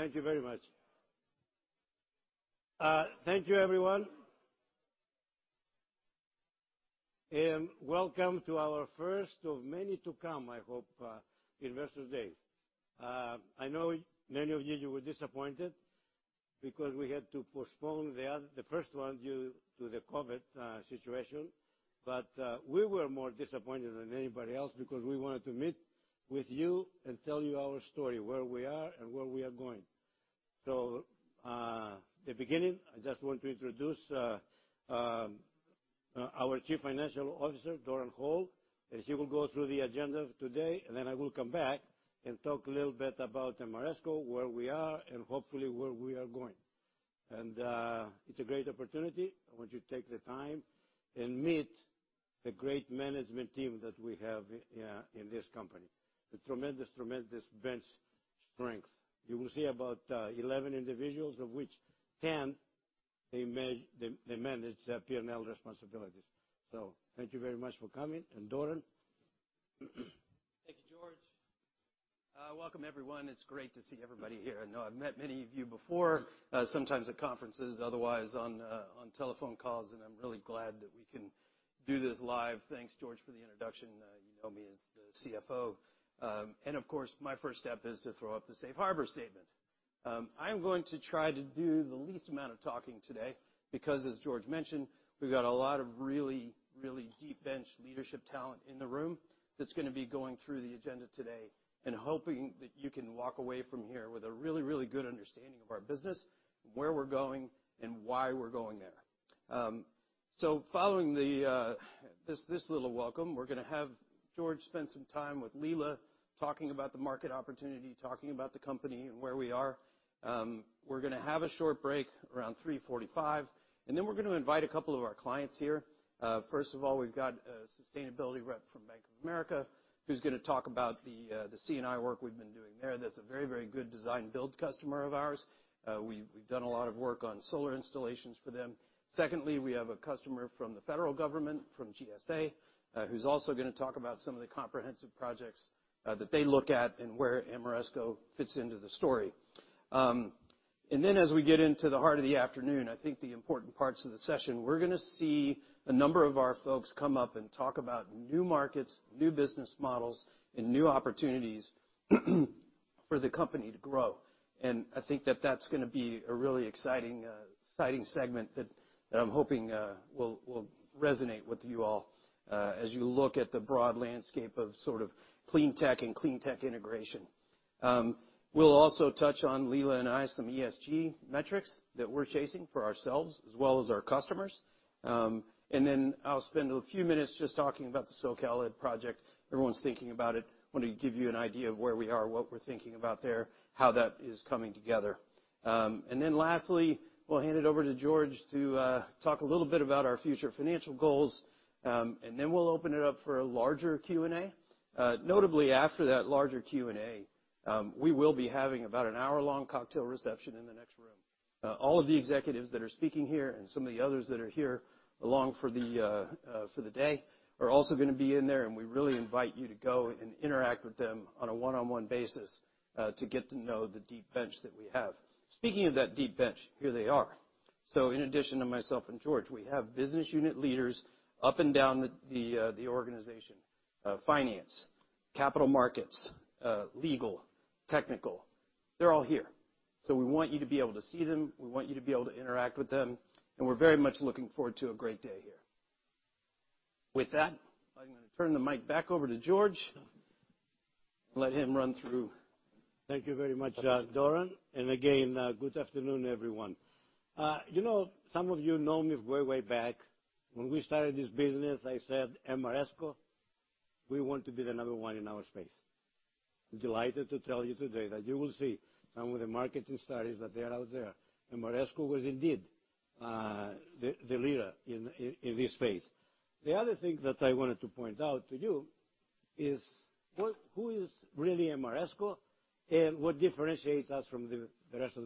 Thank you very much. Thank you everyone. Welcome to our first of many to come, I hope, Investors Day. I know many of you were disappointed because we had to postpone the first one due to the COVID situation. We were more disappointed than anybody else because we wanted to meet with you and tell you our story, where we are and where we are going. To begin, I just want to introduce our Chief Financial Officer, Doran Hole, and she will go through the agenda today, and then I will come back and talk a little bit about Ameresco, where we are, and hopefully where we are going. It's a great opportunity. I want you to take the time and meet the great management team that we have in this company. The tremendous bench strength. You will see about 11 individuals, of which 10 they manage P&L responsibilities. Thank you very much for coming. Doran? Thank you, George. Welcome everyone. It's great to see everybody here. I know I've met many of you before, sometimes at conferences, otherwise on telephone calls, and I'm really glad that we can do this live. Thanks, George, for the introduction. You know me as the CFO. And of course, my first step is to throw up the safe harbor statement. I'm going to try to do the least amount of talking today because, as George mentioned, we've got a lot of really, really deep bench leadership talent in the room that's gonna be going through the agenda today and hoping that you can walk away from here with a really, really good understanding of our business, where we're going and why we're going there. Following this little welcome, we're gonna have George spend some time with Leila talking about the market opportunity, talking about the company and where we are. We're gonna have a short break around 3:45, and then we're gonna invite a couple of our clients here. First of all, we've got a sustainability rep from Bank of America who's gonna talk about the C&I work we've been doing there. That's a very, very good design build customer of ours. We've done a lot of work on solar installations for them. Secondly, we have a customer from the federal government, from GSA, who's also gonna talk about some of the comprehensive projects that they look at and where Ameresco fits into the story. As we get into the heart of the afternoon, I think the important parts of the session, we're gonna see a number of our folks come up and talk about new markets, new business models, and new opportunities for the company to grow. I think that that's gonna be a really exciting segment that I'm hoping will resonate with you all as you look at the broad landscape of sort of clean tech and clean tech integration. We'll also touch on, Leila and I, some ESG metrics that we're chasing for ourselves as well as our customers. I'll spend a few minutes just talking about the SoCal Edison project. Everyone's thinking about it. I want to give you an idea of where we are, what we're thinking about there, how that is coming together. Lastly, we'll hand it over to George to talk a little bit about our future financial goals, and then we'll open it up for a larger Q&A. Notably, after that larger Q&A, we will be having about an hour-long cocktail reception in the next room. All of the executives that are speaking here and some of the others that are here along for the day are also gonna be in there, and we really invite you to go and interact with them on a one-on-one basis, to get to know the deep bench that we have. Speaking of that deep bench, here they are. In addition to myself and George, we have business unit leaders up and down the organization. Finance, capital markets, legal, technical, they're all here. We want you to be able to see them, we want you to be able to interact with them, and we're very much looking forward to a great day here. With that, I'm gonna turn the mic back over to George. Let him run through. Thank you very much, Doran. Again, good afternoon, everyone. You know, some of you know me way back. When we started this business, I said, Ameresco, we want to be the number one in our space. I'm delighted to tell you today that you will see some of the marketing studies that are out there, Ameresco was indeed the leader in this space. The other thing that I wanted to point out to you is who is really Ameresco and what differentiates us from the rest of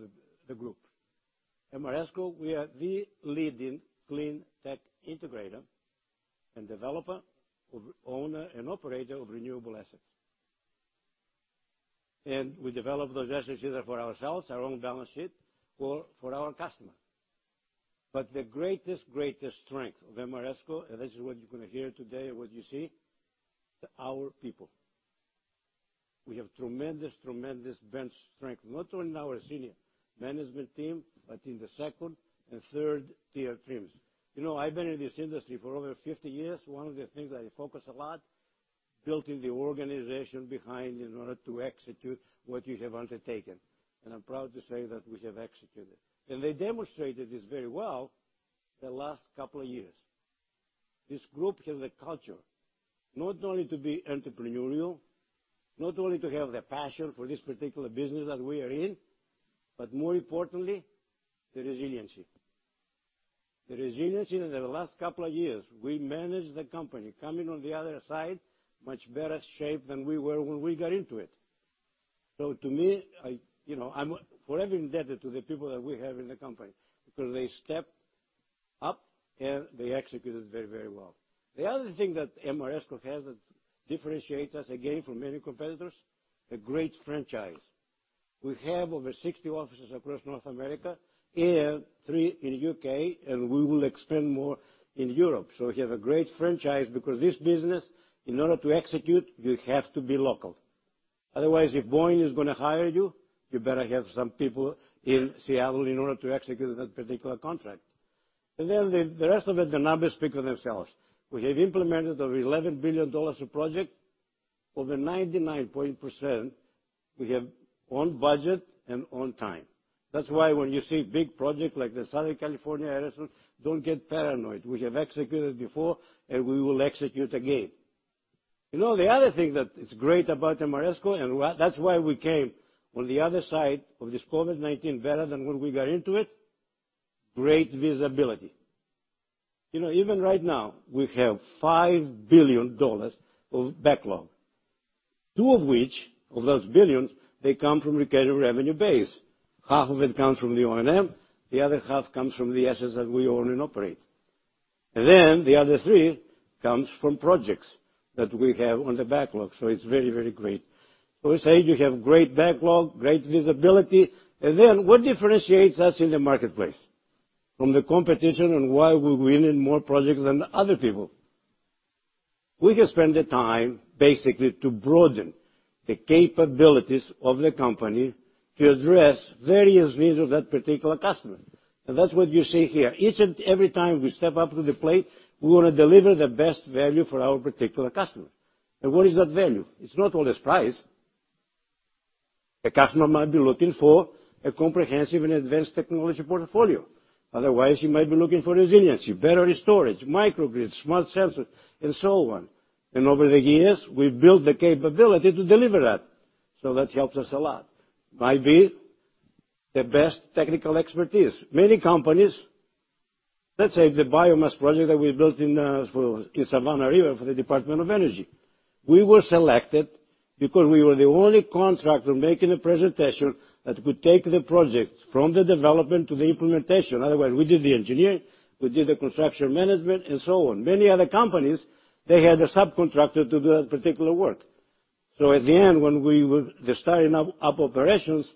the group. Ameresco, we are the leading cleantech integrator and developer of owner and operator of renewable assets. We develop those assets either for ourselves, our own balance sheet, or for our customer. The greatest strength of Ameresco, and this is what you're gonna hear today and what you see, our people. We have tremendous bench strength, not only in our senior management team, but in the second and third tier teams. You know, I've been in this industry for over 50 years. One of the things I focus a lot, building the organization behind in order to execute what you have undertaken. I'm proud to say that we have executed. They demonstrated this very well the last couple of years. This group has a culture, not only to be entrepreneurial, not only to have the passion for this particular business that we are in, but more importantly, the resiliency. The resiliency in the last couple of years, we managed the company, coming out on the other side, much better shape than we were when we got into it. To me, I, you know, I'm forever indebted to the people that we have in the company because they stepped up, and they executed very, very well. The other thing that Ameresco has that differentiates us, again, from many competitors, a great franchise. We have over 60 offices across North America and three in U.K., and we will expand more in Europe. We have a great franchise because this business, in order to execute, you have to be local. Otherwise, if Boeing is gonna hire you better have some people in Seattle in order to execute that particular contract. Then the rest of it, the numbers speak for themselves. We have implemented over $11 billion of projects. Over 99.9% we have on budget and on time. That's why when you see big projects like the Southern California Edison, don't get paranoid. We have executed before, and we will execute again. You know, the other thing that is great about Ameresco, and that's why we came on the other side of this COVID-19 better than when we got into it, great visibility. You know, even right now we have $5 billion of backlog. $2 billion of which, of those billions, they come from recurring revenue base. Half of it comes from the O&M, the other half comes from the assets that we own and operate. Then the other $3 billion comes from projects that we have on the backlog, so it's very, very great. We say you have great backlog, great visibility, and then what differentiates us in the marketplace from the competition, and why we win in more projects than the other people? We have spent the time basically to broaden the capabilities of the company to address various needs of that particular customer. That's what you see here. Each and every time we step up to the plate, we wanna deliver the best value for our particular customer. What is that value? It's not always price. The customer might be looking for a comprehensive and advanced technology portfolio. Otherwise, he might be looking for resiliency, battery storage, microgrid, smart sensors and so on. Over the years, we've built the capability to deliver that, so that helps us a lot. Might be the best technical expertise. Many companies. Let's say the biomass project that we built in Savannah River for the Department of Energy, we were selected because we were the only contractor making a presentation that could take the project from the development to the implementation. Otherwise, we did the engineering, we did the construction management and so on. Many other companies, they had a subcontractor to do that particular work. At the end when we were just starting up operations,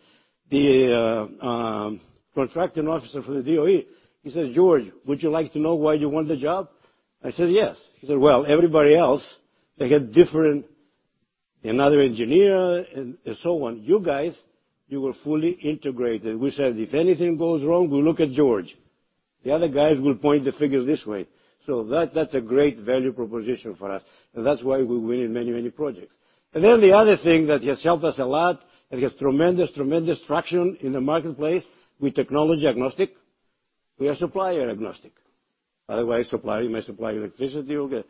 the contracting officer for the DOE, he says, "George, would you like to know why you won the job?" I said, "Yes." He said, "Well, everybody else, they had different. Another engineer and so on. You guys, you were fully integrated." We said, "If anything goes wrong, we'll look at George. The other guys will point the fingers this way." That, that's a great value proposition for us, and that's why we win in many projects. Then the other thing that has helped us a lot, and has tremendous traction in the marketplace with technology agnostic, we are supplier agnostic. Otherwise, supplier may supply electricity, okay.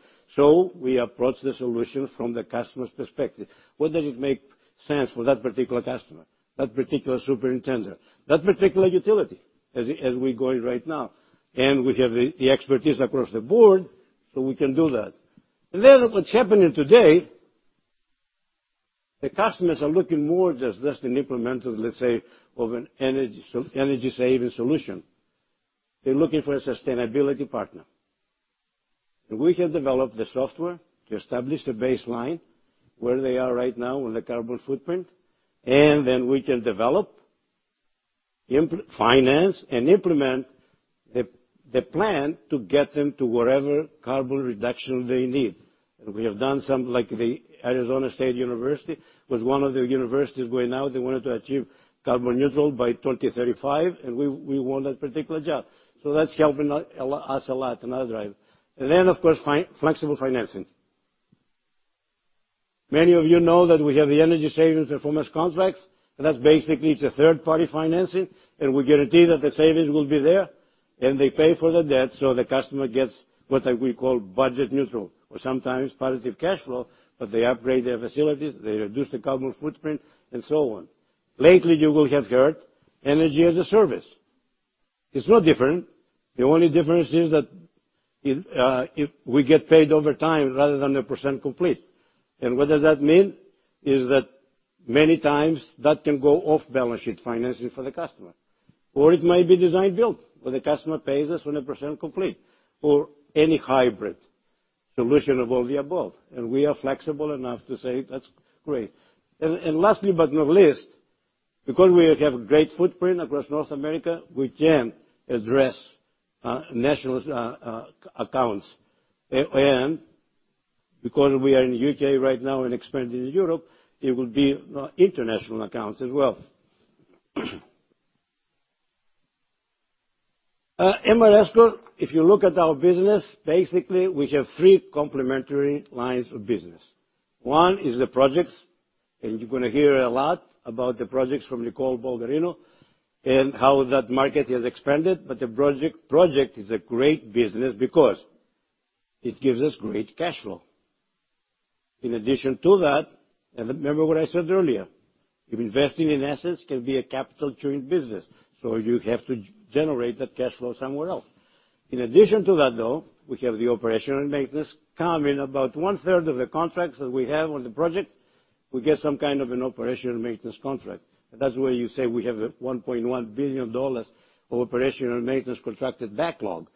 We approach the solution from the customer's perspective. Whether it make sense for that particular customer, that particular superintendent, that particular utility, as we going right now, and we have the expertise across the board so we can do that. Then what's happening today, the customers are looking more just an implementer, let's say, of an energy-saving solution. They're looking for a sustainability partner. We have developed the software to establish the baseline where they are right now on the carbon footprint, and then we can develop, finance and implement the plan to get them to whatever carbon reduction they need. We have done some, like the Arizona State University was one of the universities going out. They wanted to achieve carbon neutral by 2035, and we won that particular job. That's helping us a lot, another driver. Then of course, flexible financing. Many of you know that we have the energy savings performance contracts, and that's basically it's a third party financing, and we guarantee that the savings will be there. They pay for the debt, so the customer gets what we call budget neutral or sometimes positive cash flow, but they upgrade their facilities, they reduce the carbon footprint and so on. Lately, you will have heard energy as a service. It's no different. The only difference is that if we get paid over time rather than the percent complete. What does that mean? It is that many times that can go off-balance-sheet financing for the customer. Or it might be design-build, where the customer pays us on a percent complete, or any hybrid solution of all the above, and we are flexible enough to say, "That's great." Lastly but not least, because we have great footprint across North America, we can address national accounts. Because we are in U.K. right now and expanding in Europe, it will be international accounts as well. Ameresco, if you look at our business, basically we have three complementary lines of business. One is the projects, and you're gonna hear a lot about the projects from Nicole Bulgarino, and how that market has expanded, but the project is a great business because it gives us great cash flow. In addition to that, remember what I said earlier, investing in assets can be a capital-churning business, so you have to generate that cash flow somewhere else. In addition to that though, we have the operation and maintenance come in about one-third of the contracts that we have on the project. We get some kind of an operational maintenance contract. That's where you say we have a $1.1 billion of operational maintenance contracted backlog.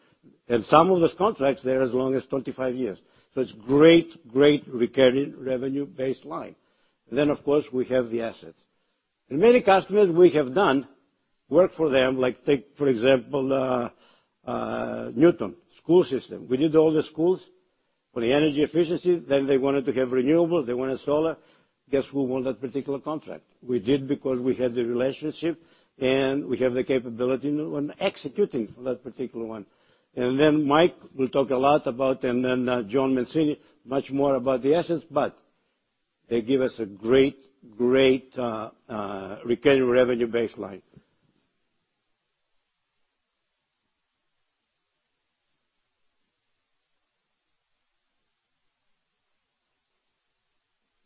Some of those contracts, they're as long as 25 years. It's great recurring revenue baseline. Of course, we have the assets. Many customers we have done work for them, like take for example, Newton Public Schools. We did all the schools for the energy efficiency, then they wanted to have renewables, they wanted solar. Guess who won that particular contract? We did because we had the relationship, and we have the capability on executing for that particular one. Mike will talk a lot about, and then Jonathan Mancini much more about the assets, but they give us a great recurring revenue baseline.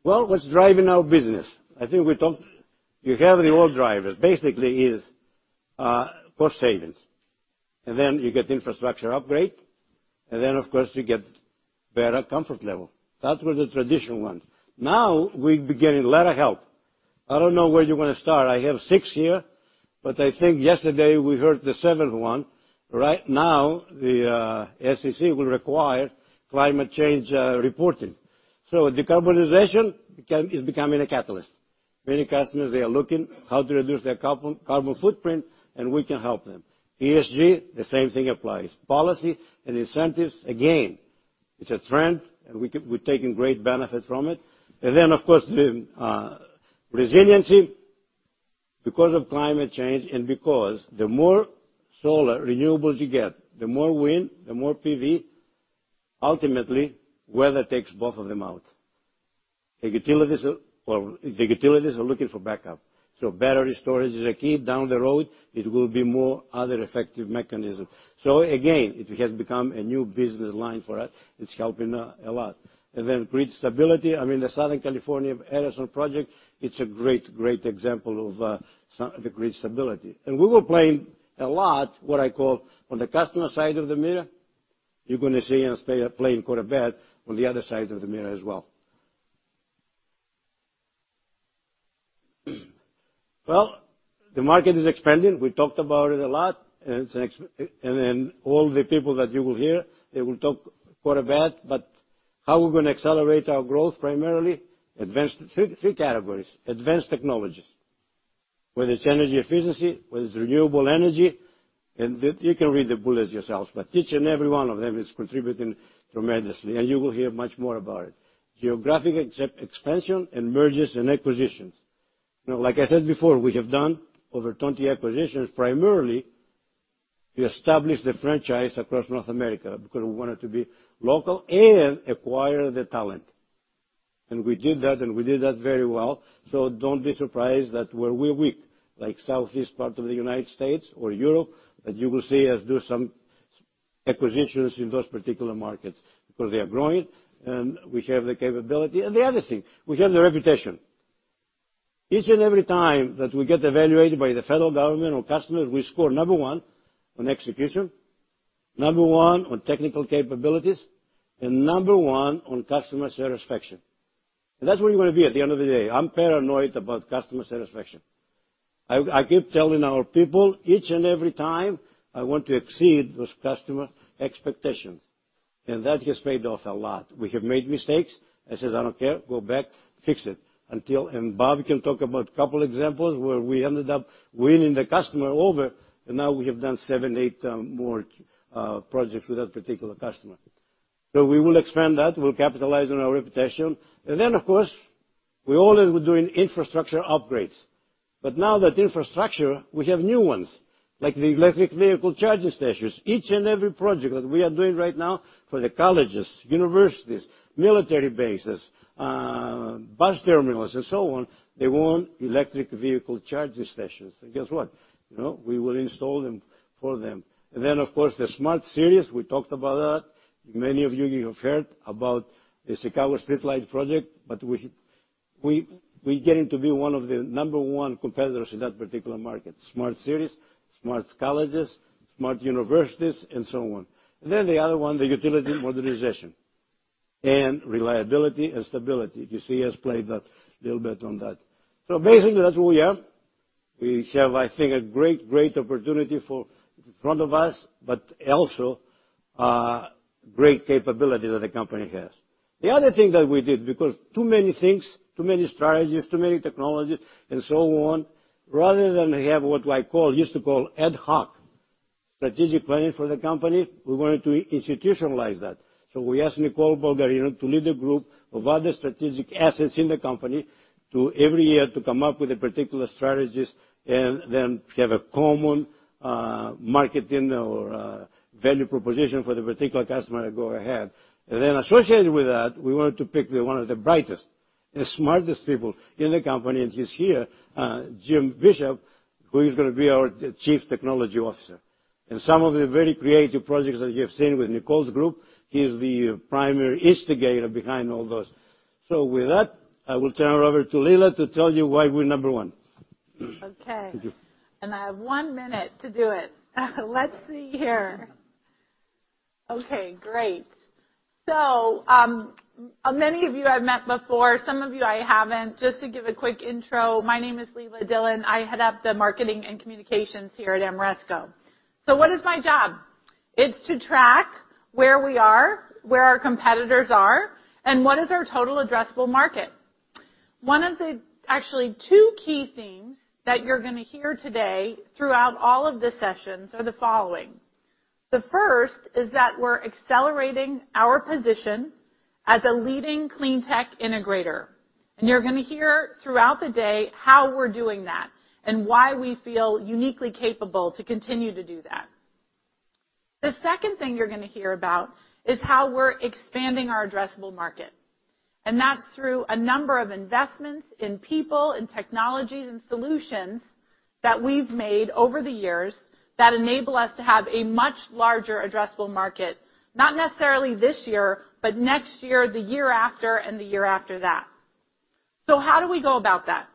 Well, what's driving our business? I think we talked. You have the old drivers. Basically, cost savings. You get infrastructure upgrade. Of course, you get better comfort level. That was the traditional ones. Now we're beginning a lot of help. I don't know where you wanna start. I have six here, but I think yesterday we heard the seventh one. Right now, the SEC will require climate change reporting. Decarbonization is becoming a catalyst. Many customers are looking how to reduce their carbon footprint, and we can help them. ESG, the same thing applies. Policy and incentives, again, it's a trend, and we're taking great benefit from it. Of course, the resiliency because of climate change and because the more solar renewables you get, the more wind, the more PV, ultimately, weather takes both of them out. The utilities are looking for backup. Battery storage is a key. Down the road, it will be more effective mechanisms. Again, it has become a new business line for us. It's helping a lot. Grid stability. I mean, the Southern California Edison project is a great example of the grid stability. We were playing a lot, what I call, on the customer side of the meter. You're gonna see us playing quite a bit on the other side of the meter as well. The market is expanding. We talked about it a lot. All the people that you will hear, they will talk quite a bit about how we're gonna accelerate our growth, primarily advanced three categories. Advanced technologies, whether it's energy efficiency, whether it's renewable energy. You can read the bullets yourselves, but each and every one of them is contributing tremendously, and you will hear much more about it. Geographic expansion and mergers and acquisitions. You know, like I said before, we have done over 20 acquisitions, primarily to establish the franchise across North America because we wanted to be local and acquire the talent. We did that, and we did that very well. Don't be surprised that where we're weak, like southeast part of the U.S. or Europe, that you will see us do some acquisitions in those particular markets because they are growing, and we have the capability. The other thing, we have the reputation. Each and every time that we get evaluated by the federal government or customers, we score number one on execution, number one on technical capabilities, and number one on customer satisfaction. That's where you wanna be at the end of the day. I'm paranoid about customer satisfaction. I keep telling our people each and every time I want to exceed those customer expectations. That has paid off a lot. We have made mistakes. I said, "I don't care. Go back, fix it." Bob can talk about couple examples where we ended up winning the customer over, and now we have done seven, eight more projects with that particular customer. We will expand that. We'll capitalize on our reputation. Then, of course, we always were doing infrastructure upgrades. Now that infrastructure, we have new ones, like the electric vehicle charging stations. Each and every project that we are doing right now for the colleges, universities, military bases, bus terminals, and so on, they want electric vehicle charging stations. Guess what? You know, we will install them for them. Then, of course, the smart cities, we talked about that. Many of you have heard about the Chicago Streetlight project, but we're getting to be one of the number one competitors in that particular market. Smart cities, smart colleges, smart universities, and so on. The other one, the utility modernization and reliability and stability. You see us play that little bit on that. Basically, that's what we have. We have, I think, a great opportunity in front of us, but also great capabilities that the company has. The other thing that we did, because too many things, too many strategies, too many technologies, and so on, rather than have what I call, used to call ad hoc strategic planning for the company, we wanted to institutionalize that. We asked Nicole Bulgarino to lead a group of other strategic assets in the company to every year to come up with a particular strategist and then have a common, marketing or value proposition for the particular customer to go ahead. Associated with that, we wanted to pick one of the brightest and smartest people in the company, and he's here, Jim Bishop, who is gonna be our Chief Technology Officer. Some of the very creative projects that you have seen with Nicole's group, he is the primary instigator behind all those. With that, I will turn over to Leila to tell you why we're number one. Okay. Thank you. I have one minute to do it. Let's see here. Okay, great. Many of you I've met before, some of you I haven't. Just to give a quick intro, my name is Leila Dillon. I head up the marketing and communications here at Ameresco. What is my job? It's to track where we are, where our competitors are, and what is our total addressable market. One of the actually two key themes that you're gonna hear today throughout all of the sessions are the following. The first is that we're accelerating our position as a leading clean tech integrator. You're gonna hear throughout the day how we're doing that and why we feel uniquely capable to continue to do that. The second thing you're gonna hear about is how we're expanding our addressable market. That's through a number of investments in people, in technologies, and solutions that we've made over the years that enable us to have a much larger addressable market, not necessarily this year, but next year, the year after, and the year after that. How do we go about that?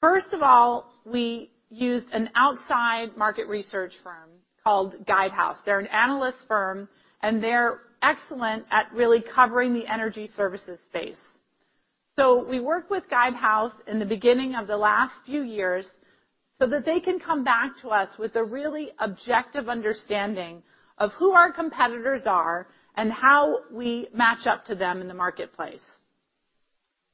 First of all, we used an outside market research firm called Guidehouse. They're an analyst firm, and they're excellent at really covering the energy services space. We worked with Guidehouse in the beginning of the last few years so that they can come back to us with a really objective understanding of who our competitors are and how we match up to them in the marketplace.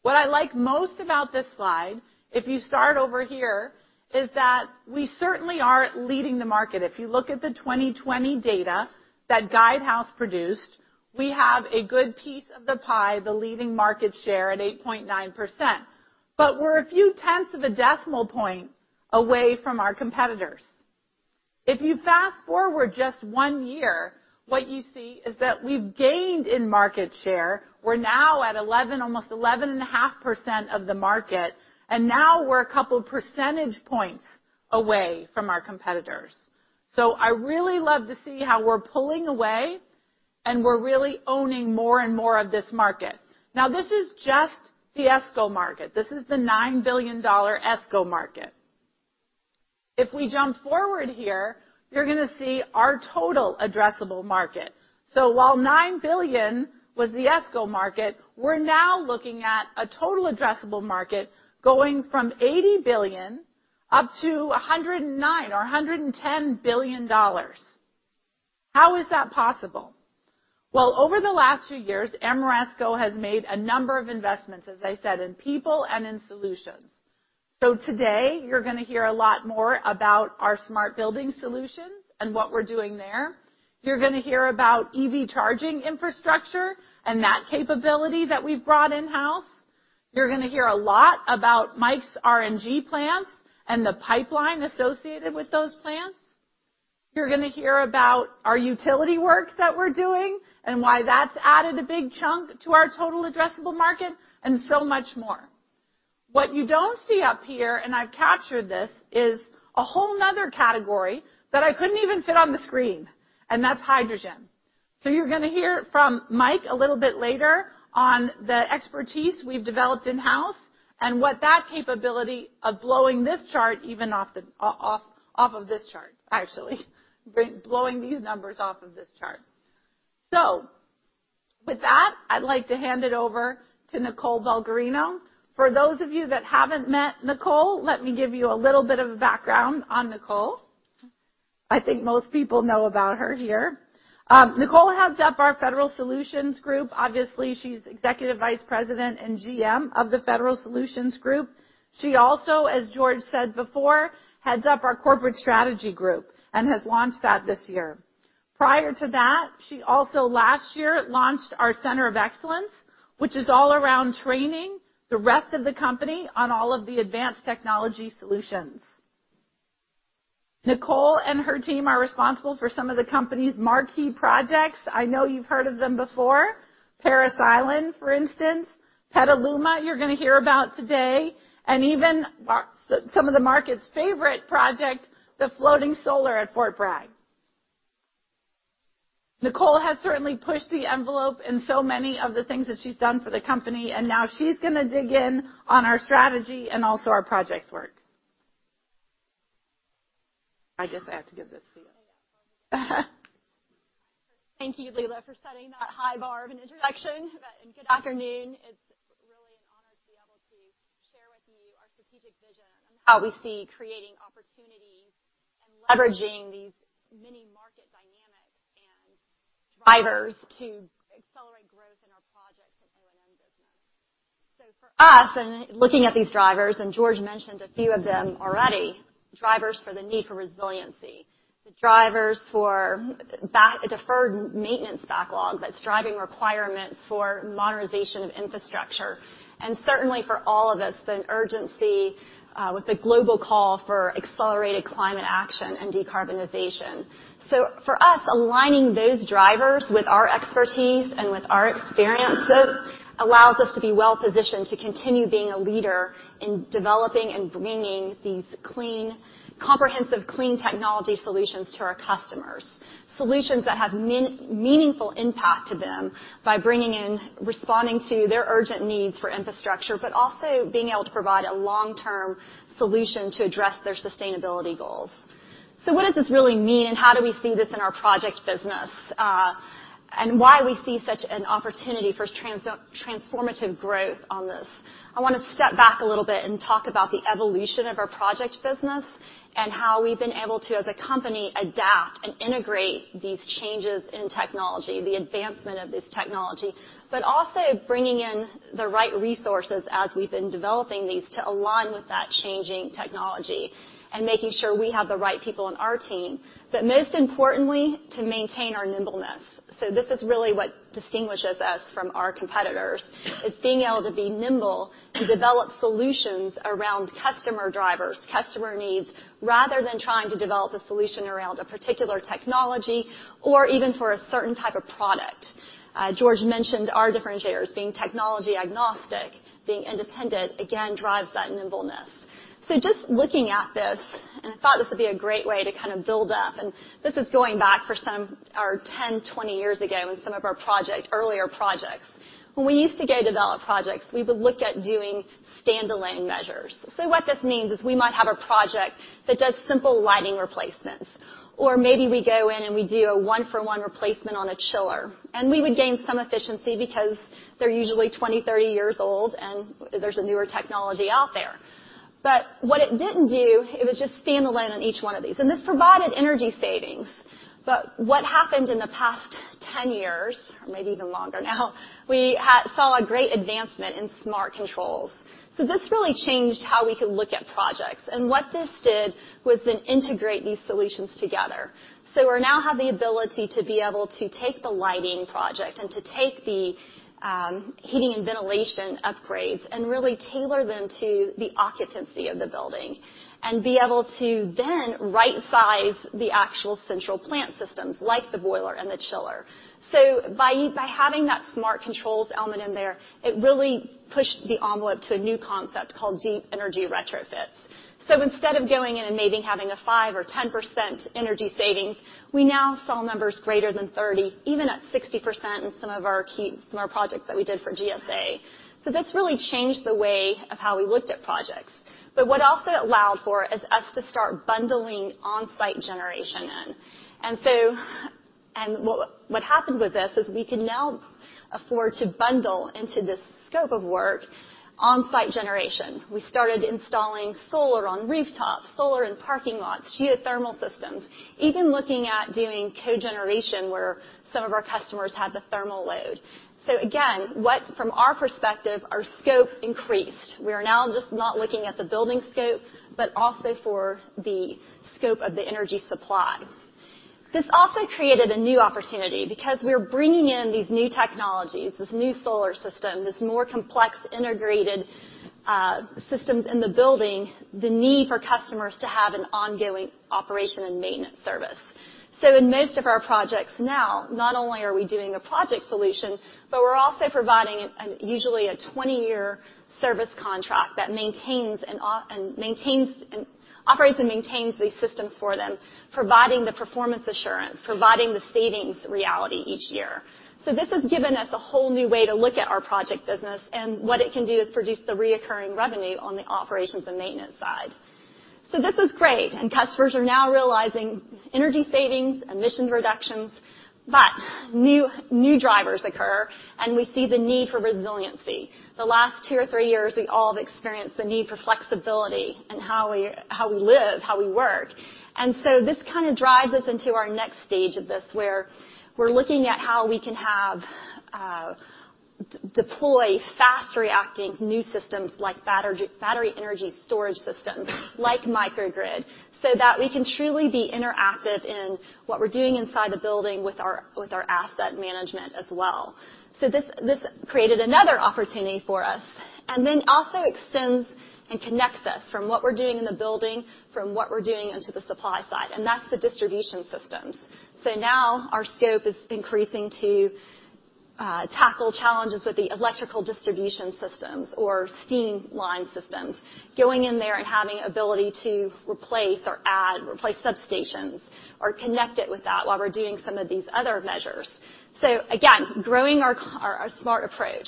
What I like most about this slide, if you start over here, is that we certainly are leading the market. If you look at the 2020 data that Guidehouse produced, we have a good piece of the pie, the leading market share at 8.9%. We're a few tenths of a decimal point away from our competitors. If you fast-forward just one year, what you see is that we've gained in market share. We're now at 11, almost 11.5% of the market, and now we're a couple percentage points away from our competitors. I really love to see how we're pulling away, and we're really owning more and more of this market. Now, this is just the ESCO market. This is the $9 billion ESCO market. If we jump forward here, you're gonna see our total addressable market. While $9 billion was the ESCO market, we're now looking at a total addressable market going from $80 billion up to $109 billion or $110 billion. How is that possible? Well, over the last few years, Ameresco has made a number of investments, as I said, in people and in solutions. Today you're gonna hear a lot more about our Smart Building Solutions and what we're doing there. You're gonna hear about EV charging infrastructure and that capability that we've brought in-house. You're gonna hear a lot about Mike's RNG plans and the pipeline associated with those plans. You're gonna hear about our utility works that we're doing and why that's added a big chunk to our total addressable market, and so much more. What you don't see up here, and I've captured this, is a whole another category that I couldn't even fit on the screen, and that's hydrogen. You're gonna hear from Mike a little bit later on the expertise we've developed in-house and what that capability of blowing this chart even off of this chart, actually, blowing these numbers off of this chart. With that, I'd like to hand it over to Nicole Bulgarino. For those of you that haven't met Nicole, let me give you a little bit of a background on Nicole. I think most people know about her here. Nicole heads up our Federal Solutions group. Obviously, she's Executive Vice President and GM of the Federal Solutions group. She also, as George said before, heads up our corporate strategy group and has launched that this year. Prior to that, she also last year launched our Center of Excellence, which is all around training the rest of the company on all of the advanced technology solutions. Nicole and her team are responsible for some of the company's marquee projects. I know you've heard of them before. Parris Island, for instance, Petaluma, you're gonna hear about today, and even some of the market's favorite project, the floating solar at Fort Bragg. Nicole has certainly pushed the envelope in so many of the things that she's done for the company, and now she's gonna dig in on our strategy and also our projects work. I guess I have to give this to you. Thank you, Leila, for setting that high bar of an introduction. Good afternoon. It's really an honor to be able to share with you our strategic vision on how we see creating opportunities and leveraging these mini-market dynamics and drivers to accelerate growth in our projects and O&M business. For us, and looking at these drivers, and George mentioned a few of them already, drivers for the need for resiliency, the drivers for deferred maintenance backlog that's driving requirements for modernization of infrastructure. Certainly, for all of us, the urgency with the global call for accelerated climate action and decarbonization. For us, aligning those drivers with our expertise and with our experiences allows us to be well-positioned to continue being a leader in developing and bringing these comprehensive clean technology solutions to our customers, solutions that have meaningful impact to them by responding to their urgent needs for infrastructure, but also being able to provide a long-term solution to address their sustainability goals. What does this really mean, and how do we see this in our project business? Why we see such an opportunity for transformative growth on this. I wanna step back a little bit and talk about the evolution of our project business and how we've been able to, as a company, adapt and integrate these changes in technology, the advancement of this technology, but also bringing in the right resources as we've been developing these to align with that changing technology and making sure we have the right people on our team. Most importantly, to maintain our nimbleness. This is really what distinguishes us from our competitors, is being able to be nimble to develop solutions around customer drivers, customer needs, rather than trying to develop a solution around a particular technology or even for a certain type of product. George mentioned our differentiators being technology agnostic, being independent, again, drives that nimbleness. Just looking at this, I thought this would be a great way to kind of buildup, and this is going back for some 10, 20 years ago and some of our projects, earlier projects. When we used to go develop projects, we would look at doing standalone measures. What this means is we might have a project that does simple lighting replacements, or maybe we go in and we do a one-for-one replacement on a chiller. We would gain some efficiency because they're usually 20, 30 years old and there's a newer technology out there. What it didn't do, it was just standalone on each one of these. This provided energy savings. What happened in the past 10 years, or maybe even longer now, we saw a great advancement in smart controls. This really changed how we could look at projects. What this did was then integrate these solutions together. We now have the ability to be able to take the lighting project and to take the heating and ventilation upgrades and really tailor them to the occupancy of the building and be able to then right-size the actual central plant systems like the boiler and the chiller. By having that smart controls element in there, it really pushed the envelope to a new concept called deep energy retrofits. Instead of going in and maybe having a 5% or 10% energy savings, we now saw numbers greater than 30%, even at 60% in some of our key projects that we did for GSA. This really changed the way of how we looked at projects. What it also allowed for is us to start bundling on-site generation in. What happened with this is we could now afford to bundle into this scope of work on-site generation. We started installing solar on rooftops, solar in parking lots, geothermal systems, even looking at doing cogeneration where some of our customers had the thermal load. Again, from our perspective, our scope increased. We are now not just looking at the building scope, but also for the scope of the energy supply. This also created a new opportunity because we're bringing in these new technologies, this new solar system, this more complex integrated systems in the building, the need for customers to have an ongoing operation and maintenance service. In most of our projects now, not only are we doing a project solution, but we're also providing usually a 20-year service contract that maintains, operates and maintains these systems for them, providing the performance assurance, providing the savings reality each year. This has given us a whole new way to look at our project business, and what it can do is produce the recurring revenue on the operations and maintenance side. This is great, and customers are now realizing energy savings, emissions reductions, but new drivers occur, and we see the need for resiliency. The last two or three years, we all have experienced the need for flexibility in how we live, how we work. This kinda drives us into our next stage of this, where we're looking at how we can have deploy fast-reacting new systems like battery energy storage systems like microgrid, so that we can truly be interactive in what we're doing inside the building with our asset management as well. This created another opportunity for us, and then also extends and connects us from what we're doing in the building into the supply side, and that's the distribution systems. Now our scope is increasing to tackle challenges with the electrical distribution systems or steam line systems, going in there and having ability to replace or add substations or connect it with that while we're doing some of these other measures. Again, growing our smart approach.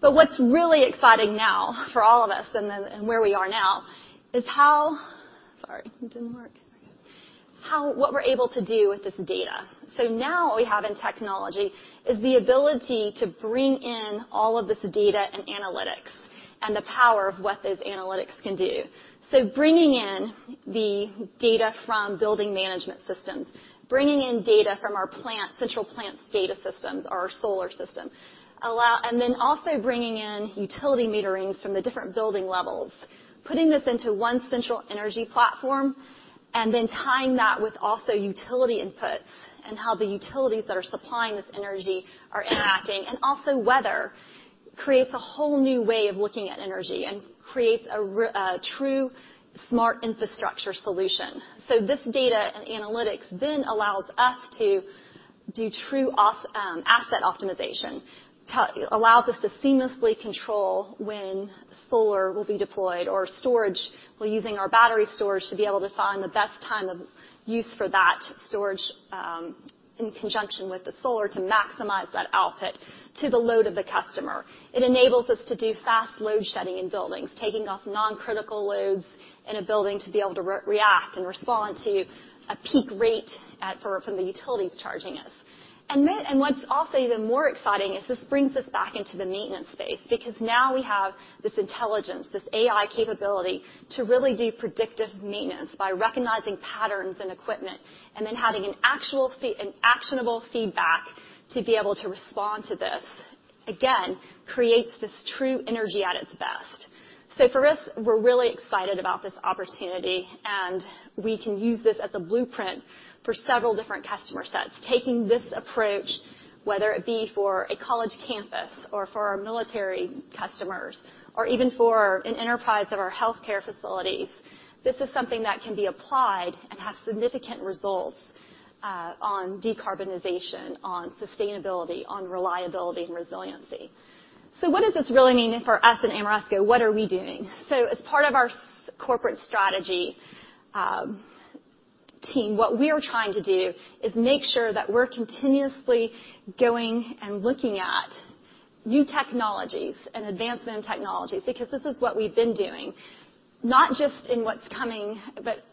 What's really exciting now for all of us and where we are now is how what we're able to do with this data. Now what we have in technology is the ability to bring in all of this data and analytics and the power of what those analytics can do. Bringing in the data from building management systems, bringing in data from our plant, central plant data systems, our solar system, also bringing in utility meterings from the different building levels, putting this into one central energy platform, and then tying that with also utility inputs and how the utilities that are supplying this energy are interacting, and also weather, creates a whole new way of looking at energy and creates a true smart infrastructure solution. This data and analytics then allows us to do true off asset optimization, allows us to seamlessly control when solar will be deployed or storage. We're using our battery storage to be able to find the best time of use for that storage in conjunction with the solar to maximize that output to the load of the customer. It enables us to do fast load shedding in buildings, taking off non-critical loads in a building to be able to react and respond to a peak rate from the utilities charging us. What's also even more exciting is this brings us back into the maintenance space because now we have this intelligence, this AI capability to really do predictive maintenance by recognizing patterns in equipment and then having an actionable feedback to be able to respond to this. Again, it creates this true energy at its best. For us, we're really excited about this opportunity, and we can use this as a blueprint for several different customer sets. Taking this approach, whether it be for a college campus or for our military customers or even for an enterprise of our healthcare facilities, this is something that can be applied and have significant results on decarbonization, on sustainability, on reliability and resiliency. What does this really mean for us at Ameresco? What are we doing? As part of our corporate strategy team, what we are trying to do is make sure that we're continuously going and looking at new technologies and advancement of technologies, because this is what we've been doing, not just in what's coming,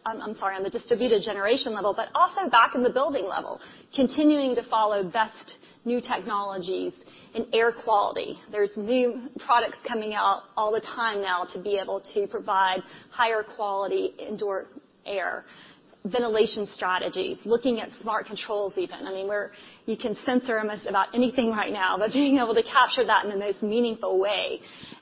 on the distributed generation level, but also back in the building level, continuing to follow best new technologies in air quality. There's new products coming out all the time now to be able to provide higher quality indoor air. Ventilation strategies, looking at smart controls even. I mean, you can sense almost anything right now, but being able to capture that in the most meaningful way.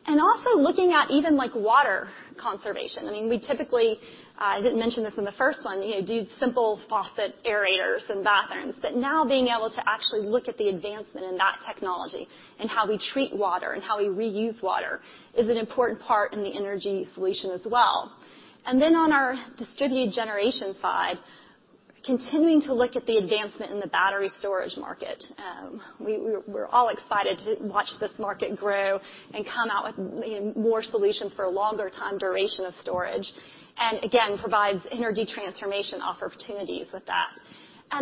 Also looking at even, like, water conservation. I mean, we typically I didn't mention this in the first one, you know, do simple faucet aerators in bathrooms, but now being able to actually look at the advancement in that technology and how we treat water and how we reuse water is an important part in the energy solution as well. Then on our distributed generation side, continuing to look at the advancement in the battery storage market. We're all excited to watch this market grow and come out with, you know, more solutions for a longer time duration of storage, and again, provides energy transformation opportunities with that.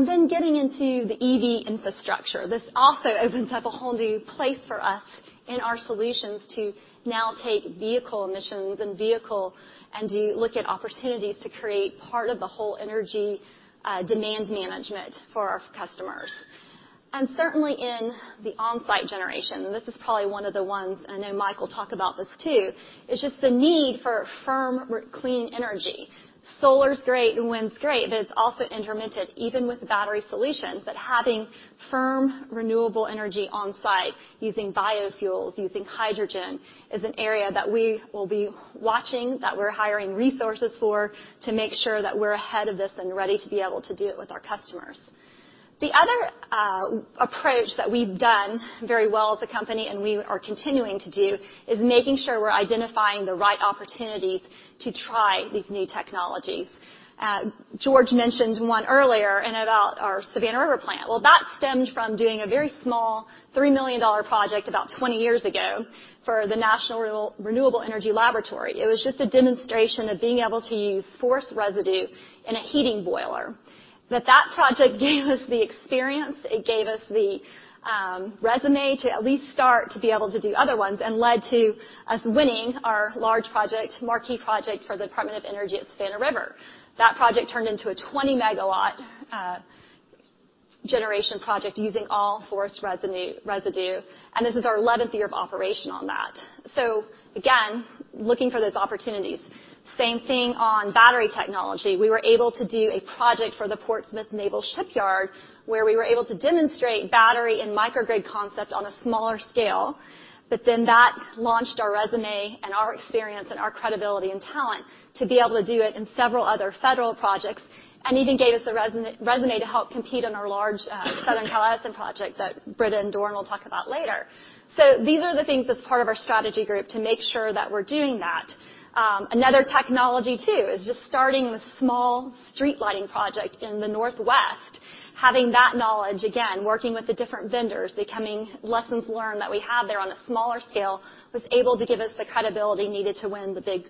Then getting into the EV infrastructure. This also opens up a whole new place for us in our solutions to now take vehicle emissions and look at opportunities to create part of the whole energy demand management for our customers. Certainly in the on-site generation, this is probably one of the ones, I know Mike will talk about this too, is just the need for firm clean energy. Solar is great and wind's great, but it's also intermittent, even with battery solutions. Having firm, renewable energy on-site using biofuels, using hydrogen, is an area that we will be watching, that we're hiring resources for to make sure that we're ahead of this and ready to be able to do it with our customers. The other approach that we've done very well as a company, and we are continuing to do, is making sure we're identifying the right opportunities to try these new technologies. George mentioned one earlier and about our Savannah River plant. Well, that stemmed from doing a very small $3 million project about 20 years ago for the National Renewable Energy Laboratory. It was just a demonstration of being able to use forest residue in a heating boiler. That project gave us the experience, it gave us the resume to at least start to be able to do other ones, and led to us winning our large project, marquee project for the Department of Energy at Savannah River. That project turned into a 20MW generation project using all forest residue, and this is our 11th year of operation on that. Again, looking for those opportunities. Same thing on battery technology. We were able to do a project for the Portsmouth Naval Shipyard, where we were able to demonstrate battery and microgrid concept on a smaller scale, but then that launched our resume and our experience and our credibility and talent to be able to do it in several other federal projects, and even gave us a resume to help compete on our large Southern California Edison project that Britta and Doran will talk about later. These are the things as part of our strategy group to make sure that we're doing that. Another technology too, is just starting the small street lighting project in the Northwest. Having that knowledge, again, working with the different vendors, becoming lessons learned that we have there on a smaller scale, was able to give us the credibility needed to win the big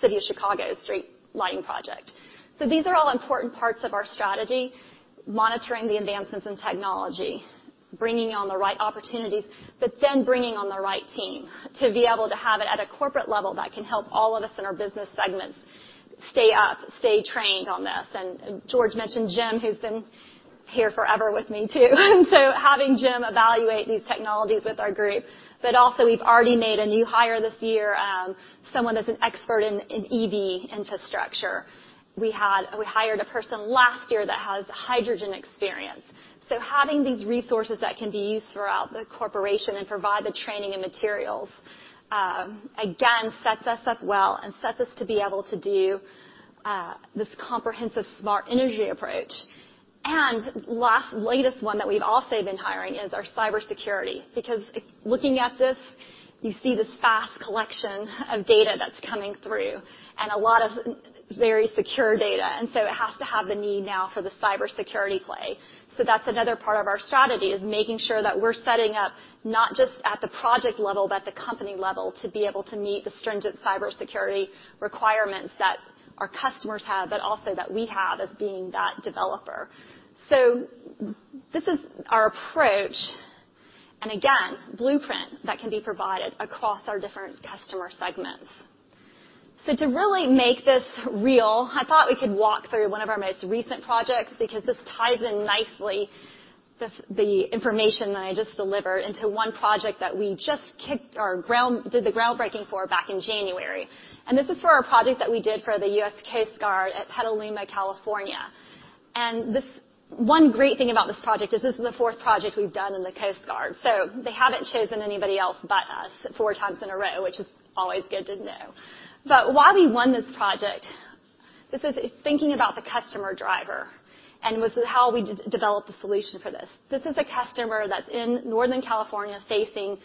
City of Chicago street lighting project. These are all important parts of our strategy, monitoring the advancements in technology, bringing on the right opportunities, but then bringing on the right team to be able to have it at a corporate level that can help all of us in our business segments stay up, stay trained on this. George mentioned Jim, who's been here forever with me too, having Jim evaluate these technologies with our group. Also, we've already made a new hire this year, someone that's an expert in EV infrastructure. We hired a person last year that has hydrogen experience. Having these resources that can be used throughout the corporation and provide the training and materials, again, sets us up well and sets us up to be able to do this comprehensive smart energy approach. The latest one that we've also been hiring is our cybersecurity, because looking at this, you see this fast collection of data that's coming through and a lot of very secure data. It has to have the need now for the cybersecurity play. That's another part of our strategy, is making sure that we're setting up not just at the project level, but the company level, to be able to meet the stringent cybersecurity requirements that our customers have, but also that we have as being that developer. This is our approach, and again, blueprint that can be provided across our different customer segments. To really make this real, I thought we could walk through one of our most recent projects because this ties in nicely, the information that I just delivered into one project that we did the groundbreaking for back in January. This is for our project that we did for the U.S. Coast Guard at Petaluma, California. One great thing about this project is this is the fourth project we've done in the Coast Guard. They haven't chosen anybody else but us four times in a row, which is always good to know. Why we won this project, this is thinking about the customer driver and with how we developed the solution for this. This is a customer that's in Northern California facing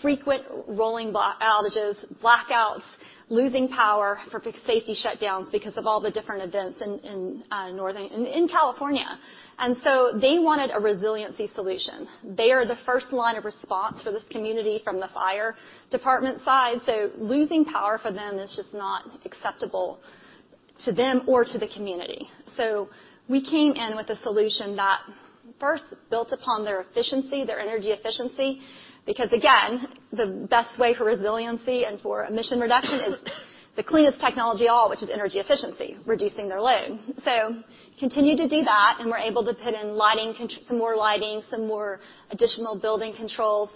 frequent rolling blackouts, losing power for peak safety shutdowns because of all the different events in California. They wanted a resiliency solution. They are the first line of response for this community from the fire department side. Losing power for them is just not acceptable to them or to the community. We came in with a solution that first built upon their efficiency, their energy efficiency, because again, the best way for resiliency and for emission reduction is the cleanest technology of all, which is energy efficiency, reducing their load. Continued to do that, and we're able to put in some more lighting, some more additional building controls.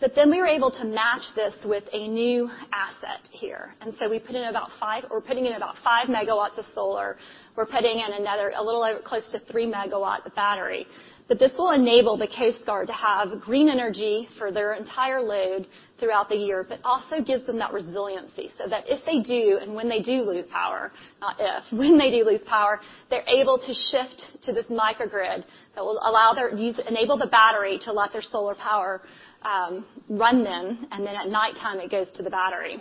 We were able to match this with a new asset here. We are putting in about 5 MW of solar. We're putting in another, a little over, close to 3MW battery. This will enable the Coast Guard to have green energy for their entire load throughout the year, but also gives them that resiliency, so that when they do lose power, not if, when they do, they're able to shift to this microgrid that will enable the battery to let their solar power run then, and then at nighttime, it goes to the battery.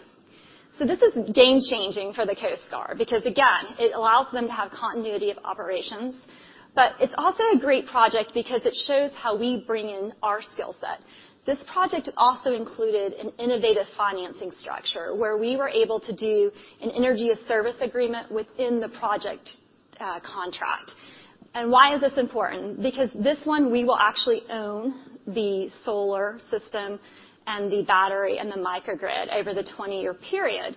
This is game-changing for the Coast Guard because, again, it allows them to have continuity of operations. It's also a great project because it shows how we bring in our skill set. This project also included an innovative financing structure where we were able to do an energy as a service agreement within the project contract. Why is this important? Because this one, we will actually own the solar system and the battery and the microgrid over the 20-year period.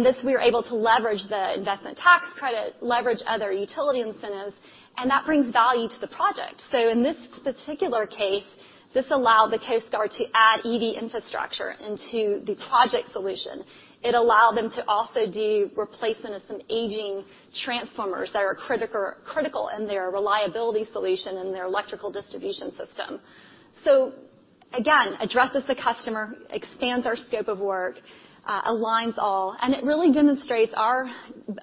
This, we are able to leverage the investment tax credit, leverage other utility incentives, and that brings value to the project. In this particular case, this allowed the Coast Guard to add EV infrastructure into the project solution. It allowed them to also do replacement of some aging transformers that are critical in their reliability solution and their electrical distribution system. It again addresses the customer, expands our scope of work, aligns all. It really demonstrates our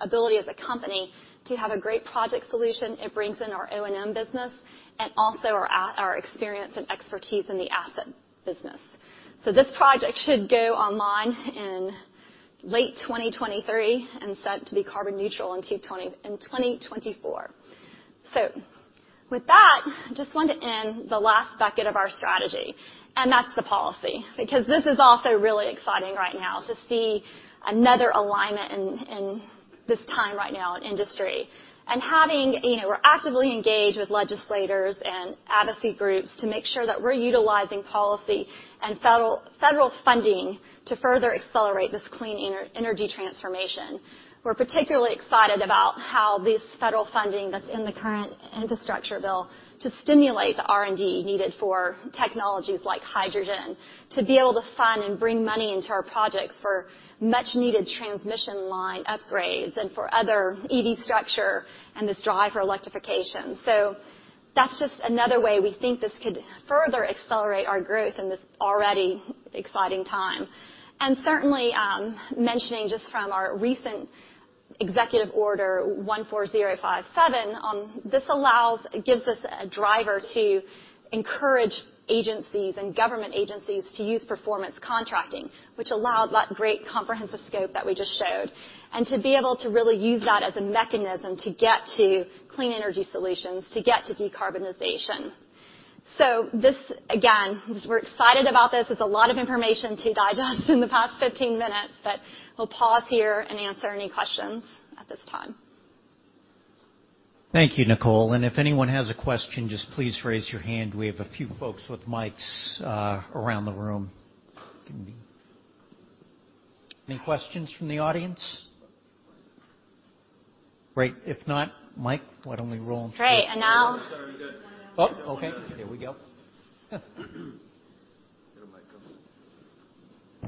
ability as a company to have a great project solution. It brings in our O&M business and also our experience and expertise in the asset business. This project should go online in late 2023 and set to be carbon neutral in 2024. With that, I just want to end the last bucket of our strategy, and that's the policy. Because this is also really exciting right now to see another alignment in this time right now in industry, having you know we're actively engaged with legislators and advocacy groups to make sure that we're utilizing policy and federal funding to further accelerate this clean energy transformation. We're particularly excited about how this federal funding that's in the current infrastructure bill to stimulate the R&D needed for technologies like hydrogen to be able to fund and bring money into our projects for much-needed transmission line upgrades and for other EV structure and this drive for electrification. That's just another way we think this could further accelerate our growth in this already exciting time. Certainly, mentioning just from our recent Executive Order 14057, this gives us a driver to encourage agencies and government agencies to use performance contracting, which allowed that great comprehensive scope that we just showed, and to be able to really use that as a mechanism to get to clean energy solutions, to get to decarbonization. This, again, we're excited about this. It's a lot of information to digest in the past 15 minutes, but we'll pause here and answer any questions at this time. Thank you, Nicole. If anyone has a question, just please raise your hand. We have a few folks with mics around the room. Any questions from the audience? Great. If not, Mike, why don't we roll on? Great. Now Sorry. We good. Oh, okay. Here we go. Get a mic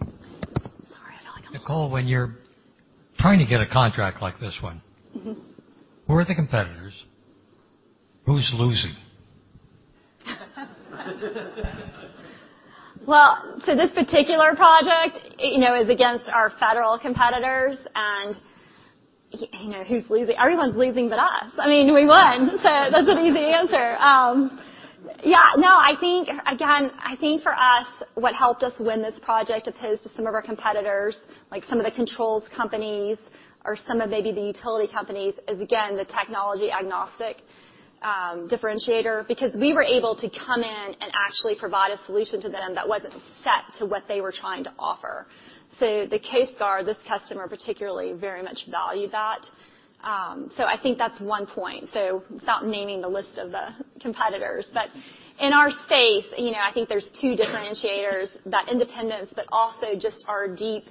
up. Sorry. Nicole, when you're trying to get a contract like this one. Mm-hmm. Who are the competitors? Who's losing? Well, for this particular project, you know, is against our federal competitors. You know, who's losing? Everyone's losing but us. I mean, we won. That's an easy answer. Yeah, no, I think, again, I think for us, what helped us win this project opposed to some of our competitors, like some of the controls companies or some of maybe the utility companies, is again, the technology agnostic differentiator. Because we were able to come in and actually provide a solution to them that wasn't set to what they were trying to offer. The Coast Guard, this customer particularly, very much valued that. I think that's one point without naming the list of the competitors. In our space, you know, I think there's two differentiators, that independence, but also just our deep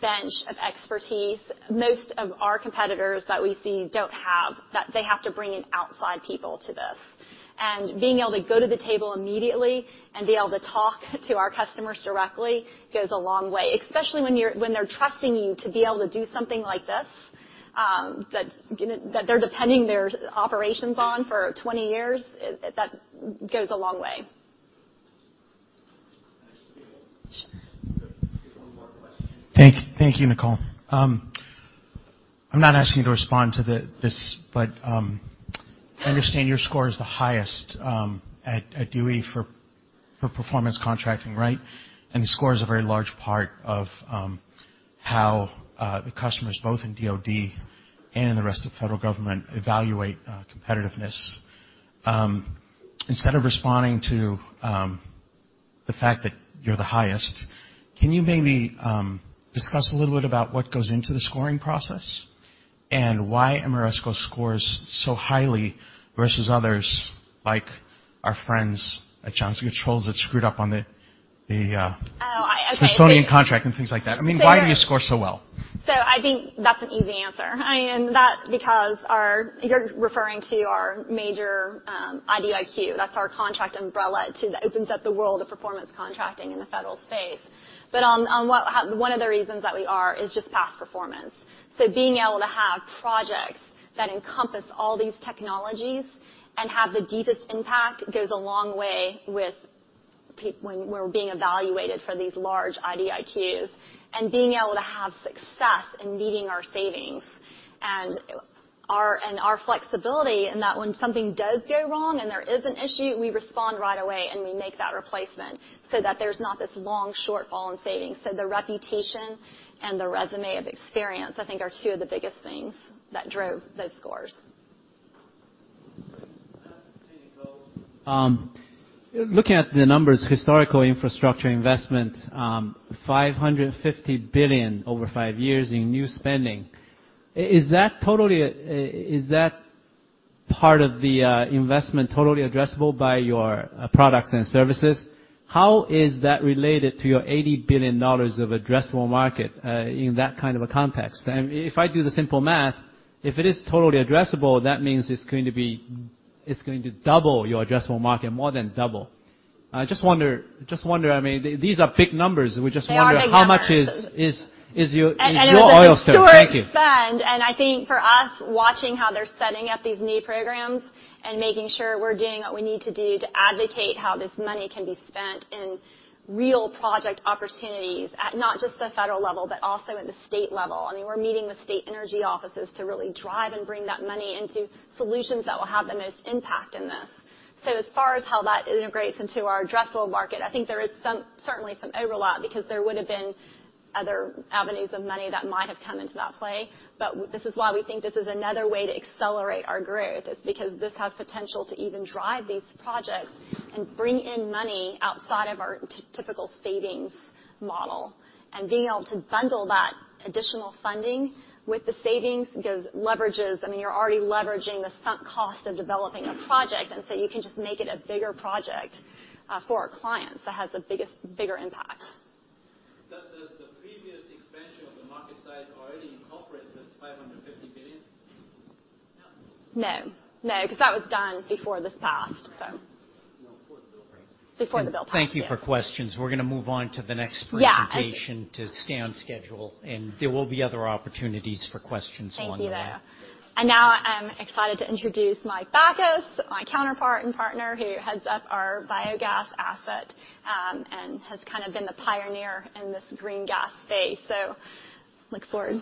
bench of expertise. Most of our competitors that we see don't have that they have to bring in outside people to this. Being able to go to the table immediately and be able to talk to our customers directly goes a long way, especially when they're trusting you to be able to do something like this, that they're depending their operations on for 20 years, that goes a long way. Next we have one more question. Thank you, Nicole. I'm not asking you to respond to this, but I understand your score is the highest at DOE for performance contracting, right? The score is a very large part of how the customers, both in DoD and in the rest of the federal government evaluate competitiveness. Instead of responding to the fact that you're the highest, can you maybe discuss a little bit about what goes into the scoring process and why Ameresco scores so highly versus others like our friends at Johnson Controls that screwed up on the uh- Oh, okay. the Smithsonian contract and things like that. I mean, why do you score so well? I think that's an easy answer. You're referring to our major IDIQ, that's our contract umbrella opens up the world of performance contracting in the federal space. One of the reasons that we are is just past performance. Being able to have projects that encompass all these technologies and have the deepest impact goes a long way when we're being evaluated for these large IDIQs, and being able to have success in meeting our savings and our flexibility in that when something does go wrong and there is an issue, we respond right away and we make that replacement so that there's not this long shortfall in savings. The reputation and the résumé of experience, I think, are two of the biggest things that drove those scores. Looking at the numbers, historical infrastructure investment, $550 billion over five years in new spending. Is that part of the investment totally addressable by your products and services? How is that related to your $80 billion addressable market in that kind of a context? If I do the simple math, if it is totally addressable, that means it's going to double your addressable market, more than double. I just wonder, I mean, these are big numbers. We just wonder. They are big numbers. Thank you. It was a historic spend, and I think for us, watching how they're setting up these new programs and making sure we're doing what we need to do to advocate how this money can be spent in real project opportunities at not just the federal level, but also at the state level. I mean, we're meeting with state energy offices to really drive and bring that money into solutions that will have the most impact in this. As far as how that integrates into our addressable market, I think there is some certainly some overlap because there would've been other avenues of money that might have come into that play. This is why we think this is another way to accelerate our growth, is because this has potential to even drive these projects and bring in money outside of our typical savings model. Being able to bundle that additional funding with the savings leverages, I mean, you're already leveraging the sunk cost of developing a project, and so you can just make it a bigger project for our clients that has bigger impact. Does the previous expansion of the market size already incorporate this $550 billion? No. No, 'cause that was done before this passed, so. Before the bill passed. Before the bill passed, yes. Thank you for questions. We're gonna move on to the next presentation. Yeah. to stay on schedule, and there will be other opportunities for questions on that. Thank you, though. Now I'm excited to introduce Michael Bakas, my counterpart and partner who heads up our biogas asset, and has kind of been the pioneer in this green gas space. Look forward.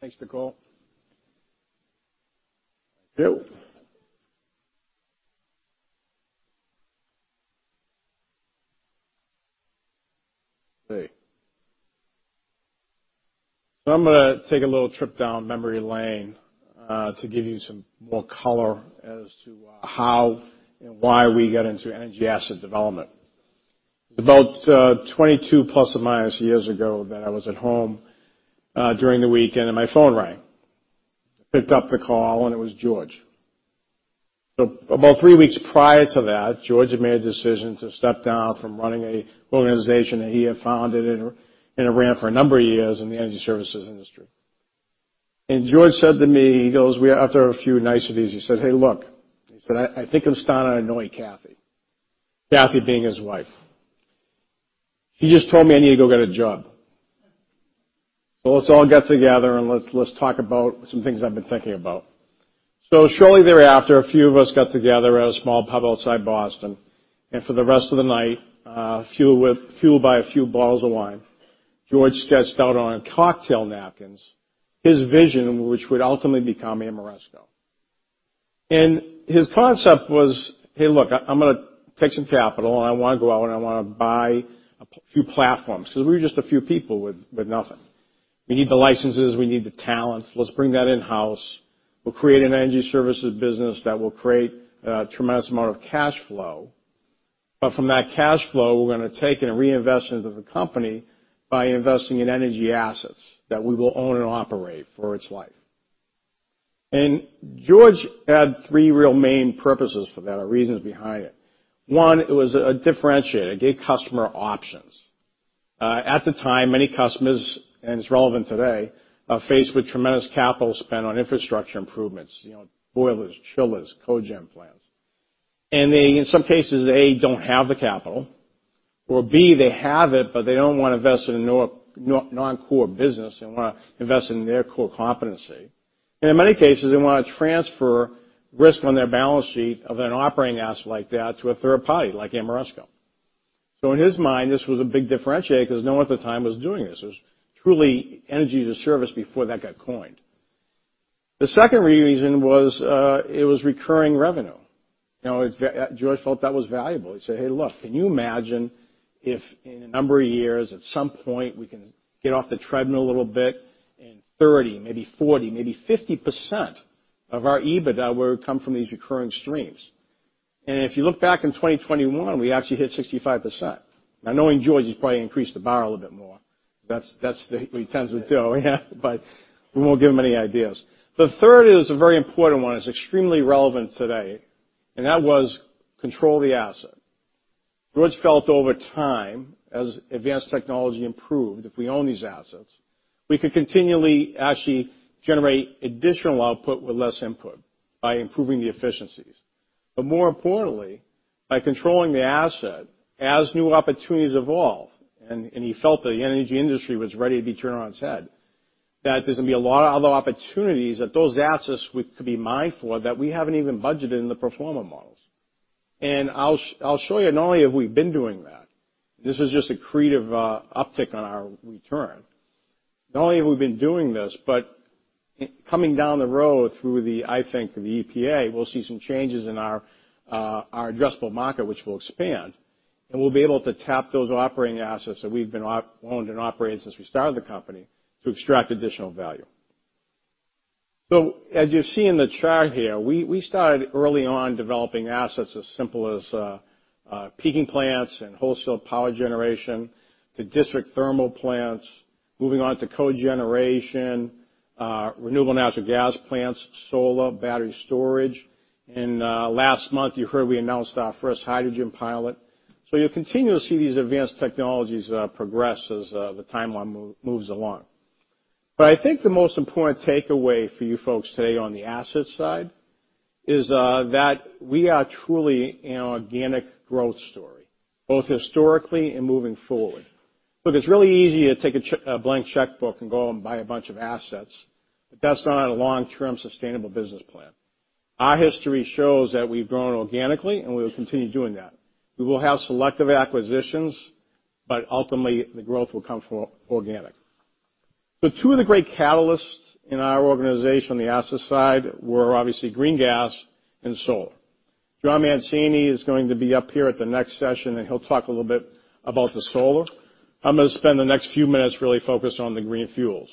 Thanks, Nicole. Thank you. Hey. I'm gonna take a little trip down memory lane to give you some more color as to how and why we got into energy asset development. About 22 ± years ago, when I was at home during the weekend and my phone rang. I picked up the call and it was George. About three weeks prior to that, George had made a decision to step down from running an organization that he had founded and ran for a number of years in the energy services industry. George said to me, after a few niceties, he said, "Hey, look." He said, "I think I'm starting to annoy Kathy." Kathy being his wife. She just told me I need to go get a job. Let's all get together and let's talk about some things I've been thinking about. Shortly thereafter, a few of us got together at a small pub outside Boston, and for the rest of the night, fueled by a few bottles of wine, George sketched out on cocktail napkins his vision, which would ultimately become Ameresco. His concept was, "Hey, look, I'm gonna take some capital and I wanna go out and I wanna buy a few platforms." We were just a few people with nothing. We need the licenses, we need the talent. Let's bring that in-house. We'll create an energy services business that will create a tremendous amount of cash flow. From that cash flow, we're gonna take it and reinvest into the company by investing in energy assets that we will own and operate for its life. George had three real main purposes for that or reasons behind it. One, it was a differentiator. It gave customer options. At the time, many customers, and it's relevant today, are faced with tremendous capital spend on infrastructure improvements, you know, boilers, chillers, cogen plants. They, in some cases, A, don't have the capital, or B, they have it, but they don't wanna invest in non-core business. They wanna invest in their core competency. In many cases, they wanna transfer risk on their balance sheet of an operating asset like that to a third party, like Ameresco. In his mind, this was a big differentiator 'cause no one at the time was doing this. This was truly energy as a service before that got coined. The second reason was, it was recurring revenue. Now George felt that was valuable. He'd say, "Hey, look, can you imagine if in a number of years, at some point, we can get off the treadmill a little bit and 30%, maybe 40%, maybe 50% of our EBITDA will come from these recurring streams?" If you look back in 2021, we actually hit 65%. Now knowing George, he's probably increased the bar a little bit more. That's what he tends to do. Yeah, but we won't give him any ideas. The third is a very important one. It's extremely relevant today, and that was control the asset. George felt over time, as advanced technology improved, if we own these assets, we could continually actually generate additional output with less input by improving the efficiencies. More importantly, by controlling the asset as new opportunities evolve, and he felt the energy industry was ready to be turned on its head, that there's gonna be a lot of other opportunities that those assets we could be mined for that we haven't even budgeted in the pro forma models. I'll show you not only have we been doing that, but this was also just accretive uptick on our return. Not only have we been doing this, but coming down the road through the, I think, the EPA, we'll see some changes in our addressable market, which will expand, and we'll be able to tap those operating assets that we've been owned and operated since we started the company to extract additional value. As you see in the chart here, we started early on developing assets as simple as peaking plants and wholesale power generation to district thermal plants, moving on to cogeneration, renewable natural gas plants, solar, battery storage. Last month, you heard we announced our first hydrogen pilot. You'll continue to see these advanced technologies progress as the timeline moves along. I think the most important takeaway for you folks today on the asset side is that we are truly an organic growth story, both historically and moving forward. Look, it's really easy to take a blank checkbook and go and buy a bunch of assets, but that's not a long-term sustainable business plan. Our history shows that we've grown organically, and we will continue doing that. We will have selective acquisitions, but ultimately, the growth will come from organic. The two of the great catalysts in our organization on the asset side were obviously green gas and solar. Jonathan Mancini is going to be up here at the next session, and he'll talk a little bit about the solar. I'm gonna spend the next few minutes really focused on the green fuels.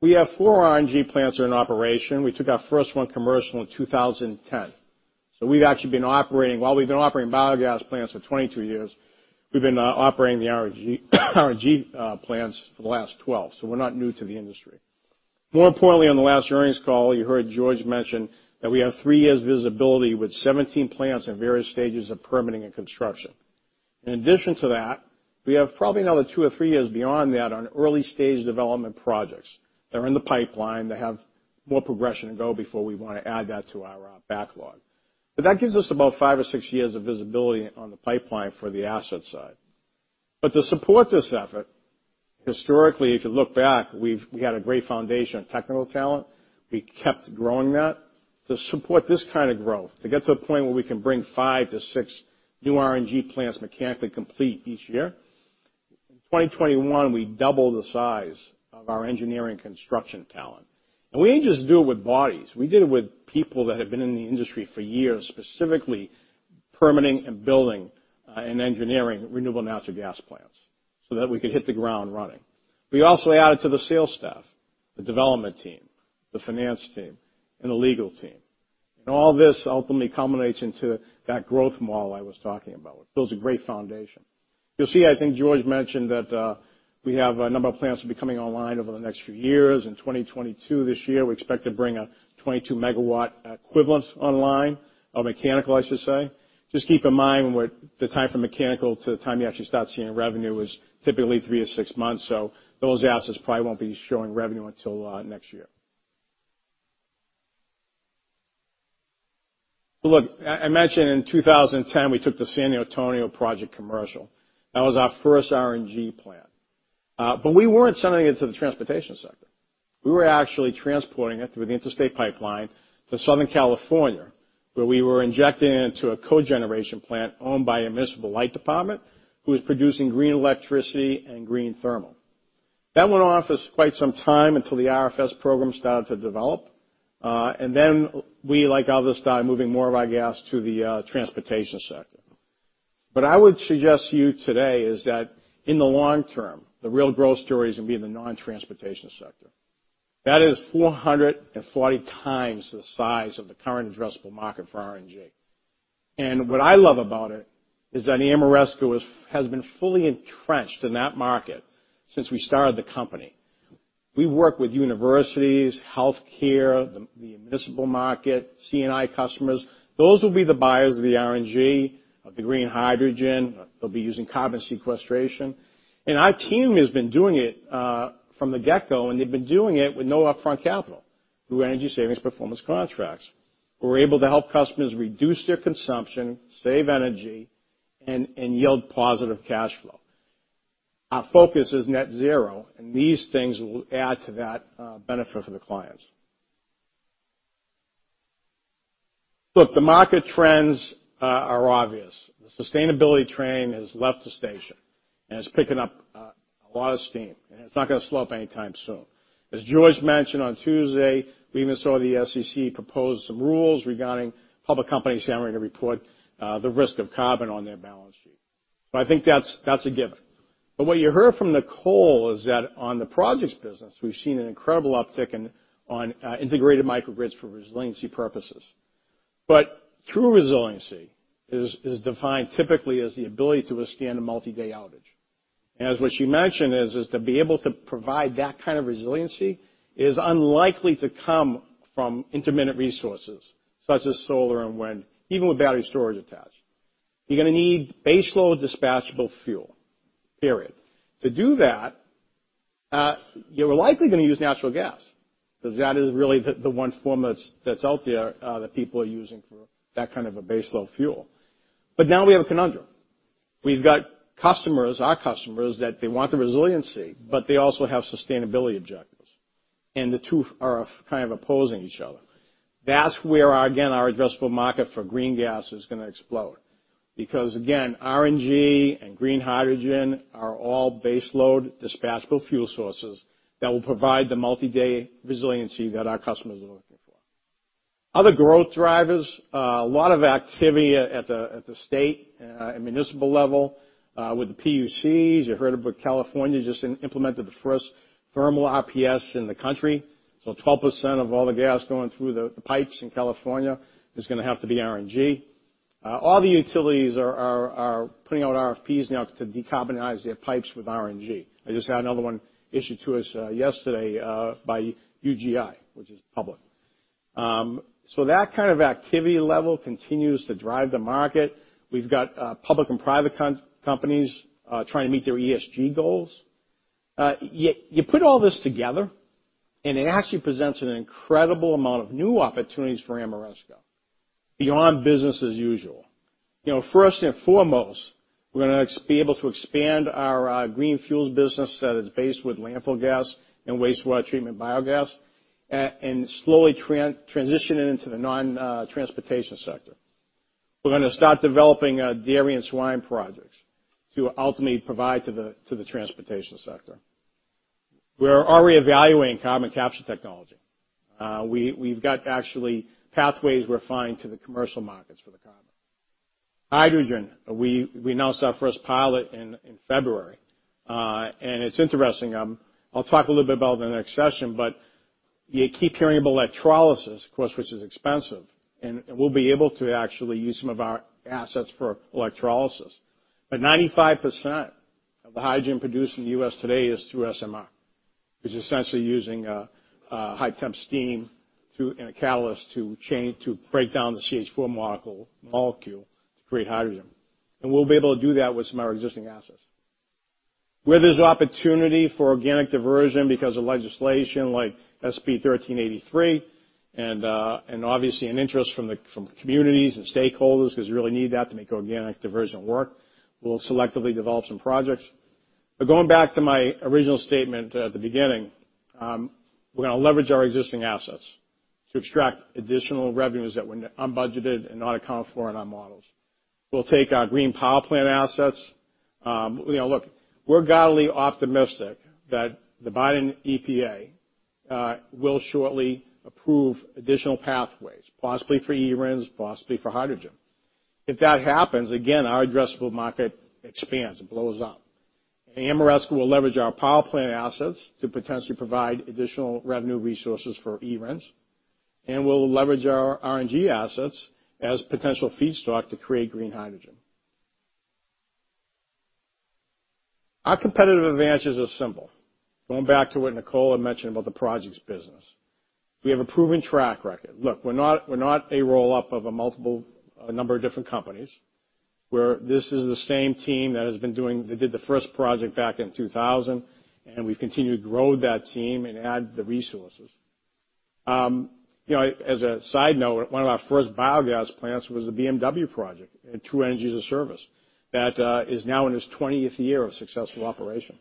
We have four RNG plants that are in operation. We took our first one commercial in 2010. We've actually been operating biogas plants for 22 years. We've been operating the RNG plants for the last 12, so we're not new to the industry. More importantly, on the last earnings call, you heard George mention that we have three years visibility with 17 plants in various stages of permitting and construction. In addition to that, we have probably another two or three years beyond that on early-stage development projects. They're in the pipeline. They have more progression to go before we wanna add that to our backlog. That gives us about five or six years of visibility on the pipeline for the asset side. To support this effort, historically, if you look back, we had a great foundation of technical talent. We kept growing that. To support this kind of growth, to get to a point where we can bring five to six new RNG plants mechanically complete each year, in 2021, we doubled the size of our engineering construction talent. We didn't just do it with bodies. We did it with people that had been in the industry for years, specifically permitting and building, and engineering renewable natural gas plants, so that we could hit the ground running. We also added to the sales staff, the development team, the finance team, and the legal team. All this ultimately culminates into that growth model I was talking about. It builds a great foundation. You'll see, I think George mentioned that, we have a number of plants will be coming online over the next few years. In 2022, this year, we expect to bring a 22 MW equivalent online, or mechanical, I should say. Just keep in mind the time from mechanical to the time you actually start seeing revenue is typically three to six months. Those assets probably won't be showing revenue until next year. Look, I mentioned in 2010, we took the San Antonio project commercial. That was our first RNG plant. But we weren't sending it to the transportation sector. We were actually transporting it through the interstate pipeline to Southern California, where we were injecting it into a cogeneration plant owned by a municipal light department, who was producing green electricity and green thermal. That went on for quite some time until the RFS program started to develop. And then we, like others, started moving more of our gas to the transportation sector. What I would suggest to you today is that in the long term, the real growth story is gonna be in the non-transportation sector. That is 440 times the size of the current addressable market for RNG. What I love about it is that Ameresco is has been fully entrenched in that market since we started the company. We work with universities, healthcare, the municipal market, C&I customers. Those will be the buyers of the RNG, of the green hydrogen. They'll be using carbon sequestration. Our team has been doing it from the get-go, and they've been doing it with no upfront capital through energy savings performance contracts. We're able to help customers reduce their consumption, save energy, and yield positive cash flow. Our focus is net zero, and these things will add to that benefit for the clients. Look, the market trends are obvious. The sustainability train has left the station, and it's picking up a lot of steam, and it's not gonna slow up anytime soon. As George mentioned on Tuesday, we even saw the SEC propose some rules regarding public companies having to report the risk of carbon on their balance sheet. I think that's a given. What you heard from Nicole is that on the projects business, we've seen an incredible uptick in on integrated microgrids for resiliency purposes. True resiliency is defined typically as the ability to withstand a multi-day outage. As what she mentioned is to be able to provide that kind of resiliency is unlikely to come from intermittent resources such as solar and wind, even with battery storage attached. You're gonna need baseload dispatchable fuel, period. To do that, you're likely gonna use natural gas, because that is really the one form that's out there that people are using for that kind of a baseload fuel. Now we have a conundrum. We've got customers, our customers, that they want the resiliency, but they also have sustainability objectives, and the two are kind of opposing each other. That's where our, again, our addressable market for green gas is gonna explode because, again, RNG and green hydrogen are all baseload dispatchable fuel sources that will provide the multi-day resiliency that our customers are looking for. Other growth drivers, a lot of activity at the state and municipal level with the PUCs. You heard about California just implemented the first thermal RPS in the country, so 12% of all the gas going through the pipes in California is gonna have to be RNG. All the utilities are putting out RFPs now to decarbonize their pipes with RNG. I just had another one issued to us yesterday by UGI, which is public. So that kind of activity level continues to drive the market. We've got public and private companies trying to meet their ESG goals. You put all this together, and it actually presents an incredible amount of new opportunities for Ameresco beyond business as usual. You know, first and foremost, we're gonna be able to expand our green fuels business that is based with landfill gas and wastewater treatment biogas and slowly transition it into the non-transportation sector. We're gonna start developing dairy and swine projects to ultimately provide to the transportation sector. We're already evaluating carbon capture technology. We've got actually pathways we're finding to the commercial markets for the carbon. Hydrogen, we announced our first pilot in February. It's interesting. I'll talk a little bit about it in the next session, but you keep hearing about electrolysis, of course, which is expensive, and we'll be able to actually use some of our assets for electrolysis. 95% of the hydrogen produced in the U.S. today is through SMR, which is essentially using high-temp steam and a catalyst to break down the CH4 molecule to create hydrogen. We'll be able to do that with some of our existing assets. Where there's opportunity for organic diversion because of legislation like SB 1383 and obviously an interest from the communities and stakeholders, 'cause you really need that to make organic diversion work, we'll selectively develop some projects. Going back to my original statement at the beginning, we're gonna leverage our existing assets to extract additional revenues that were unbudgeted and not accounted for in our models. We'll take our green power plant assets. You know, look, we're awfully optimistic that the Biden EPA will shortly approve additional pathways, possibly for eRINs, possibly for hydrogen. If that happens, again, our addressable market expands and blows up. Ameresco will leverage our power plant assets to potentially provide additional revenue resources for eRINs, and we'll leverage our RNG assets as potential feedstock to create green hydrogen. Our competitive advantages are simple, going back to what Nicole had mentioned about the projects business. We have a proven track record. Look, we're not a roll-up of a multiple, a number of different companies. This is the same team that did the first project back in 2000, and we've continued to grow that team and add the resources. You know, as a side note, one of our first biogas plants was a BMW project at True energiey-as-a-service that is now in its 20th year of successful operation.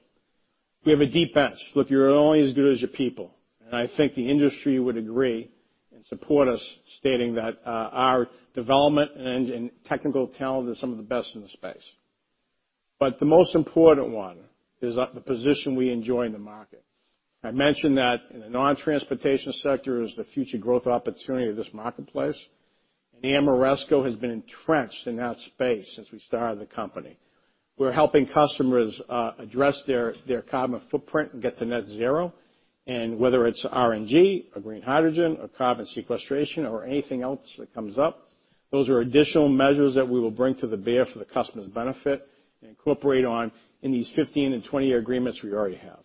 We have a deep bench. Look, you're only as good as your people, and I think the industry would agree and support us stating that our development and technical talent is some of the best in the space. The most important one is the position we enjoy in the market. I mentioned that the non-transportation sector is the future growth opportunity of this marketplace, and Ameresco has been entrenched in that space since we started the company. We're helping customers address their carbon footprint and get to net zero, and whether it's RNG or green hydrogen or carbon sequestration or anything else that comes up, those are additional measures that we will bring to bear for the customer's benefit and incorporate into these 15 and 20-year agreements we already have.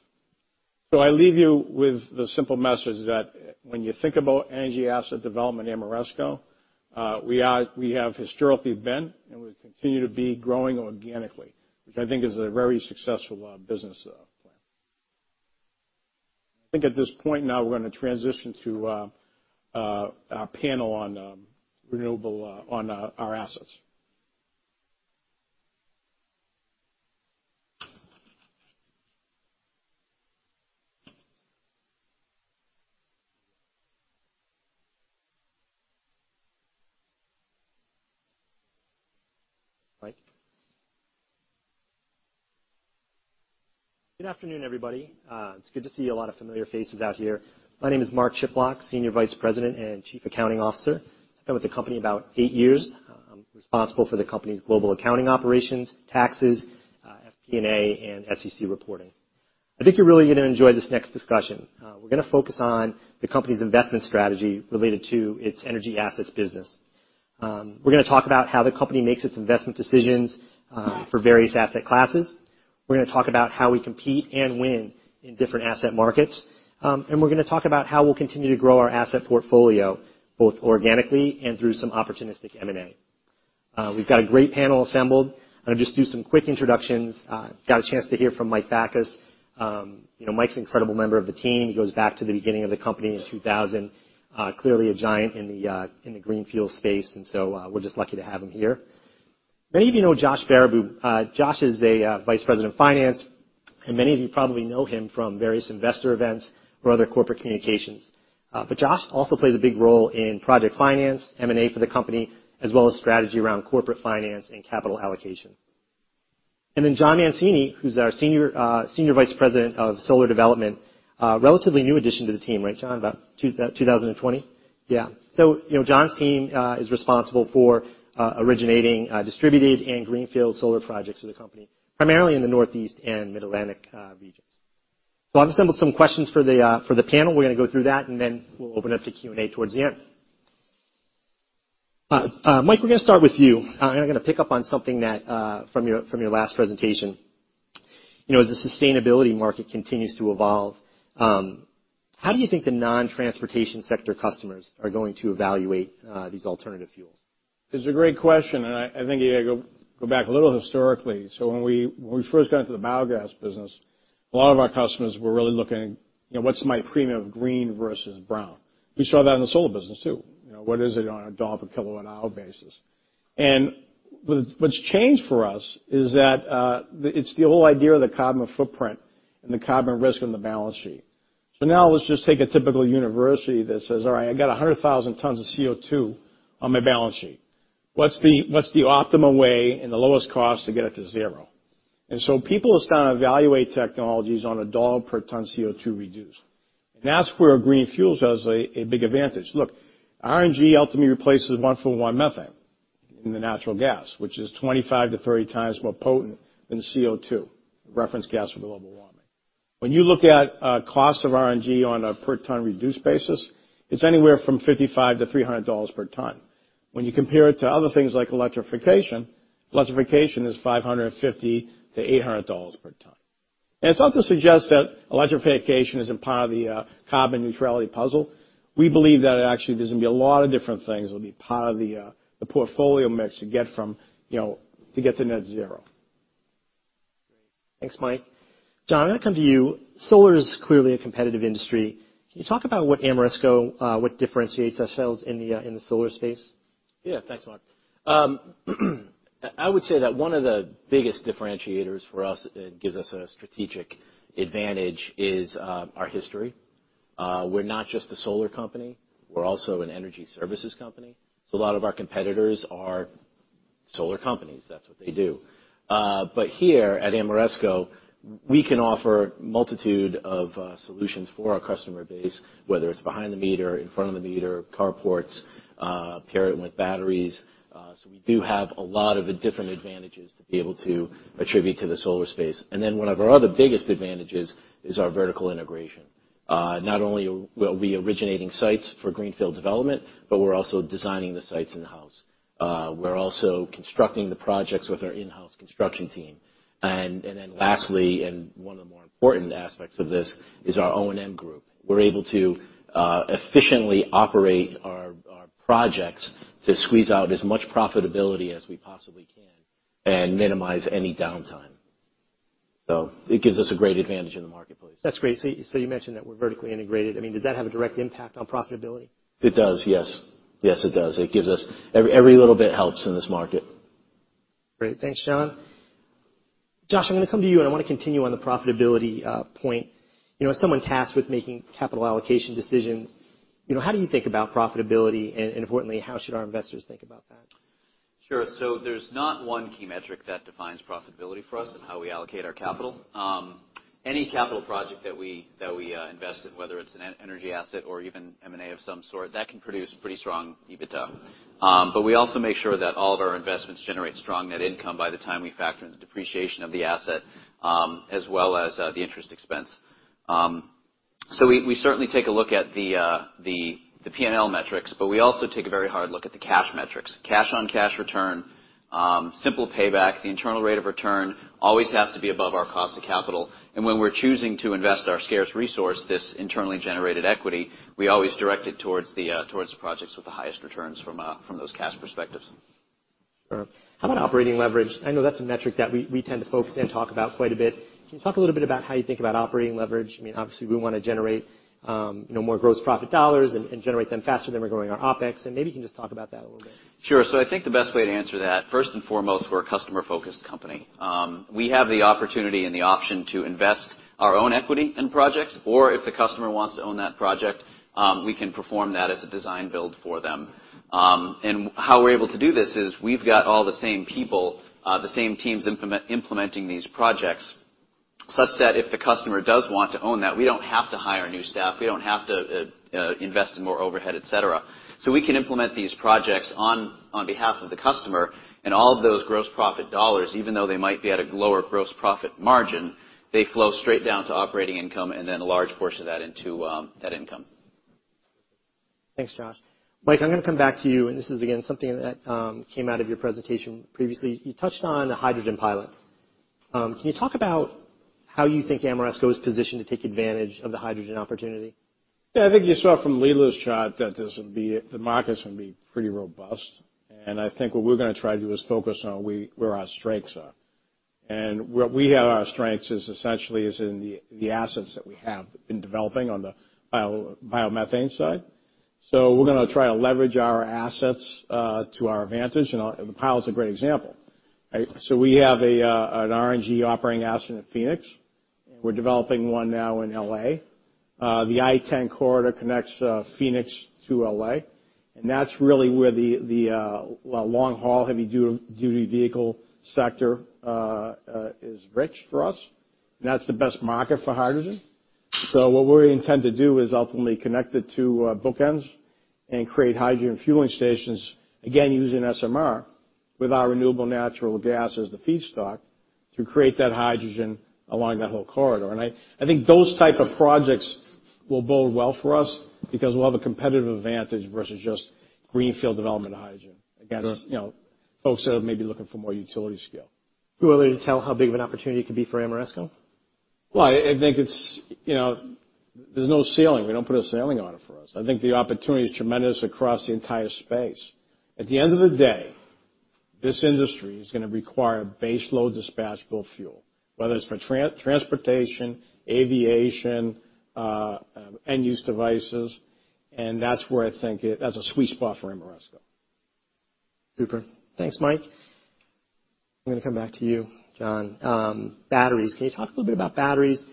I leave you with the simple message that when you think about energy asset development at Ameresco, we have historically been, and we continue to be growing organically, which I think is a very successful business plan. I think at this point now we're gonna transition to a panel on renewable on our assets. Mark? Good afternoon, everybody. It's good to see a lot of familiar faces out here. My name is Mark Chiplock, Senior Vice President and Chief Accounting Officer. I've been with the company about eight years. I'm responsible for the company's global accounting operations, taxes, FP&A, and SEC reporting. I think you're really gonna enjoy this next discussion. We're gonna focus on the company's investment strategy related to its energy assets business. We're gonna talk about how the company makes its investment decisions, for various asset classes. We're gonna talk about how we compete and win in different asset markets, and we're gonna talk about how we'll continue to grow our asset portfolio, both organically and through some opportunistic M&A. We've got a great panel assembled. I'm gonna just do some quick introductions. Got a chance to hear from Mike Bakas. You know, Mike's an incredible member of the team. He goes back to the beginning of the company in 2000. Clearly a giant in the green fuel space, and so we're just lucky to have him here. Many of you know Joshua Baribeau. Josh is a Vice President of Finance, and many of you probably know him from various investor events or other corporate communications. But Josh also plays a big role in project finance, M&A for the company, as well as strategy around corporate finance and capital allocation. Jonathan Mancini, who's our Senior Vice President of solar development, relatively new addition to the team. Right, Jon? About 2020? Yeah. You know, Jon's team is responsible for originating distributed and greenfield solar projects for the company, primarily in the Northeast and Mid-Atlantic regions. I've assembled some questions for the panel. We're gonna go through that, and then we'll open up to Q&A towards the end. Mike, we're gonna start with you, and I'm gonna pick up on something that from your last presentation. You know, as the sustainability market continues to evolve, how do you think the non-transportation sector customers are going to evaluate these alternative fuels? It's a great question, and I think you gotta go back a little historically. When we first got into the biogas business, a lot of our customers were really looking, you know, what's my premium of green versus brown? We saw that in the solar business, too. You know, what is it on a dollar per kilowatt-hour basis? What's changed for us is that it's the whole idea of the carbon footprint and the carbon risk on the balance sheet. Now let's just take a typical university that says, "All right, I got 100,000 tons of CO2 on my balance sheet. What's the optimal way and the lowest cost to get it to zero?" People are starting to evaluate technologies on a dollar per ton CO2 reduced, and that's where green fuels has a big advantage. Look, RNG ultimately replaces one-for-one methane in the natural gas, which is 25-30 times more potent than CO2 reference gas for global warming. When you look at costs of RNG on a per ton reduced basis, it's anywhere from $55-$300 per ton. When you compare it to other things like electrification is $550-$800 per ton. It's not to suggest that electrification isn't part of the carbon neutrality puzzle. We believe that actually there's gonna be a lot of different things that'll be part of the portfolio mix to get to net zero. Great. Thanks, Mike. Jon, I'm gonna come to you. Solar is clearly a competitive industry. Can you talk about what differentiates us, ourselves in the solar space? Yeah. Thanks, Mark. I would say that one of the biggest differentiators for us that gives us a strategic advantage is our history. We're not just a solar company, we're also an energy services company. A lot of our competitors are solar companies. That's what they do. Here at Ameresco, we can offer a multitude of solutions for our customer base, whether it's behind the meter, in front of the meter, carports, pair it with batteries. We do have a lot of different advantages to be able to attribute to the solar space. One of our other biggest advantages is our vertical integration. Not only are we originating sites for greenfield development, but we're also designing the sites in-house. We're also constructing the projects with our in-house construction team. One of the more important aspects of this is our O&M group. We're able to efficiently operate our projects to squeeze out as much profitability as we possibly can and minimize any downtime. It gives us a great advantage in the marketplace. That's great. You mentioned that we're vertically integrated. I mean, does that have a direct impact on profitability? It does, yes. Yes, it does. Every little bit helps in this market. Great. Thanks, Jon. Josh, I'm gonna come to you, and I wanna continue on the profitability point. You know, as someone tasked with making capital allocation decisions, you know, how do you think about profitability? Importantly, how should our investors think about that? Sure. There's not one key metric that defines profitability for us and how we allocate our capital. Any capital project that we invest in, whether it's an energy asset or even M&A of some sort, that can produce pretty strong EBITDA. We also make sure that all of our investments generate strong net income by the time we factor in the depreciation of the asset, as well as the interest expense. We certainly take a look at the P&L metrics, but we also take a very hard look at the cash metrics. Cash on cash return, simple payback, the internal rate of return always has to be above our cost of capital. When we're choosing to invest our scarce resource, this internally generated equity, we always direct it towards the projects with the highest returns from those cash perspectives. Sure. How about operating leverage? I know that's a metric that we tend to focus and talk about quite a bit. Can you talk a little bit about how you think about operating leverage? I mean, obviously, we wanna generate, you know, more gross profit dollars and generate them faster than we're growing our OpEx. Maybe you can just talk about that a little bit. Sure. I think the best way to answer that, first and foremost, we're a customer-focused company. We have the opportunity and the option to invest our own equity in projects, or if the customer wants to own that project, we can perform that as a design build for them. How we're able to do this is we've got all the same people, the same teams implementing these projects, such that if the customer does want to own that, we don't have to hire new staff, we don't have to invest in more overhead, et cetera. We can implement these projects on behalf of the customer, and all of those gross profit dollars, even though they might be at a lower gross profit margin, they flow straight down to operating income and then a large portion of that into net income. Thanks, Josh. Mike, I'm gonna come back to you, and this is again, something that came out of your presentation previously. You touched on the hydrogen pilot. Can you talk about how you think Ameresco is positioned to take advantage of the hydrogen opportunity? Yeah. I think you saw from Lila's chart that the markets would be pretty robust. I think what we're gonna try to do is focus on where our strengths are. Where we have our strengths is essentially in the assets that we have been developing on the biomethane side. We're gonna try to leverage our assets to our advantage. The pilot's a great example, right? We have an RNG operating asset in Phoenix. We're developing one now in L.A. The I-10 corridor connects Phoenix to L.A., and that's really where the long-haul, heavy duty vehicle sector is rich for us. That's the best market for hydrogen. What we intend to do is ultimately connect it to bookends and create hydrogen fueling stations, again, using SMR with our renewable natural gas as the feedstock to create that hydrogen along that whole corridor. I think those type of projects will bode well for us because we'll have a competitive advantage versus just greenfield development of hydrogen against- Sure you know, folks that are maybe looking for more utility scale. Are you willing to tell how big of an opportunity it could be for Ameresco? Well, I think it's, you know. There's no ceiling. We don't put a ceiling on it for us. I think the opportunity is tremendous across the entire space. At the end of the day, this industry is gonna require baseload dispatchable fuel, whether it's for transportation, aviation, end use devices, and that's where I think that's a sweet spot for Ameresco. Super. Thanks, Mike. I'm gonna come back to you, Jon. Batteries. Can you talk a little bit about batteries?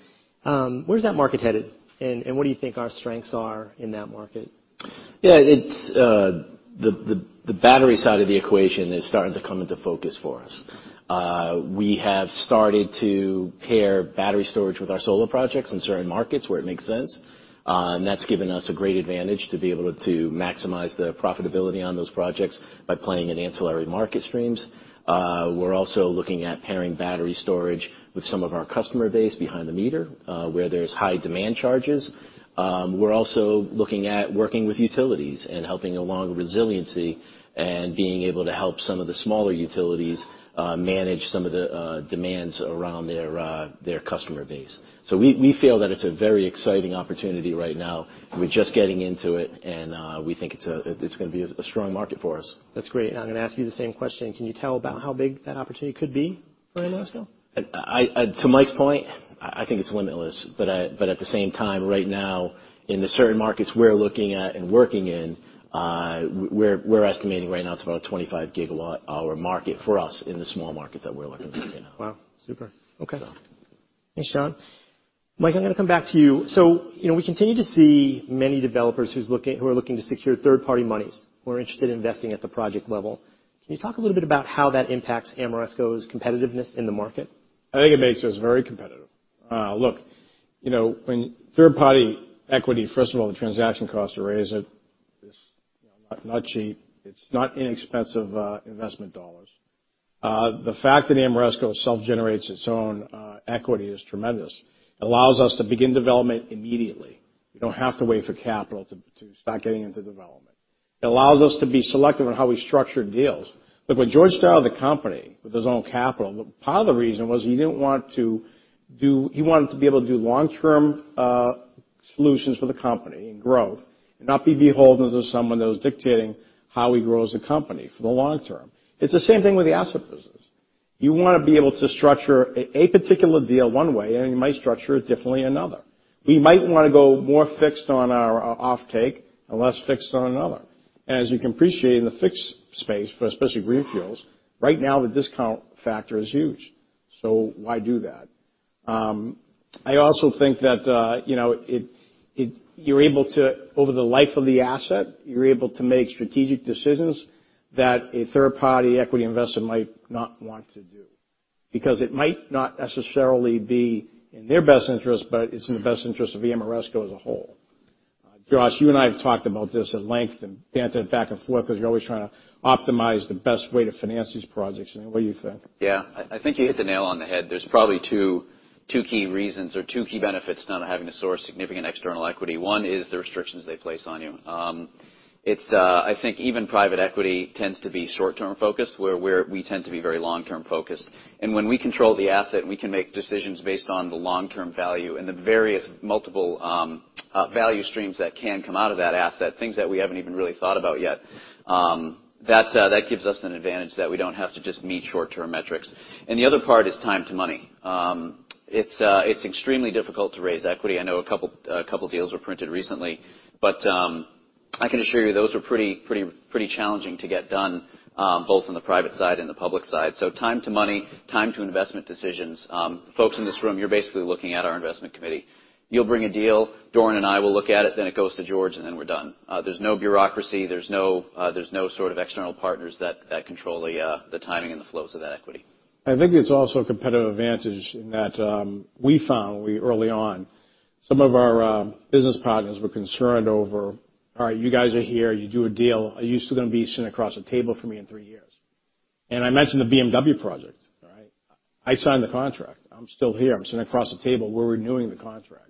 Where's that market headed? What do you think our strengths are in that market? Yeah. It's the battery side of the equation is starting to come into focus for us. We have started to pair battery storage with our solar projects in certain markets where it makes sense. That's given us a great advantage to be able to maximize the profitability on those projects by playing in ancillary market streams. We're also looking at pairing battery storage with some of our customer base behind the meter, where there's high demand charges. We're also looking at working with utilities and helping along resiliency and being able to help some of the smaller utilities, manage some of the demands around their customer base. We feel that it's a very exciting opportunity right now. We're just getting into it, and we think it's gonna be a strong market for us. That's great. I'm gonna ask you the same question. Can you tell about how big that opportunity could be for Ameresco? To Mike's point, I think it's limitless. At the same time, right now, in the certain markets we're looking at and working in, we're estimating right now it's about a 25 GW hour market for us in the small markets that we're looking to get in. Wow. Super. So... Okay. Thanks, Jon. Mike, I'm gonna come back to you. You know, we continue to see many developers who are looking to secure third-party monies or are interested in investing at the project level. Can you talk a little bit about how that impacts Ameresco's competitiveness in the market? I think it makes us very competitive. Look, you know, when third-party equity, first of all, the transaction cost to raise it is, you know, not cheap. It's not inexpensive investment dollars. The fact that Ameresco self-generates its own equity is tremendous. It allows us to begin development immediately. We don't have to wait for capital to start getting into development. It allows us to be selective in how we structure deals. Look, when George started the company with his own capital, part of the reason was he wanted to be able to do long-term solutions for the company and growth and not be beholden to someone that was dictating how he grows the company for the long term. It's the same thing with the asset business. You wanna be able to structure a particular deal one way, and you might structure it differently another. We might wanna go more fixed on our offtake and less fixed on another. As you can appreciate in the fixed space for especially green fuels, right now the discount factor is huge. So why do that? I also think that, you know, you're able to over the life of the asset make strategic decisions that a third-party equity investor might not want to do. Because it might not necessarily be in their best interest, but it's in the best interest of Ameresco as a whole. Josh, you and I have talked about this at length and batted it back and forth because you're always trying to optimize the best way to finance these projects. What do you think? Yeah. I think you hit the nail on the head. There's probably two key reasons or two key benefits not having to source significant external equity. One is the restrictions they place on you. I think even private equity tends to be short-term focused, where we tend to be very long-term focused. When we control the asset, we can make decisions based on the long-term value and the various multiple value streams that can come out of that asset, things that we haven't even really thought about yet. That gives us an advantage that we don't have to just meet short-term metrics. The other part is time to money. It's extremely difficult to raise equity. I know a couple of deals were printed recently, but I can assure you, those were pretty challenging to get done, both on the private side and the public side. Time to money, time to investment decisions. Folks in this room, you're basically looking at our investment committee. You'll bring a deal, Doran and I will look at it, then it goes to George, and then we're done. There's no bureaucracy. There's no sort of external partners that control the timing and the flows of that equity. I think it's also a competitive advantage in that we found early on some of our business partners were concerned over all right you guys are here you do a deal. Are you still gonna be sitting across the table from me in three years? I mentioned the BMW project all right? I signed the contract. I'm still here. I'm sitting across the table. We're renewing the contract.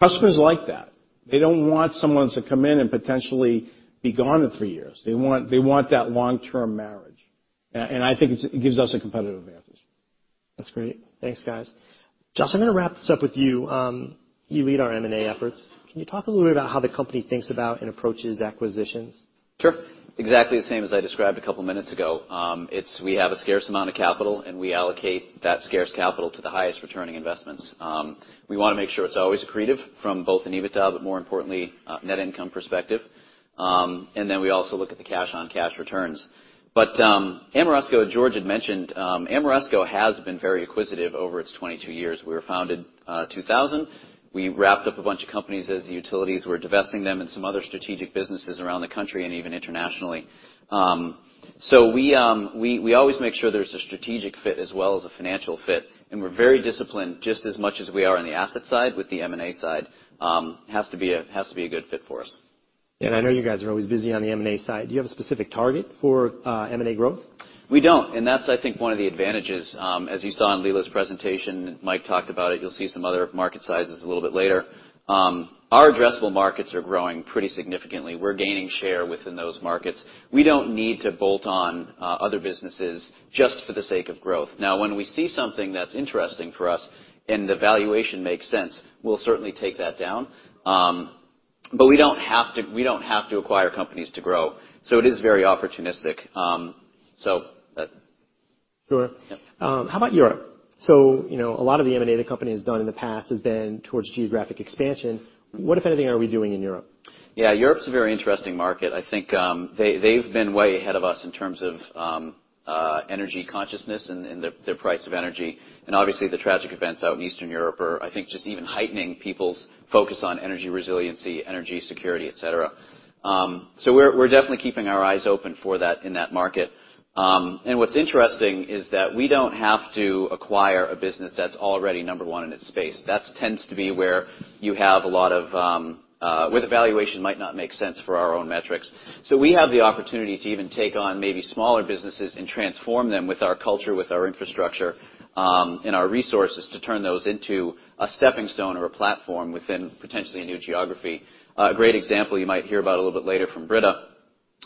Customers like that. They don't want someone to come in and potentially be gone in three years. They want that long-term marriage. I think it gives us a competitive advantage. That's great. Thanks, guys. Josh, I'm gonna wrap this up with you. You lead our M&A efforts. Can you talk a little bit about how the company thinks about and approaches acquisitions? Sure. Exactly the same as I described a couple of minutes ago. It's we have a scarce amount of capital, and we allocate that scarce capital to the highest returning investments. We wanna make sure it's always accretive from both an EBITDA, but more importantly, net income perspective. Then we also look at the cash-on-cash returns. Ameresco, George had mentioned, Ameresco has been very acquisitive over its 22 years. We were founded 2000. We wrapped up a bunch of companies as the utilities were divesting them and some other strategic businesses around the country and even internationally. We always make sure there's a strategic fit as well as a financial fit, and we're very disciplined just as much as we are on the asset side with the M&A side. It has to be a good fit for us. I know you guys are always busy on the M&A side. Do you have a specific target for M&A growth? We don't, and that's I think one of the advantages. As you saw in Lila's presentation, Mike talked about it, you'll see some other market sizes a little bit later. Our addressable markets are growing pretty significantly. We're gaining share within those markets. We don't need to bolt on, other businesses just for the sake of growth. Now, when we see something that's interesting for us and the valuation makes sense, we'll certainly take that down. But we don't have to acquire companies to grow. It is very opportunistic. Sure. Yeah. How about Europe? You know, a lot of the M&A the company has done in the past has been towards geographic expansion. What, if anything, are we doing in Europe? Yeah, Europe's a very interesting market. I think, they've been way ahead of us in terms of, energy consciousness and, the price of energy. Obviously, the tragic events out in Eastern Europe are, I think, just even heightening people's focus on energy resiliency, energy security, et cetera. We're definitely keeping our eyes open for that in that market. What's interesting is that we don't have to acquire a business that's already number one in its space. That tends to be where you have a lot of, where the valuation might not make sense for our own metrics. We have the opportunity to even take on maybe smaller businesses and transform them with our culture, with our infrastructure, and our resources to turn those into a stepping stone or a platform within potentially a new geography. A great example you might hear about a little bit later from Britta.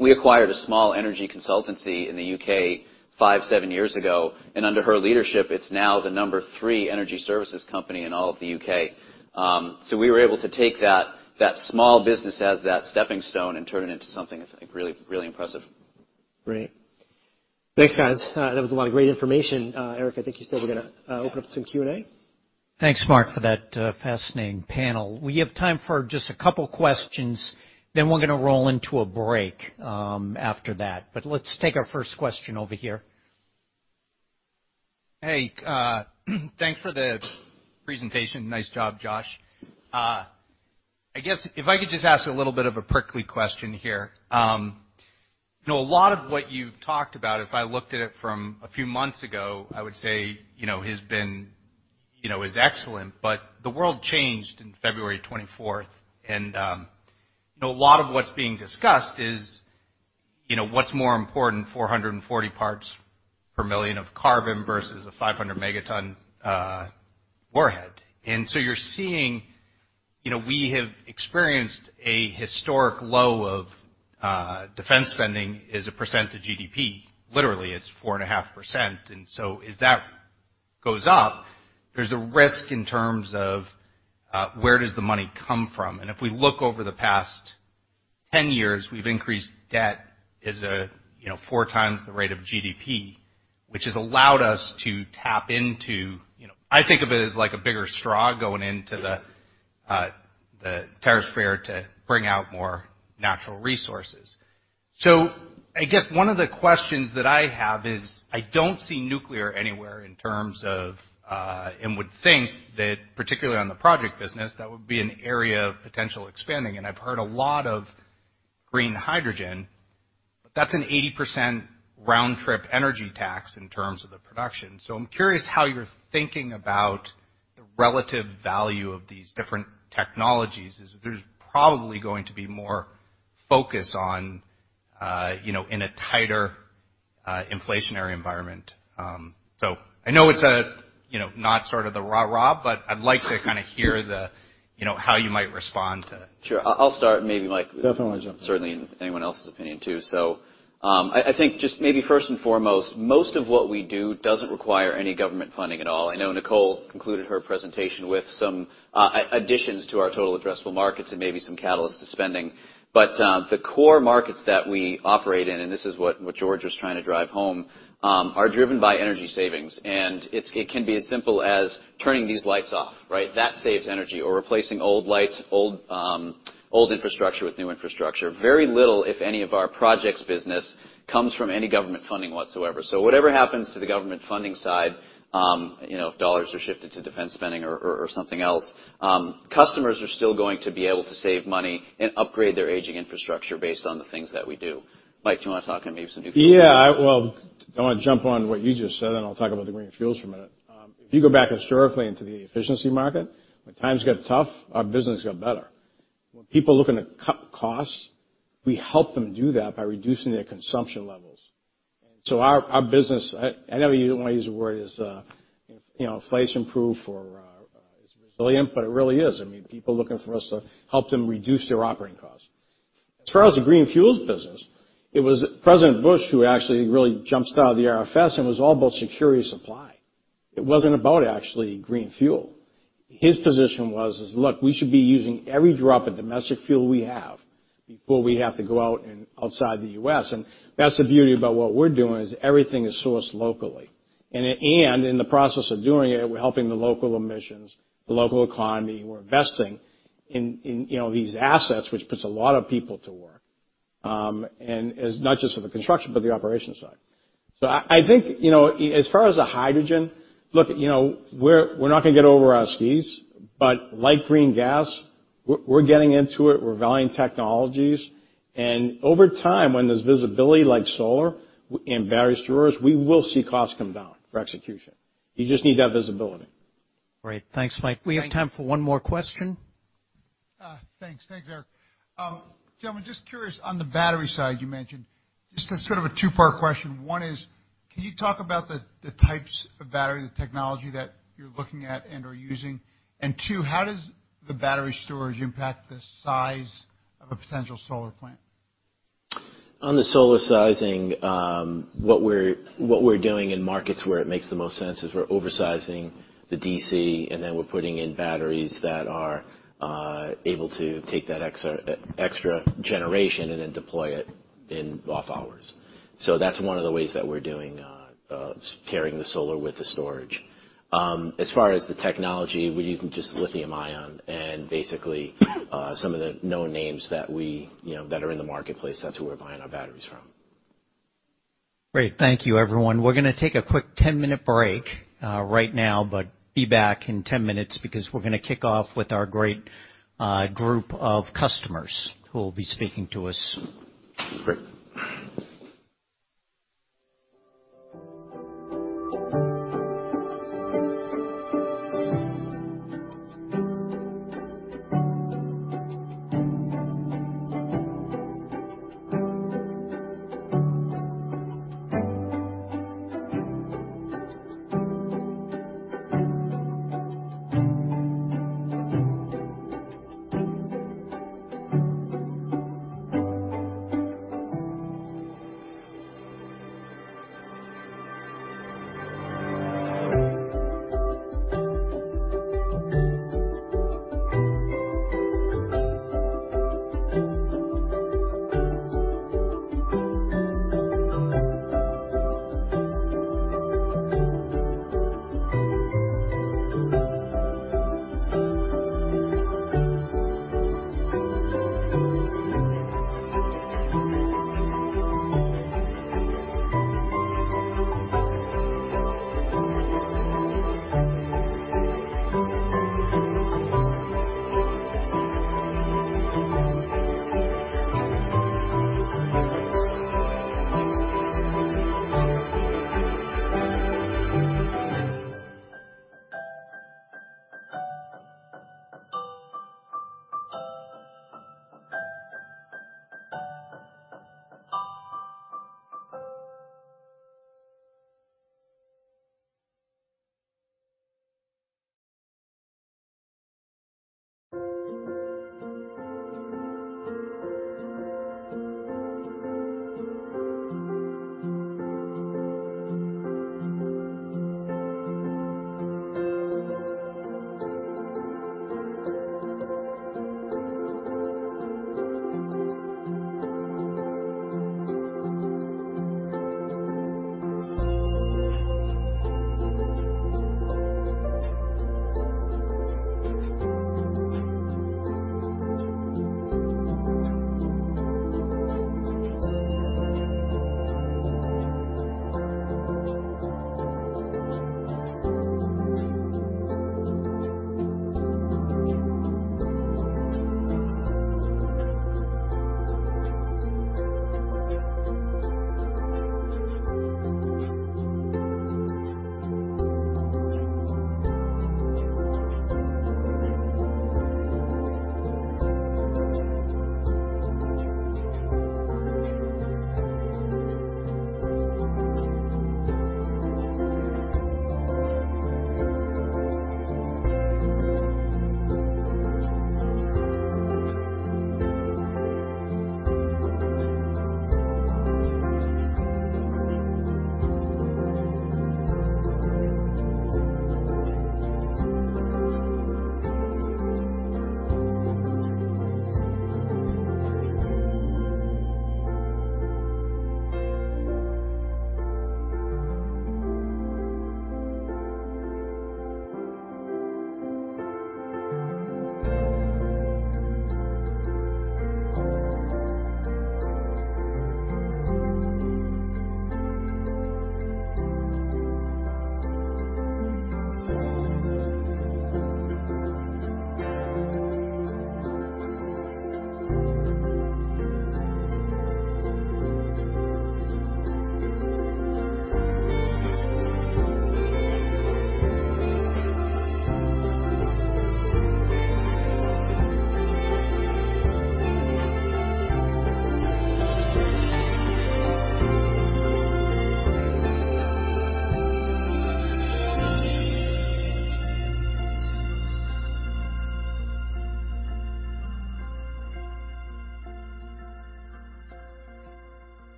We acquired a small energy consultancy in the U.K. five to seven years ago, and under her leadership, it's now the number three energy services company in all of the U.K. We were able to take that small business as that steppingstone and turn it into something, I think, really, really impressive. Great. Thanks, guys. That was a lot of great information. Eric, I think you said we're gonna open up some Q&A. Thanks, Mark, for that fascinating panel. We have time for just a couple questions, then we're gonna roll into a break, after that. Let's take our first question over here. Hey, thanks for the presentation. Nice job, Josh. I guess if I could just ask a little bit of a prickly question here. You know, a lot of what you've talked about, if I looked at it from a few months ago, I would say, you know, is excellent. The world changed on 24 February, and you know, a lot of what's being discussed is, you know, what's more important, 440 parts per million of carbon versus a 500 Mt warhead. You're seeing, you know, we have experienced a historic low of defense spending as a % of GDP. Literally, it's 4.5%. As that goes up, there's a risk in terms of where does the money come from? If we look over the past 10 years, we've increased debt as a, you know, four times the rate of GDP, which has allowed us to tap into, you know, I think of it as like a bigger straw going into the to bring out more natural resources. I guess one of the questions that I have is I don't see nuclear anywhere in terms of and would think that particularly on the project business, that would be an area of potential expanding. I've heard a lot of green hydrogen. That's an 80% round-trip energy tax in terms of the production. I'm curious how you're thinking about the relative value of these different technologies, is there's probably going to be more focus on, you know, in a tighter, inflationary environment. I know it's a, you know, not sort of the rah-rah, but I'd like to kinda hear the, you know, how you might respond to that. Sure. I'll start, and maybe Mike- Definitely. Certainly anyone else's opinion too. I think just maybe first and foremost, most of what we do doesn't require any government funding at all. I know Nicole concluded her presentation with some additions to our total addressable markets and maybe some catalyst to spending. The core markets that we operate in, and this is what George was trying to drive home, are driven by energy savings. It can be as simple as turning these lights off, right? That saves energy or replacing old lights, old infrastructure with new infrastructure. Very little, if any of our projects business comes from any government funding whatsoever. Whatever happens to the government funding side, you know, if dollars are shifted to defense spending or something else, customers are still going to be able to save money and upgrade their aging infrastructure based on the things that we do. Mike, do you wanna talk on maybe some new- Yeah. Well, I wanna jump on what you just said, and I'll talk about the green fuels for a minute. If you go back historically into the efficiency market, when times get tough, our business got better. When people looking to cut costs, we help them do that by reducing their consumption levels. Our business, I know you don't wanna use the word as, you know, inflation proof or is resilient, but it really is. I mean, people looking for us to help them reduce their operating costs. As far as the green fuels business, it was President Bush who actually really jump-started the RFS and was all about energy security. It wasn't about actually green fuel. His position is, "Look, we should be using every drop of domestic fuel we have before we have to go out and outside the U.S." That's the beauty about what we're doing, is everything is sourced locally. In the process of doing it, we're helping the local emissions, the local economy. We're investing in, you know, these assets, which puts a lot of people to work. It's not just for the construction, but the operations side. I think, you know, as far as the hydrogen, look, you know, we're not gonna get over our skis, but like green gas, we're getting into it. We're valuing technologies. Over time, when there's visibility like solar and battery storage, we will see costs come down for execution. You just need to have visibility. Great. Thanks, Mike. Thank you. We have time for one more question. Thanks, Eric. Gentlemen, just curious, on the battery side, you mentioned a sort of two-part question. One is, can you talk about the types of battery, the technology that you're looking at and/or using? Two, how does the battery storage impact the size of a potential solar plant? On the solar sizing, what we're doing in markets where it makes the most sense is we're oversizing the DC, and then we're putting in batteries that are able to take that extra generation and then deploy it in off hours. That's one of the ways that we're doing pairing the solar with the storage. As far as the technology, we're using just lithium-ion and basically some of the known names that we, you know, that are in the marketplace, that's who we're buying our batteries from. Great. Thank you, everyone. We're gonna take a quick 10-minute break right now, but be back in 10 minutes because we're gonna kick off with our great group of customers who will be speaking to us. Great.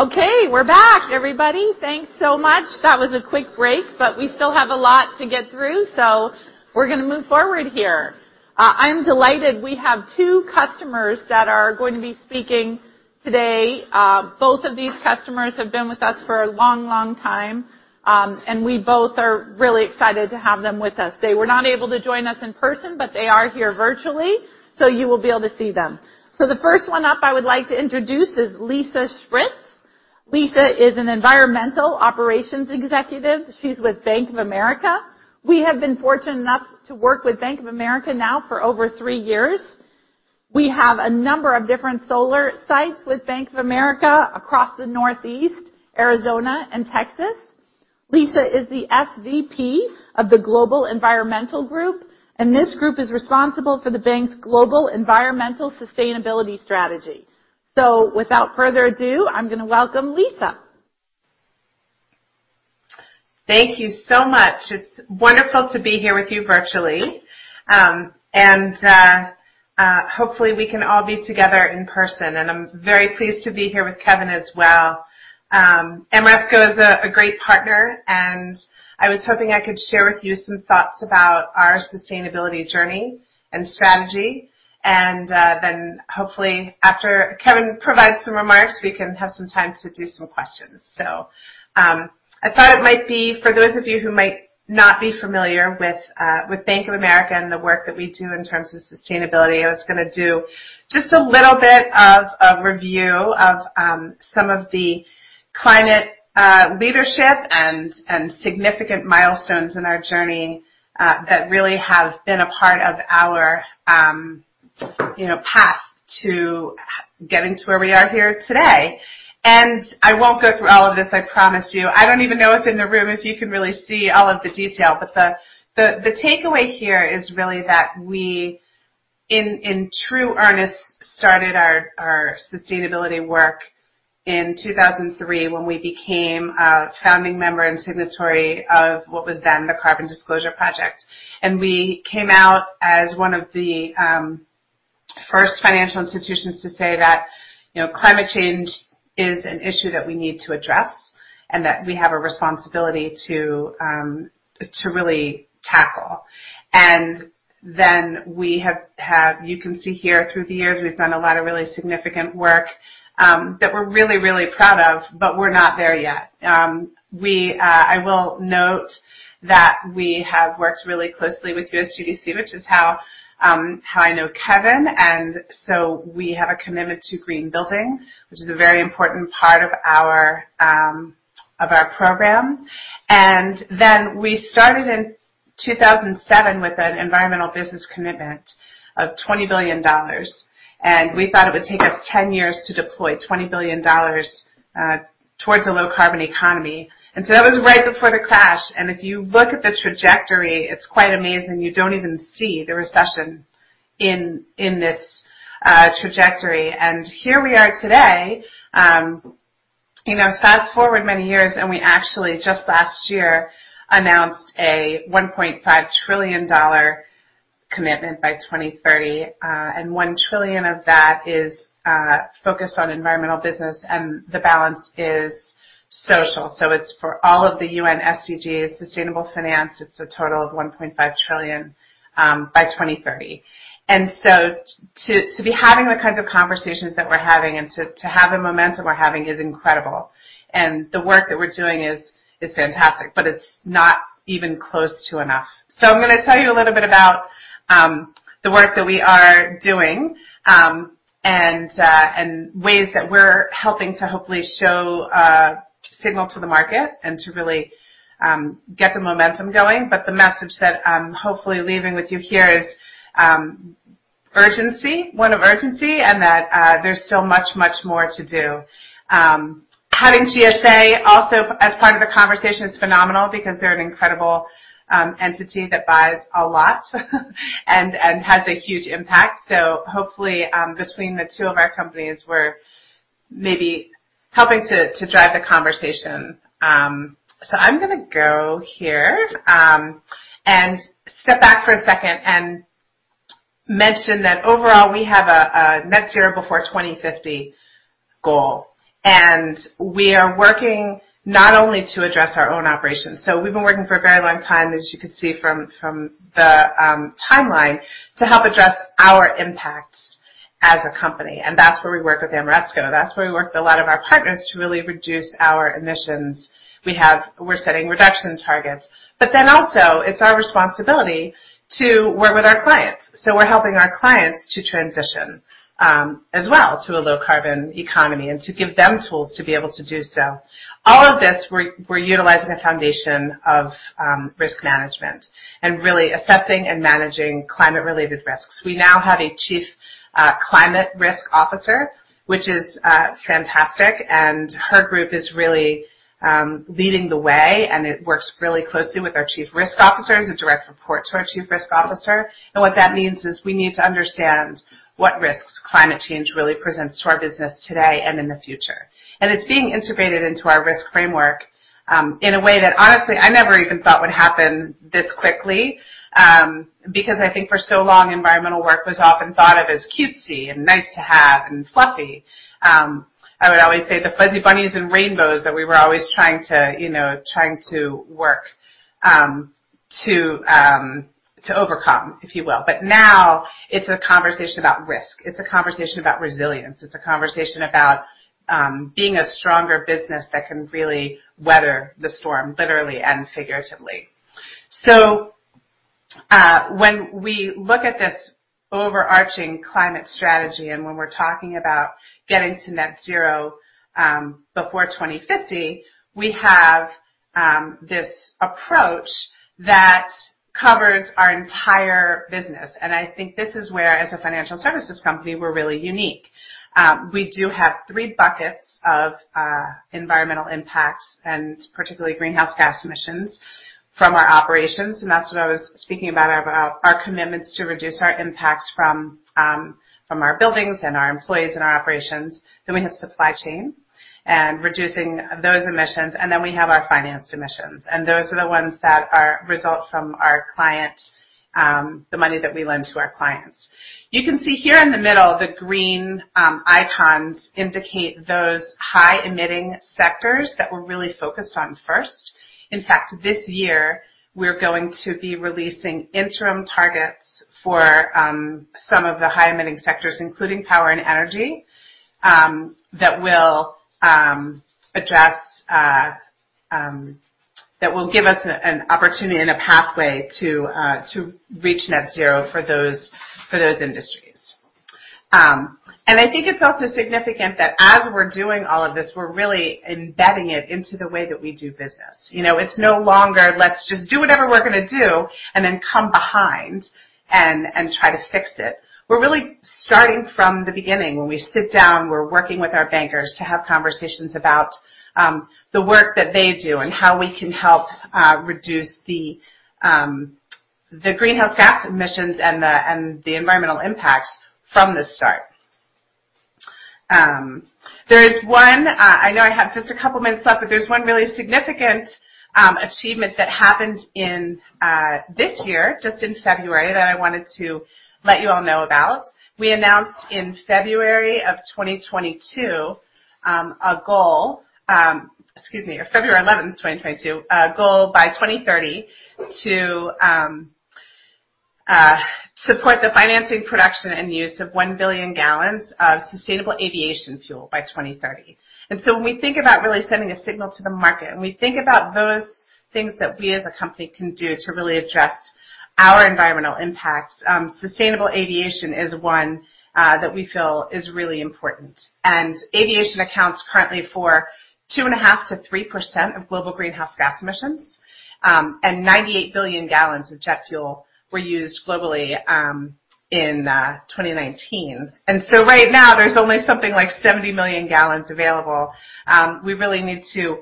Okay, we're back, everybody. Thanks so much. That was a quick break, but we still have a lot to get through. We're gonna move forward here. I'm delighted we have two customers that are going to be speaking today. Both of these customers have been with us for a long, long time, and we both are really excited to have them with us. They were not able to join us in person, but they are here virtually, so you will be able to see them. The first one up I would like to introduce is Lisa Shpritz. Lisa is an Environmental Operations Executive. She's with Bank of America. We have been fortunate enough to work with Bank of America now for over three years. We have a number of different solar sites with Bank of America across the Northeast, Arizona, and Texas. Lisa is the SVP of the Global Environmental Group, and this group is responsible for the bank's global environmental sustainability strategy. Without further ado, I'm gonna welcome Lisa. Thank you so much. It's wonderful to be here with you virtually. Hopefully we can all be together in person. I'm very pleased to be here with Kevin as well. Ameresco is a great partner, and I was hoping I could share with you some thoughts about our sustainability journey and strategy. Hopefully after Kevin provides some remarks, we can have some time to do some questions. I thought it might be for those of you who might not be familiar with Bank of America and the work that we do in terms of sustainability. I was gonna do just a little bit of a review of some of the climate leadership and significant milestones in our journey that really have been a part of our you know path to getting to where we are here today. I won't go through all of this, I promise you. I don't even know if, in the room, if you can really see all of the detail. The takeaway here is really that we in true earnest started our sustainability work in 2003 when we became a founding member and signatory of what was then the Carbon Disclosure Project. We came out as one of the first financial institutions to say that, you know, climate change is an issue that we need to address and that we have a responsibility to really tackle. You can see here through the years, we've done a lot of really significant work that we're really proud of, but we're not there yet. I will note that we have worked really closely with GSA, which is how I know Kevin. We have a commitment to green building, which is a very important part of our program. We started in 2007 with an environmental business commitment of $20 billion. We thought it would take us 10 years to deploy $20 billion towards a low carbon economy. That was right before the crash. If you look at the trajectory, it's quite amazing. You don't even see the recession in this trajectory. Here we are today, you know, fast-forward many years, and we actually just last year announced a $1.5 trillion commitment by 2030, and $ 1 trillion of that is focused on environmental business, and the balance is social. It's for all of the UN SDGs, sustainable finance. It's a total of $1.5 trillion by 2030. To be having the kinds of conversations that we're having and to have the momentum we're having is incredible. The work that we're doing is fantastic, but it's not even close to enough. I'm gonna tell you a little bit about the work that we are doing and ways that we're helping to hopefully show a signal to the market and to really get the momentum going. The message that I'm hopefully leaving with you here is urgency and that there's still much more to do. Having GSA also as part of the conversation is phenomenal because they're an incredible entity that buys a lot and has a huge impact. Hopefully, between the two of our companies, we're maybe helping to drive the conversation. I'm gonna go here and step back for a second and mention that overall we have a net zero before 2050 goal. We are working not only to address our own operations. We've been working for a very long time, as you can see from the timeline, to help address our impact as a company. That's where we work with Ameresco, that's where we work with a lot of our partners to really reduce our emissions. We're setting reduction targets. Also it's our responsibility to work with our clients. We're helping our clients to transition as well to a low-carbon economy and to give them tools to be able to do so. All of this, we're utilizing a foundation of risk management and really assessing and managing climate-related risks. We now have a Chief Climate Risk Officer, which is fantastic. Her group is really leading the way, and it works really closely with our chief risk officer, is a direct report to our chief risk officer. What that means is we need to understand what risks climate change really presents to our business today and in the future. It's being integrated into our risk framework in a way that honestly, I never even thought would happen this quickly because I think for so long, environmental work was often thought of as cutesy and nice to have and fluffy. I would always say the fuzzy bunnies and rainbows that we were always trying to, you know, work to overcome, if you will. Now it's a conversation about risk. It's a conversation about resilience. It's a conversation about being a stronger business that can really weather the storm, literally and figuratively. When we look at this overarching climate strategy, and when we're talking about getting to net zero before 2050, we have this approach that covers our entire business. I think this is where, as a financial services company, we're really unique. We do have three buckets of environmental impact, and particularly greenhouse gas emissions from our operations, and that's what I was speaking about our commitments to reduce our impacts from our buildings and our employees and our operations. We have supply chain and reducing those emissions, and then we have our financed emissions. Those are the ones that result from our clients, the money that we lend to our clients. You can see here in the middle, the green icons indicate those high emitting sectors that we're really focused on first. In fact, this year we're going to be releasing interim targets for some of the high emitting sectors, including power and energy, that will give us an opportunity and a pathway to reach net zero for those industries. I think it's also significant that as we're doing all of this, we're really embedding it into the way that we do business. You know, it's no longer let's just do whatever we're gonna do and then come behind and try to fix it. We're really starting from the beginning. When we sit down, we're working with our bankers to have conversations about the work that they do and how we can help reduce the greenhouse gas emissions and the environmental impacts from the start. I know I have just a couple minutes left, but there's one really significant achievement that happened in this year, just in February, that I wanted to let you all know about. We announced 11 February, 2022, a goal by 2030 to support the financing, production and use of one billion gallons of sustainable aviation fuel by 2030. When we think about really sending a signal to the market, and we think about those things that we as a company can do to really address our environmental impact, sustainable aviation is one that we feel is really important. Aviation accounts currently for 2.5%-3% of global greenhouse gas emissions. 98 billion gallons of jet fuel were used globally in 2019. Right now there's only something like 70 million gallons available. We really need to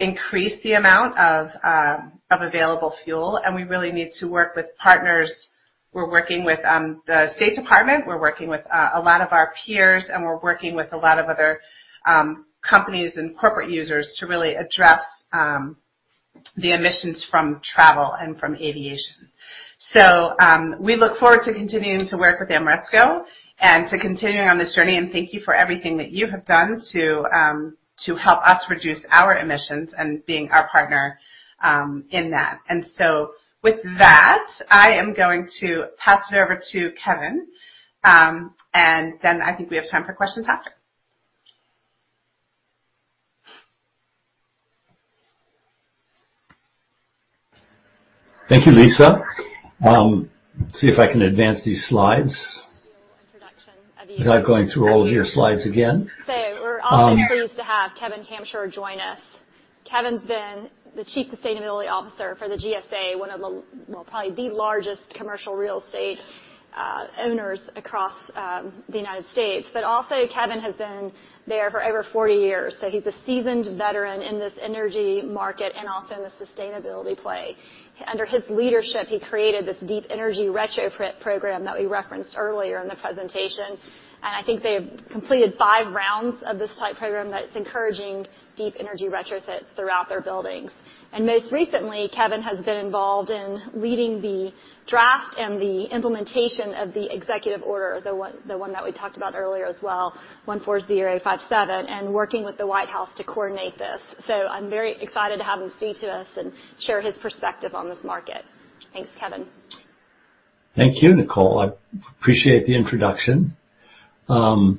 increase the amount of available fuel, and we really need to work with partners. We're working with the State Department, we're working with a lot of our peers, and we're working with a lot of other companies and corporate users to really address the emissions from travel and from aviation. We look forward to continuing to work with Ameresco and to continuing on this journey. Thank you for everything that you have done to help us reduce our emissions and being our partner in that. With that, I am going to pass it over to Kevin, and then I think we have time for questions after. Thank you, Lisa. See if I can advance these slides without going through all of your slides again. We're also pleased to have Kevin Kampschroer join us. Kevin's been the Chief Sustainability Officer for the GSA, one of the probably the largest commercial real estate owners across the U.S.. Kevin has been there for over 40 years, so he's a seasoned veteran in this energy market and also in the sustainability play. Under his leadership, he created this deep energy retrofit program that we referenced earlier in the presentation. I think they've completed five rounds of this type program that's encouraging deep energy retrofits throughout their buildings. Most recently, Kevin has been involved in leading the draft and the implementation of the Executive Order 14057, the one that we talked about earlier as well, and working with the White House to coordinate this. I'm very excited to have him speak to us and share his perspective on this market. Thanks, Kevin. Thank you, Nicole. I appreciate the introduction. I'm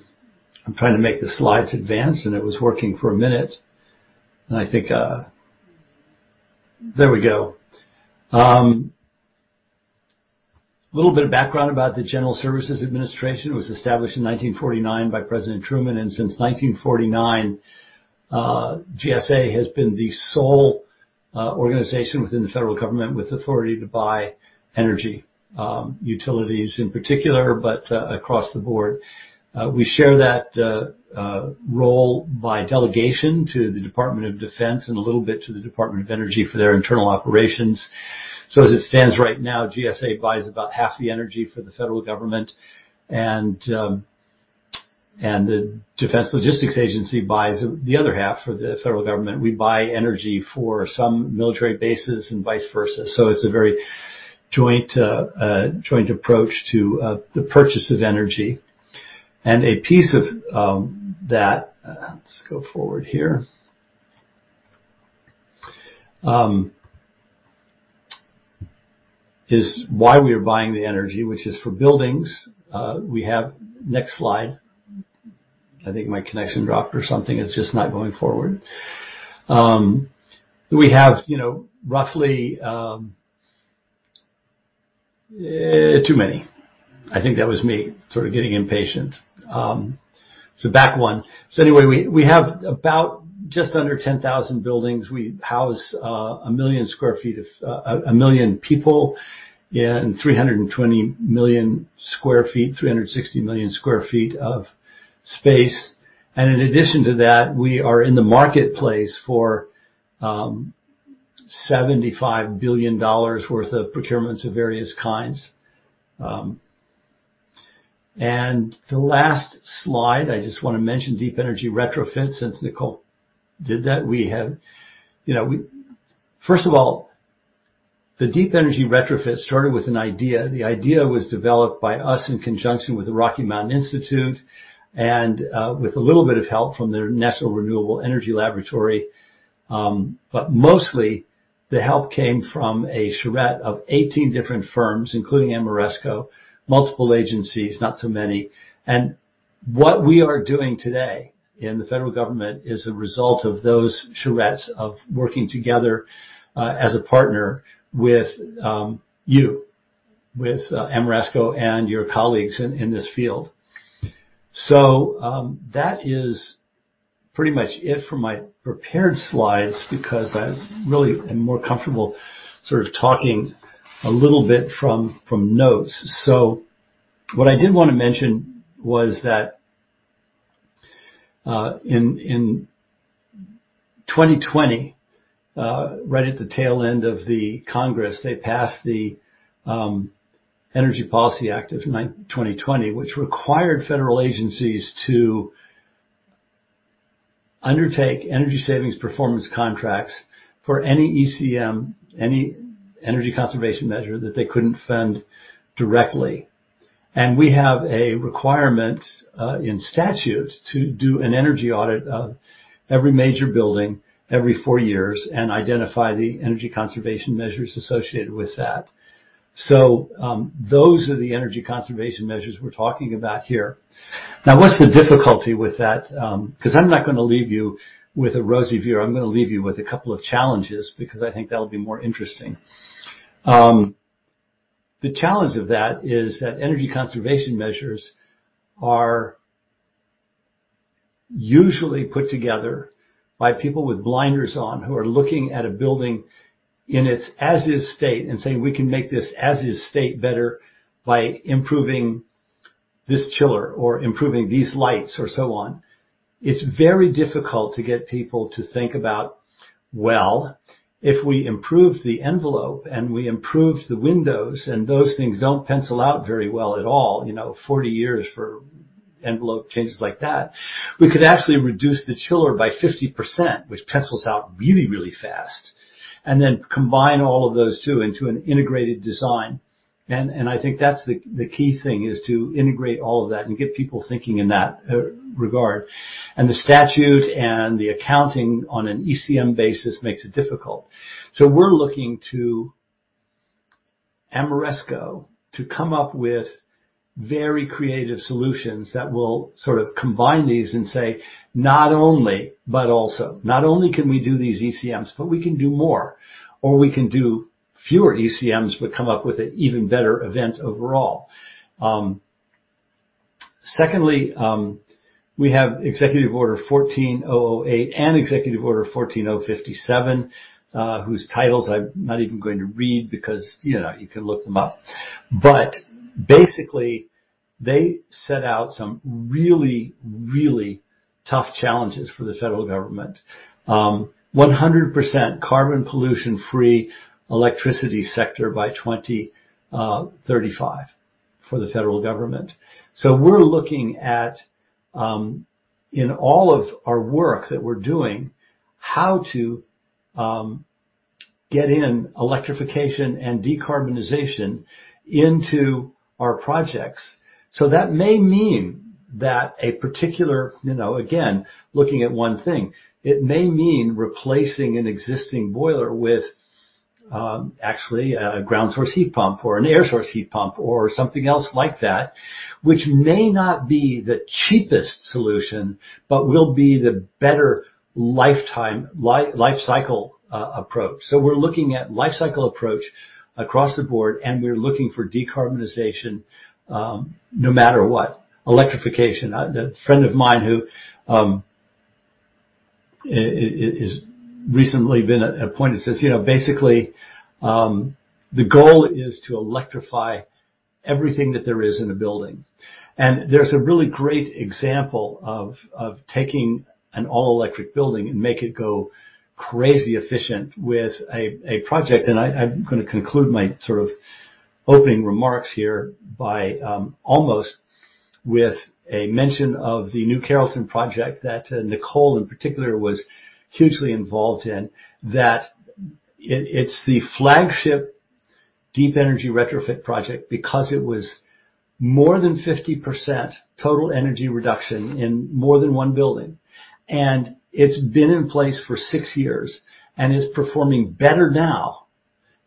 trying to make the slides advance, and it was working for a minute. There we go. A little bit of background about the General Services Administration. It was established in 1949 by President Truman, and since 1949, GSA has been the sole organization within the federal government with authority to buy energy, utilities in particular, but across the board. We share that role by delegation to the Department of Defense and a little bit to the Department of Energy for their internal operations. As it stands right now, GSA buys about half the energy for the federal government, and the Defense Logistics Agency buys the other half for the federal government. We buy energy for some military bases and vice versa. It's a very joint approach to the purchase of energy. A piece of that is why we are buying the energy, which is for buildings. We have about just under 10,000 buildings. You know, roughly, we house 1 million people in 320 million sq ft, 360 million sq ft of space. In addition to that, we are in the marketplace for $75 billion worth of procurements of various kinds. The last slide, I just want to mention deep energy retrofits since Nicole did that. First of all, the deep energy retrofit started with an idea. The idea was developed by us in conjunction with the Rocky Mountain Institute and with a little bit of help from the National Renewable Energy Laboratory. Mostly the help came from a charrette of 18 different firms, including Ameresco, multiple agencies, not so many. What we are doing today in the federal government is a result of those charrettes of working together as a partner with you with Ameresco and your colleagues in this field. That is pretty much it for my prepared slides because I really am more comfortable sort of talking a little bit from notes. What I did want to mention was that in 2020, right at the tail end of the Congress, they passed the Energy Act of 2020, which required federal agencies to undertake energy savings performance contracts for any ECM, any energy conservation measure that they couldn't fund directly. We have a requirement in statute to do an energy audit of every major building every four years and identify the energy conservation measures associated with that. Those are the energy conservation measures we're talking about here. Now, what's the difficulty with that? 'Cause I'm not gonna leave you with a rosy view. I'm gonna leave you with a couple of challenges because I think that'll be more interesting. The challenge of that is that energy conservation measures are usually put together by people with blinders on who are looking at a building in its as-is state and saying, "We can make this as-is state better by improving this chiller or improving these lights," or so on. It's very difficult to get people to think about, well, if we improve the envelope and we improve the windows, and those things don't pencil out very well at all, you know, 40 years for envelope changes like that. We could actually reduce the chiller by 50%, which pencils out really, really fast, and then combine all of those two into an integrated design. And I think that's the key thing, is to integrate all of that and get people thinking in that regard. The statute and the accounting on an ECM basis makes it difficult. We're looking to Ameresco to come up with very creative solutions that will sort of combine these and say, "Not only, but also. Not only can we do these ECMs, but we can do more, or we can do fewer ECMs, but come up with an even better event overall." Secondly, we have Executive Order 14008 and Executive Order 14057, whose titles I'm not even going to read because, you know, you can look them up. Basically, they set out some really, really tough challenges for the federal government. 100% carbon pollution-free electricity sector by 2035 for the federal government. We're looking at, in all of our work that we're doing, how to get in electrification and decarbonization into our projects. That may mean that a particular, you know, again, looking at one thing, it may mean replacing an existing boiler with, actually a ground source heat pump or an air source heat pump or something else like that, which may not be the cheapest solution, but will be the better lifecycle approach. We're looking at lifecycle approach across the board, and we're looking for decarbonization no matter what. Electrification. The friend of mine who is recently been appointed says, you know, basically, the goal is to electrify everything that there is in a building. There's a really great example of taking an all electric building and make it go crazy efficient with a project. I'm gonna conclude my sort of opening remarks here by almost with a mention of the New Carrollton project that Nicole in particular was hugely involved in. It's the flagship deep energy retrofit project because it was more than 50% total energy reduction in more than one building. It's been in place for six years and is performing better now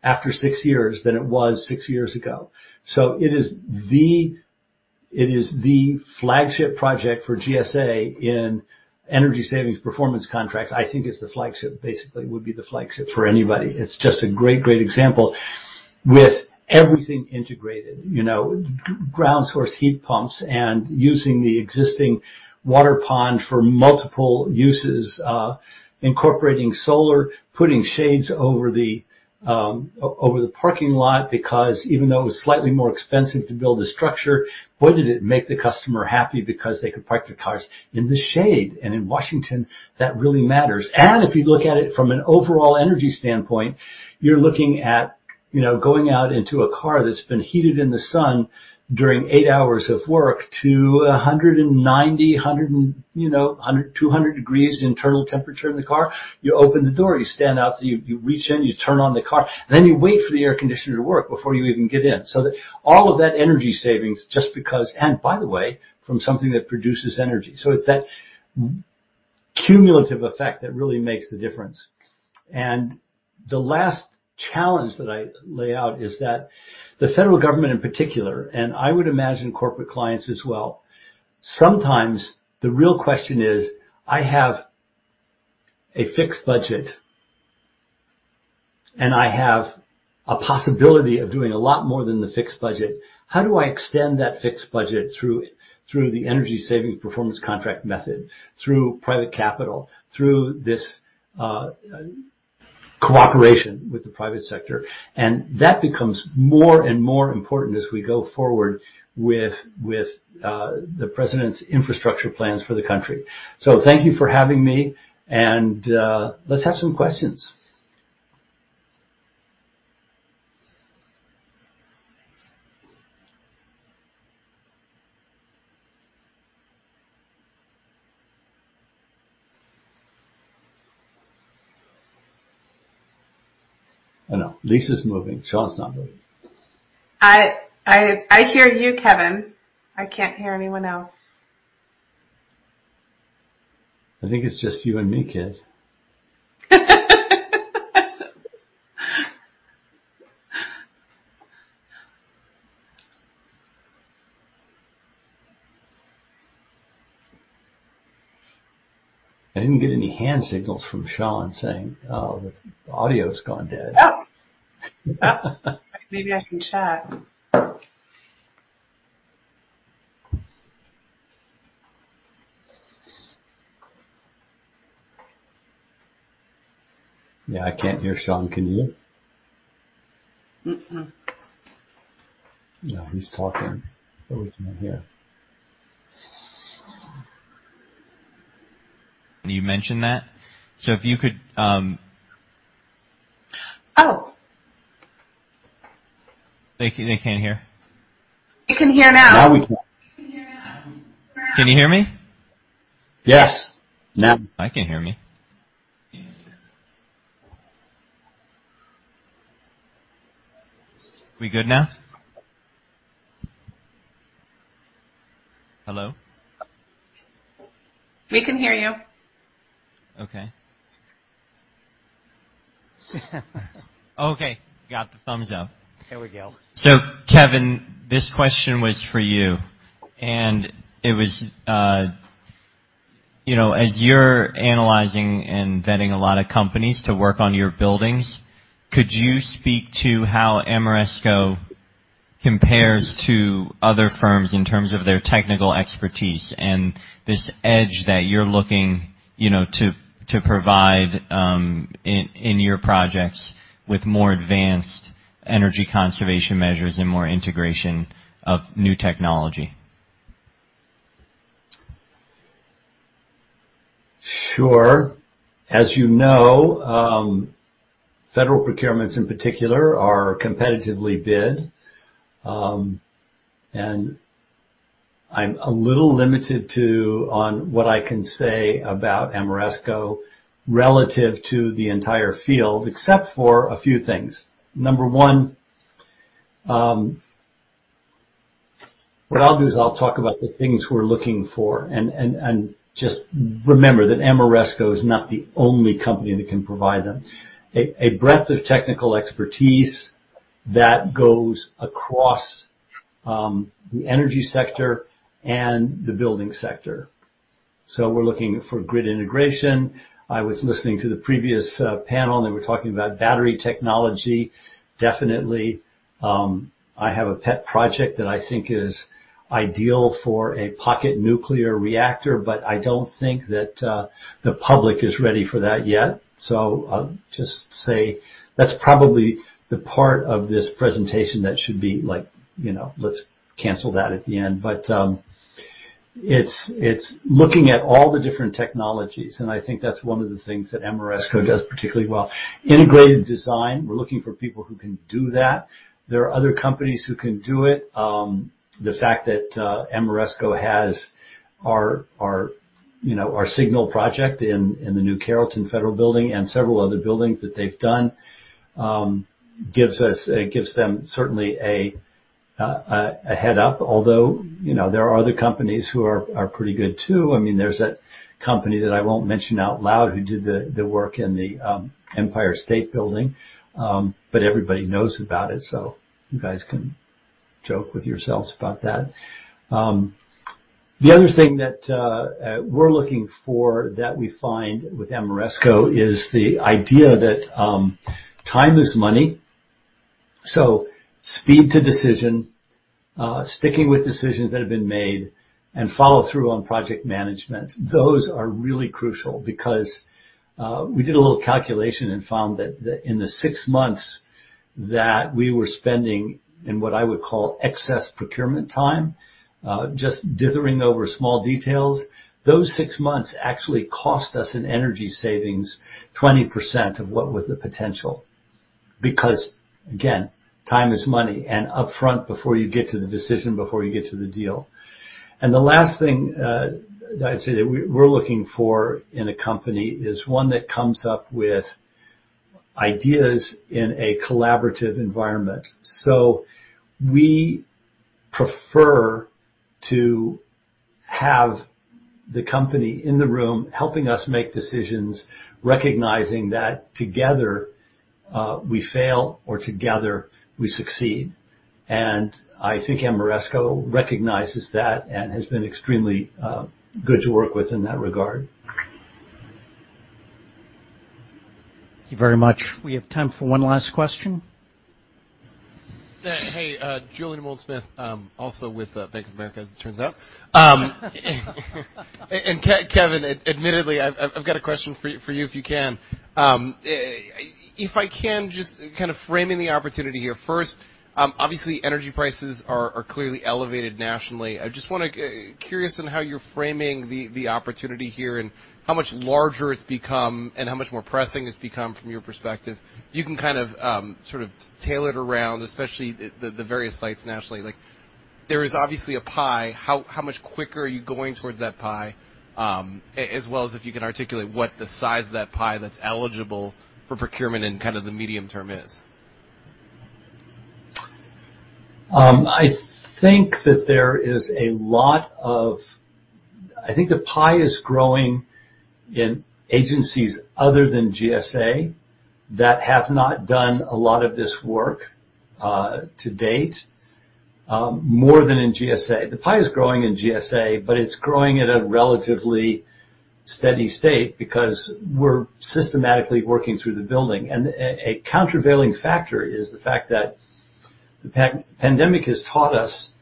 after six years than it was six years ago. It is the flagship project for GSA in energy savings performance contracts. I think it's the flagship. Basically would be the flagship for anybody. It's just a great example with everything integrated. You know, ground source heat pumps and using the existing water pond for multiple uses, incorporating solar, putting shades over the parking lot. Because even though it was slightly more expensive to build a structure, boy did it make the customer happy because they could park their cars in the shade. In Washington, that really matters. If you look at it from an overall energy standpoint, you're looking at, you know, going out into a car that's been heated in the sun during eight hours of work to 190-200 degrees internal temperature in the car. You open the door, you stand outside, you reach in, you turn on the car, and then you wait for the air conditioner to work before you even get in. All of that energy savings just because and by the way, from something that produces energy. It's that cumulative effect that really makes the difference. The last challenge that I lay out is that the federal government in particular, and I would imagine corporate clients as well, sometimes the real question is, I have a fixed budget, and I have a possibility of doing a lot more than the fixed budget. How do I extend that fixed budget through the energy savings performance contract method, through private capital, through this cooperation with the private sector? That becomes more and more important as we go forward with the president's infrastructure plans for the country. Thank you for having me and, let's have some questions. Oh, no. Lisa's moving. Sean's not moving. I hear you, Kevin. I can't hear anyone else. I think it's just you and me, kid. I didn't get any hand signals from Sean saying, "Oh, the audio's gone dead. Oh. Maybe I can check. Yeah, I can't hear Sean. Can you? Mm-mm. No, he's talking, but we can't hear. You mentioned that. If you could... Oh. They can't hear. They can hear now. Now we can. They can hear now. Can you hear me? Yes. Yes. I can hear me. We good now? Hello? We can hear you. Okay. Okay. Got the thumbs up. There we go. Kevin, this question was for you, and it was, as you're analyzing and vetting a lot of companies to work on your buildings, could you speak to how Ameresco compares to other firms in terms of their technical expertise and this edge that you're looking to provide in your projects with more advanced energy conservation measures and more integration of new technology? Sure. As you know, federal procurements in particular are competitively bid, and I'm a little limited to, on what I can say about Ameresco relative to the entire field, except for a few things. Number one, what I'll do is I'll talk about the things we're looking for and just remember that Ameresco is not the only company that can provide them. A breadth of technical expertise that goes across the energy sector and the building sector. We're looking for grid integration. I was listening to the previous panel, and they were talking about battery technology. Definitely, I have a pet project that I think is ideal for a pocket nuclear reactor, but I don't think that the public is ready for that yet. I'll just say that's probably the part of this presentation that should be like, you know, let's cancel that at the end. It's looking at all the different technologies, and I think that's one of the things that Ameresco does particularly well. Integrated design, we're looking for people who can do that. There are other companies who can do it. The fact that Ameresco has our, you know, our single project in the New Carrollton Federal Building and several other buildings that they've done gives them certainly a leg up. Although, you know, there are other companies who are pretty good too. I mean, there's that company that I won't mention out loud who did the work in the Empire State Building, but everybody knows about it, so you guys can joke with yourselves about that. The other thing that we're looking for that we find with Ameresco is the idea that time is money. Speed to decision, sticking with decisions that have been made and follow through on project management, those are really crucial because we did a little calculation and found that in the six months that we were spending in what I would call excess procurement time, just dithering over small details, those six months actually cost us in energy savings, 20% of what was the potential. Because, again, time is money and upfront before you get to the decision, before you get to the deal. The last thing that I'd say that we're looking for in a company is one that comes up with ideas in a collaborative environment. We prefer to have the company in the room helping us make decisions, recognizing that together we fail or together we succeed. I think Ameresco recognizes that and has been extremely good to work with in that regard. Thank you very much. We have time for one last question. Hey, Julien Dumoulin-Smith, also with Bank of America, as it turns out. Kevin Kampschroer, admittedly, I've got a question for you if you can. If I can just kind of frame the opportunity here first, obviously energy prices are clearly elevated nationally. I'm just curious on how you're framing the opportunity here and how much larger it's become and how much more pressing it's become from your perspective. You can kind of sort of tailor it around, especially the various sites nationally. Like, there is obviously a pie, how much quicker are you going towards that pie? As well as if you can articulate what the size of that pie that's eligible for procurement in kind of the medium term is. I think the pie is growing in agencies other than GSA that have not done a lot of this work to date more than in GSA. The pie is growing in GSA, but it's growing at a relatively steady state because we're systematically working through the building. A countervailing factor is the fact that the pandemic has taught us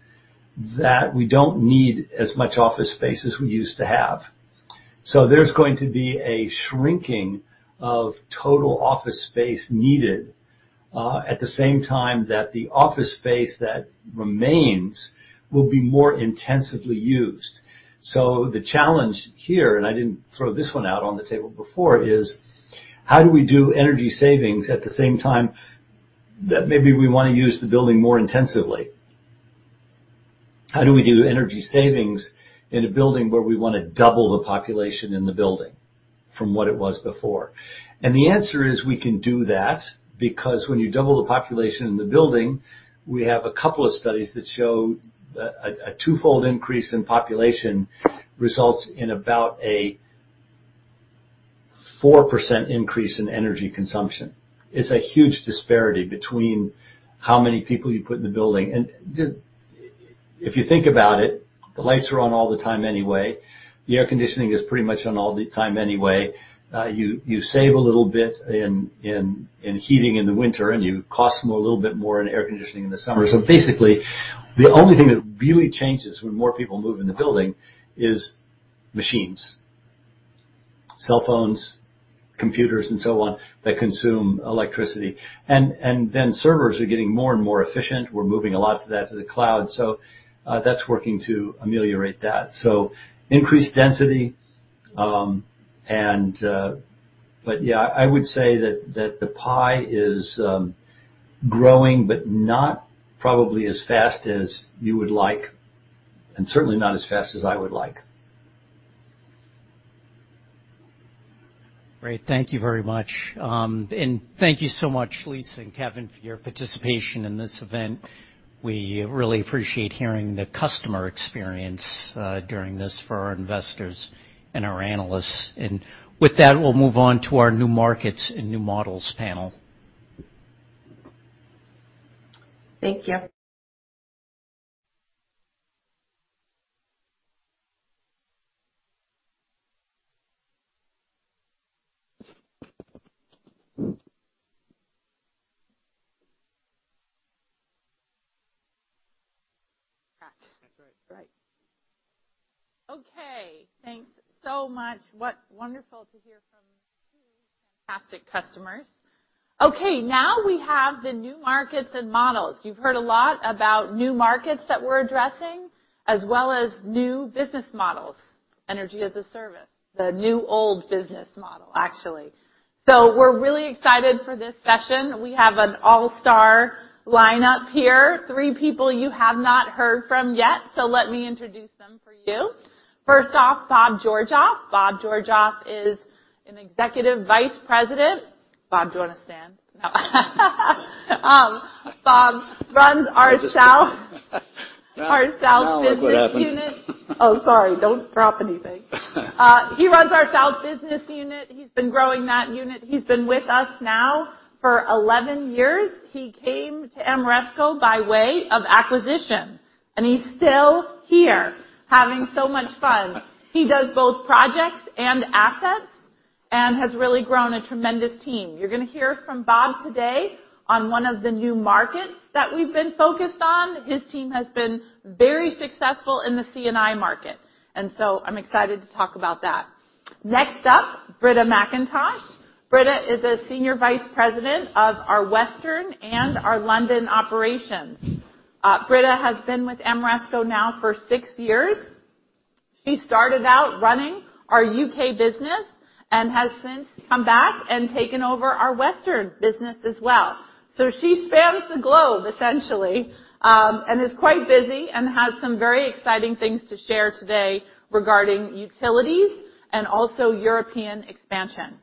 that we don't need as much office space as we used to have. There's going to be a shrinking of total office space needed at the same time that the office space that remains will be more intensively used. The challenge here, and I didn't throw this one out on the table before, is how do we do energy savings at the same time that maybe we wanna use the building more intensively? How do we do energy savings in a building where we wanna double the population in the building from what it was before? The answer is we can do that because when you double the population in the building, we have a couple of studies that show a twofold increase in population results in about a 4% increase in energy consumption. It's a huge disparity between how many people you put in the building. Just, if you think about it, the lights are on all the time anyway. The air conditioning is pretty much on all the time anyway. You save a little bit in heating in the winter, and you cost more, a little bit more in air conditioning in the summer. Basically, the only thing that really changes when more people move in the building is machines, cell phones, computers and so on, that consume electricity. Servers are getting more and more efficient. We're moving a lot of that to the cloud. That's working to ameliorate that. Increased density and Yeah, I would say that the pie is growing, but not probably as fast as you would like, and certainly not as fast as I would like. Great. Thank you very much. Thank you so much, Lisa and Kevin for your participation in this event. We really appreciate hearing the customer experience, during this for our investors and our analysts. With that, we'll move on to our new markets and new models panel. Thank you. Gotcha. That's right. Right. Okay, thanks so much. What a wonderful to hear from two fantastic customers. Okay, now we have the new markets and models. You've heard a lot about new markets that we're addressing, as well as new business models, energy as a service, the new old business model, actually. We're really excited for this session. We have an all-star lineup here. Three people you have not heard from yet, so let me introduce them for you. First off, Bob Georgeoff. Bob Georgeoff is an Executive Vice President. Bob, do you want to stand? Bob runs our South Business Unit. Now look what happens. He runs our south business unit. He's been growing that unit. He's been with us now for 11 years. He came to Ameresco by way of acquisition, and he's still here, having so much fun. He does both projects and assets and has really grown a tremendous team. You're gonna hear from Bob today on one of the new markets that we've been focused on. His team has been very successful in the C&I market, and so I'm excited to talk about that. Next up, Britta MacIntosh. Britta is a Senior Vice President of our Western and our London operations. Britta has been with Ameresco now for six years. She started out running our U.K. business and has since come back and taken over our Western business as well. She spans the globe, essentially, and is quite busy and has some very exciting things to share today regarding utilities and also European expansion.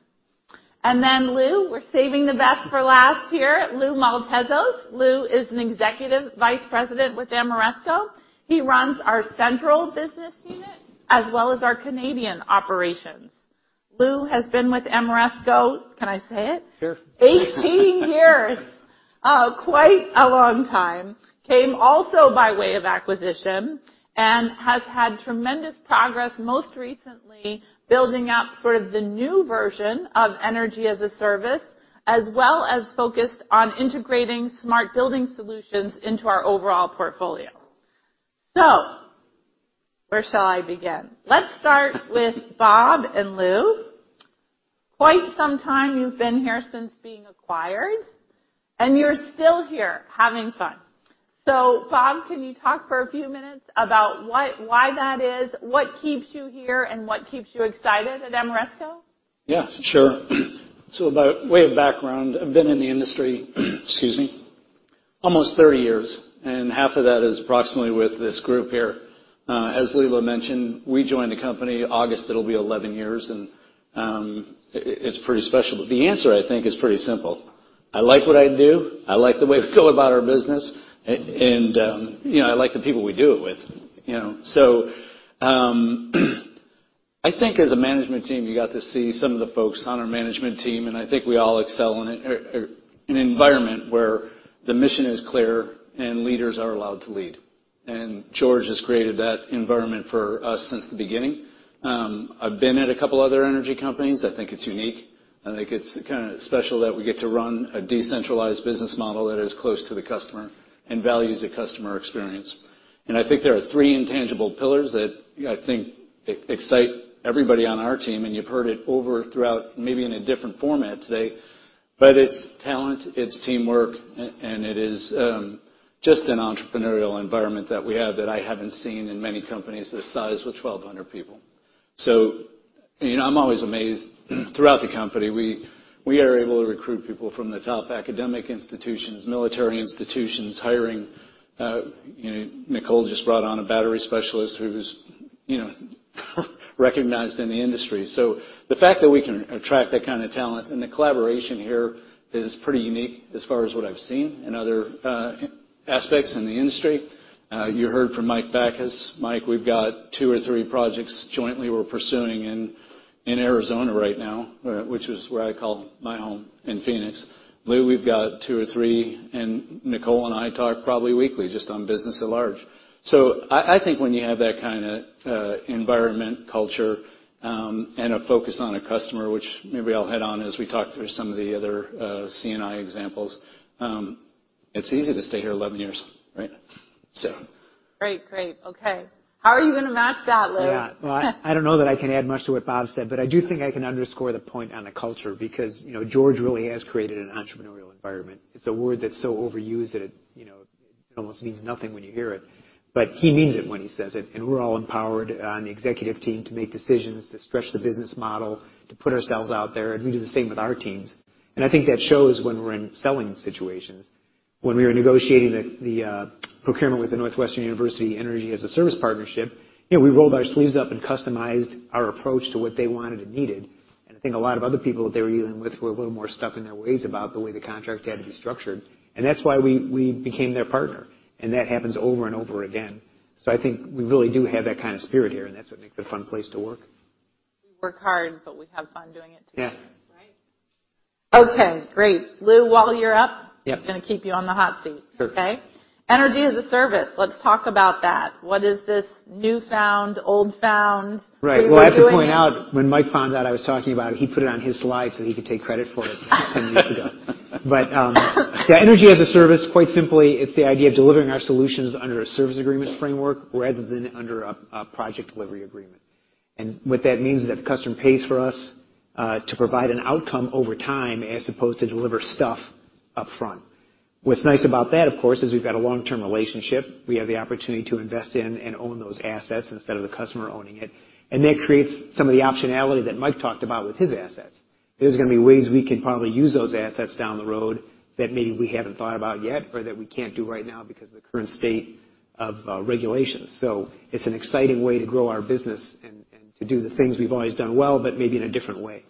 Then, Louis, we're saving the best for last here. Louis Maltezos. Louis is an Executive Vice President with Ameresco. He runs our central business unit as well as our Canadian operations. Louis has been with Ameresco. Can I say it? Sure. 18 years. Quite a long time. Came also by way of acquisition and has had tremendous progress, most recently, building out sort of the new version of energy as a service, as well as focused on integrating Smart Building Solutions into our overall portfolio. Where shall I begin? Let's start with Bob and Lou. Quite some time you've been here since being acquired, and you're still here having fun. Bob, can you talk for a few minutes about why that is, what keeps you here, and what keeps you excited at Ameresco? Yeah, sure. By way of background, I've been in the industry, excuse me, almost 30 years, and half of that is approximately with this group here. As Leila mentioned, we joined the company, August it'll be 11 years, and it's pretty special. The answer, I think, is pretty simple. I like what I do, I like the way we go about our business, and you know, I like the people we do it with, you know? I think as a management team, you got to see some of the folks on our management team, and I think we all excel in it. An environment where the mission is clear and leaders are allowed to lead. George has created that environment for us since the beginning. I've been at a couple other energy companies. I think it's unique. I think it's kinda special that we get to run a decentralized business model that is close to the customer and values the customer experience. I think there are three intangible pillars that, I think, excite everybody on our team, and you've heard it over, throughout, maybe in a different format today. It's talent, it's teamwork, and it is just an entrepreneurial environment that we have that I haven't seen in many companies this size with 1,200 people. You know, I'm always amazed, throughout the company, we are able to recruit people from the top academic institutions, military institutions, hiring, you know, Nicole just brought on a battery specialist who's, you know, recognized in the industry. The fact that we can attract that kind of talent and the collaboration here is pretty unique as far as what I've seen in other aspects in the industry. You heard from Michael Bakas. Mike, we've got two or three projects jointly we're pursuing in Arizona right now, which is where I call my home in Phoenix. Lou, we've got two or three, and Nicole and I talk probably weekly just on business at large. I think when you have that kinda environment culture, and a focus on a customer, which maybe I'll hit on as we talk through some of the other C&I examples, it's easy to stay here 11 years, right? Great. Okay. How are you gonna match that, Lou? Yeah. Well, I don't know that I can add much to what Bob said, but I do think I can underscore the point on the culture because, you know, George really has created an entrepreneurial environment. It's a word that's so overused that it, you know. It almost means nothing when you hear it, but he means it when he says it, and we're all empowered on the executive team to make decisions, to stretch the business model, to put ourselves out there, and we do the same with our teams. I think that shows when we're in selling situations. When we were negotiating the procurement with the Northwestern University energy as a service partnership, you know, we rolled our sleeves up and customized our approach to what they wanted and needed. I think a lot of other people that they were dealing with were a little more stuck in their ways about the way the contract had to be structured. That's why we became their partner, and that happens over and over again. I think we really do have that kinda spirit here, and that's what makes it a fun place to work. We work hard, but we have fun doing it too. Yeah. Right? Okay, great. Lou, while you're up- Yeah. Gonna keep you on the hot seat. Sure. Okay? Energy as a service. Let's talk about that. What is this newfound, old found thing we're doing? Right. Well, I have to point out, when Mike found out I was talking about it, he put it on his slide so he could take credit for it 10 years ago. Energy as a service, quite simply, it's the idea of delivering our solutions under a service agreement framework rather than under a project delivery agreement. What that means is that the customer pays for us to provide an outcome over time as opposed to deliver stuff upfront. What's nice about that, of course, is we've got a long-term relationship, we have the opportunity to invest in and own those assets instead of the customer owning it, and that creates some of the optionality that Mike talked about with his assets. There's gonna be ways we can probably use those assets down the road that maybe we haven't thought about yet or that we can't do right now because of the current state of regulations. It's an exciting way to grow our business and to do the things we've always done well, but maybe in a different way.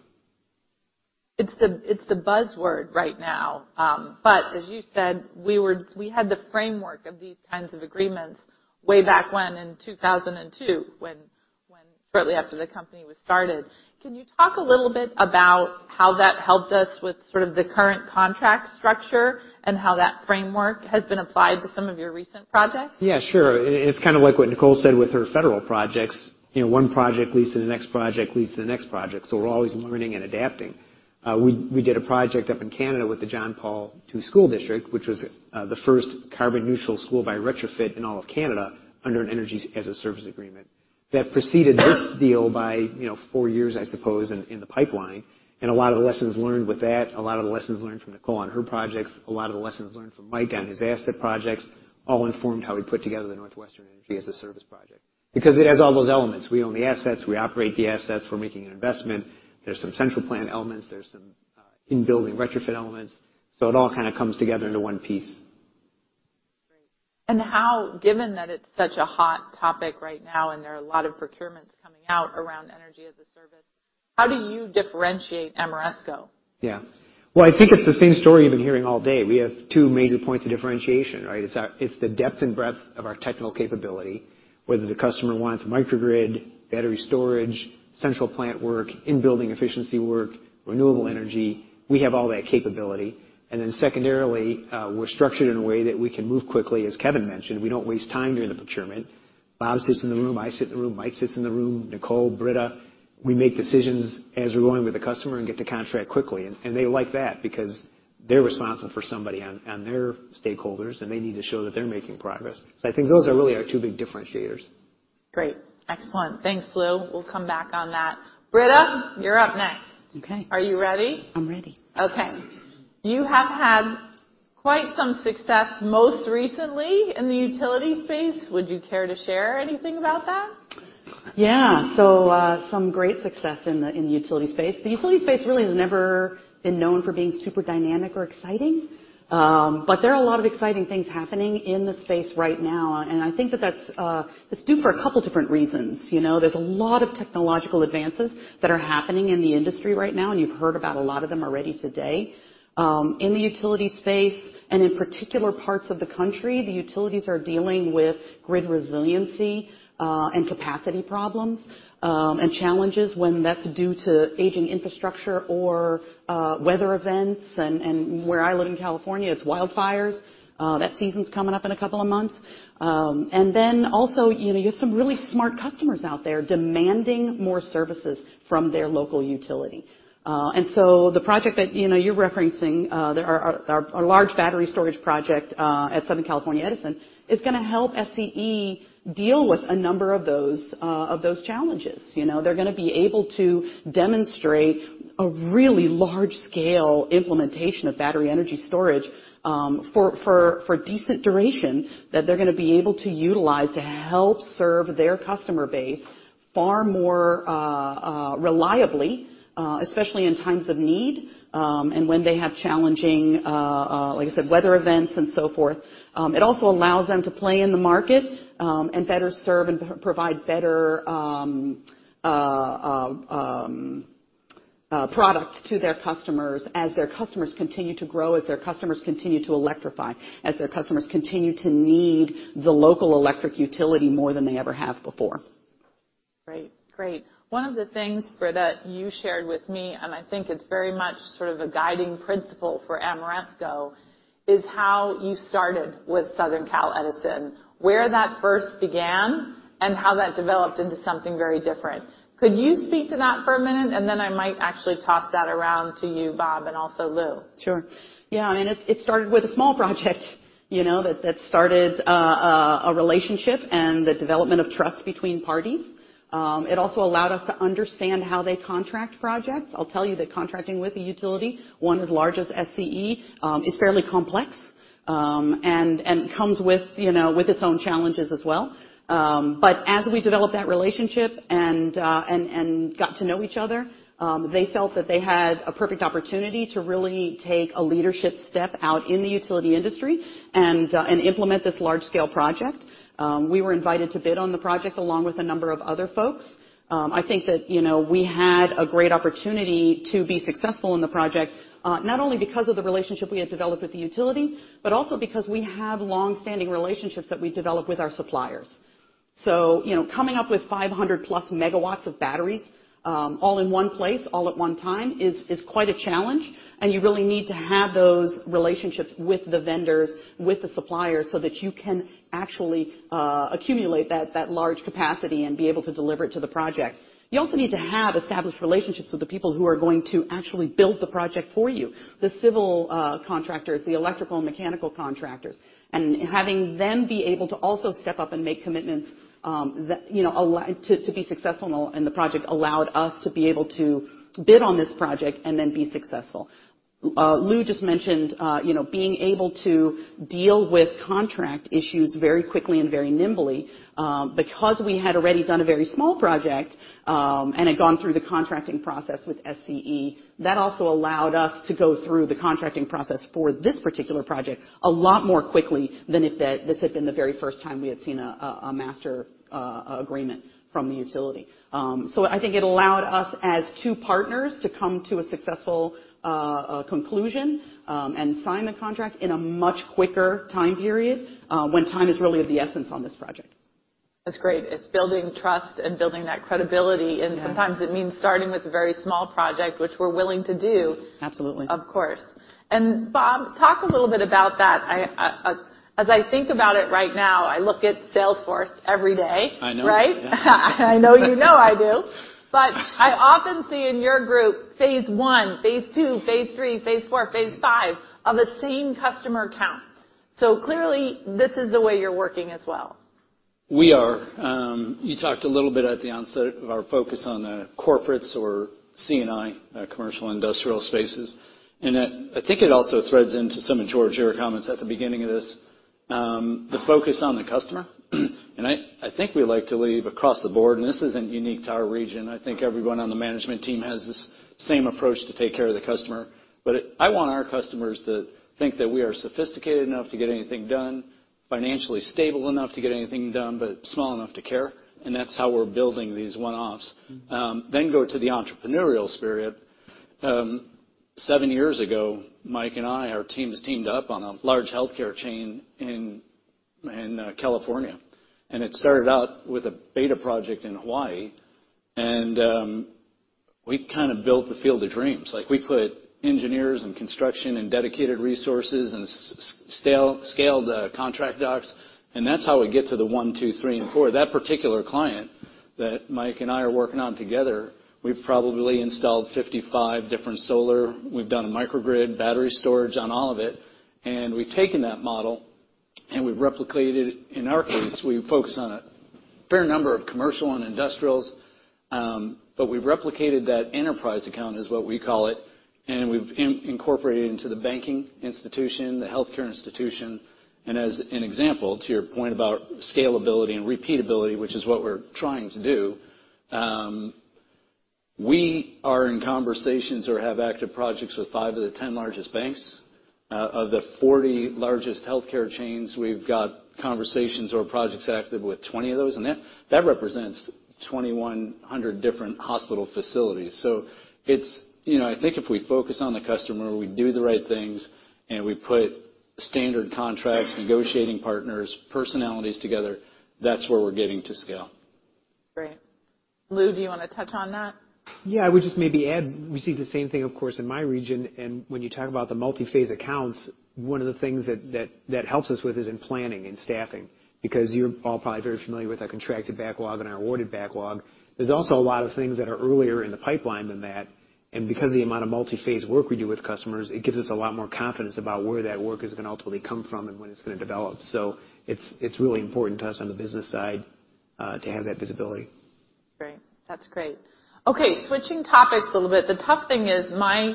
It's the buzzword right now. As you said, we had the framework of these kinds of agreements way back when in 2002 when shortly after the company was started. Can you talk a little bit about how that helped us with sort of the current contract structure and how that framework has been applied to some of your recent projects? Yeah, sure. It's kinda like what Nicole said with her federal projects. You know, one project leads to the next project, leads to the next project, so we're always learning and adapting. We did a project up in Canada with the John Paul II Catholic Secondary School, which was the first carbon neutral school by retrofit in all of Canada under an energy as a service agreement. That preceded this deal by, you know, four years, I suppose, in the pipeline. A lot of the lessons learned with that, a lot of the lessons learned from Nicole on her projects, a lot of the lessons learned from Mike on his asset projects all informed how we put together the Northwestern University energy as a service project. Because it has all those elements. We own the assets, we operate the assets, we're making an investment. There's some central plant elements, there's some in building retrofit elements, so it all kinda comes together into one piece. Great. How, given that it's such a hot topic right now and there are a lot of procurements coming out around energy as a service, how do you differentiate Ameresco? Well, I think it's the same story you've been hearing all day. We have two major points of differentiation, right? It's the depth and breadth of our technical capability, whether the customer wants microgrid, battery storage, central plant work in building efficiency work, renewable energy, we have all that capability. And then secondarily, we're structured in a way that we can move quickly. As Kevin mentioned, we don't waste time during the procurement. Bob sits in the room, I sit in the room, Mike sits in the room, Nicole, Britta, we make decisions as we're going with the customer and get the contract quickly. And they like that because they're responsible for somebody on their stakeholders, and they need to show that they're making progress. So I think those are really our two big differentiators. Great. Excellent. Thanks, Lou. We'll come back on that. Britta, you're up next. Okay. Are you ready? I'm ready. Okay. You have had quite some success most recently in the utility space. Would you care to share anything about that? Yeah. Some great success in the utility space. The utility space really has never been known for being super dynamic or exciting, but there are a lot of exciting things happening in the space right now, and I think that that's due to a couple different reasons. You know, there's a lot of technological advances that are happening in the industry right now, and you've heard about a lot of them already today. In the utility space and in particular parts of the country, the utilities are dealing with grid resiliency, and capacity problems, and challenges when that's due to aging infrastructure or, weather events. Where I live in California, it's wildfires. That season's coming up in a couple of months. you know, you have some really smart customers out there demanding more services from their local utility. The project that, you know, you're referencing, there is a large battery storage project at Southern California Edison, is gonna help SCE deal with a number of those challenges. You know, they're gonna be able to demonstrate a really large scale implementation of battery energy storage, for decent duration that they're gonna be able to utilize to help serve their customer base far more reliably, especially in times of need, and when they have challenging, like I said, weather events and so forth. It also allows them to play in the market, and better serve and provide better products to their customers as their customers continue to grow, as their customers continue to electrify, as their customers continue to need the local electric utility more than they ever have before. Great. One of the things, Britta, you shared with me, and I think it's very much sort of a guiding principle for Ameresco, is how you started with Southern Carl Edison, where that first began and how that developed into something very different. Could you speak to that for a minute, and then I might actually toss that around to you, Bob, and also Lou. Sure. Yeah. It started with a small project, you know, that started a relationship and the development of trust between parties. It also allowed us to understand how they contract projects. I'll tell you that contracting with a utility, one as large as SCE, is fairly complex and comes with, you know, with its own challenges as well. As we developed that relationship and got to know each other, they felt that they had a perfect opportunity to really take a leadership step out in the utility industry and implement this large-scale project. We were invited to bid on the project along with a number of other folks. I think that, you know, we had a great opportunity to be successful in the project, not only because of the relationship we had developed with the utility, but also because we have long-standing relationships that we developed with our suppliers. You know, coming up with 500+ MW of batteries, all in one place, all at one time is quite a challenge, and you really need to have those relationships with the vendors, with the suppliers, so that you can actually accumulate that large capacity and be able to deliver it to the project. You also need to have established relationships with the people who are going to actually build the project for you, the civil contractors, the electrical and mechanical contractors. Having them be able to also step up and make commitments, you know, that allow to be successful in the project allowed us to be able to bid on this project and then be successful. Louis just mentioned, you know, being able to deal with contract issues very quickly and very nimbly. Because we had already done a very small project and had gone through the contracting process with SCE, that also allowed us to go through the contracting process for this particular project a lot more quickly than if this had been the very first time we had seen a master agreement from the utility. I think it allowed us as two partners to come to a successful conclusion and sign the contract in a much quicker time period when time is really of the essence on this project. That's great. It's building trust and building that credibility. Yeah. Sometimes it means starting with a very small project, which we're willing to do. Absolutely. Of course. Bob, talk a little bit about that. I, as I think about it right now, I look at Salesforce every day. I know. Right? Yeah. I know you know I do. I often see in your group phase one, phase two, phase three, phase four, phase five of the same customer account. Clearly, this is the way you're working as well. We are. You talked a little bit at the onset of our focus on the corporates or C&I, commercial industrial spaces. I think it also threads into some of George, your comments at the beginning of this, the focus on the customer. I think we like to lead across the board, and this isn't unique to our region. I think everyone on the management team has this same approach to take care of the customer. I want our customers to think that we are sophisticated enough to get anything done, financially stable enough to get anything done, but small enough to care, and that's how we're building these one-offs. Go to the entrepreneurial spirit. Seven years ago, Mike and I, our teams teamed up on a large healthcare chain in California, and it started out with a beta project in Hawaii. We kind of built the field of dreams. Like, we put engineers and construction and dedicated resources and scaled the contract docs, and that's how we get to the one, two, three, and four. That particular client that Mike and I are working on together, we've probably installed 55 different solar. We've done a microgrid battery storage on all of it, and we've taken that model, and we've replicated it. In our case, we focus on a fair number of commercial and industrials, but we've replicated that enterprise account is what we call it, and we've incorporated into the banking institution, the healthcare institution. As an example to your point about scalability and repeatability, which is what we're trying to do, we are in conversations or have active projects with five of the 10 largest banks. Of the 40 largest healthcare chains, we've got conversations or projects active with 20 of those, and that represents 2,100 different hospital facilities. You know, I think if we focus on the customer, we do the right things, and we put standard contracts, negotiating partners, personalities together, that's where we're getting to scale. Great. Lou, do you wanna touch on that? Yeah. I would just maybe add, we see the same thing, of course, in my region. When you talk about the multi-phase accounts, one of the things that helps us with is in planning and staffing. Because you're all probably very familiar with our contracted backlog and our awarded backlog, there's also a lot of things that are earlier in the pipeline than that. Because of the amount of multi-phase work we do with customers, it gives us a lot more confidence about where that work is gonna ultimately come from and when it's gonna develop. It's really important to us on the business side to have that visibility. Great. That's great. Okay, switching topics a little bit. The tough thing is my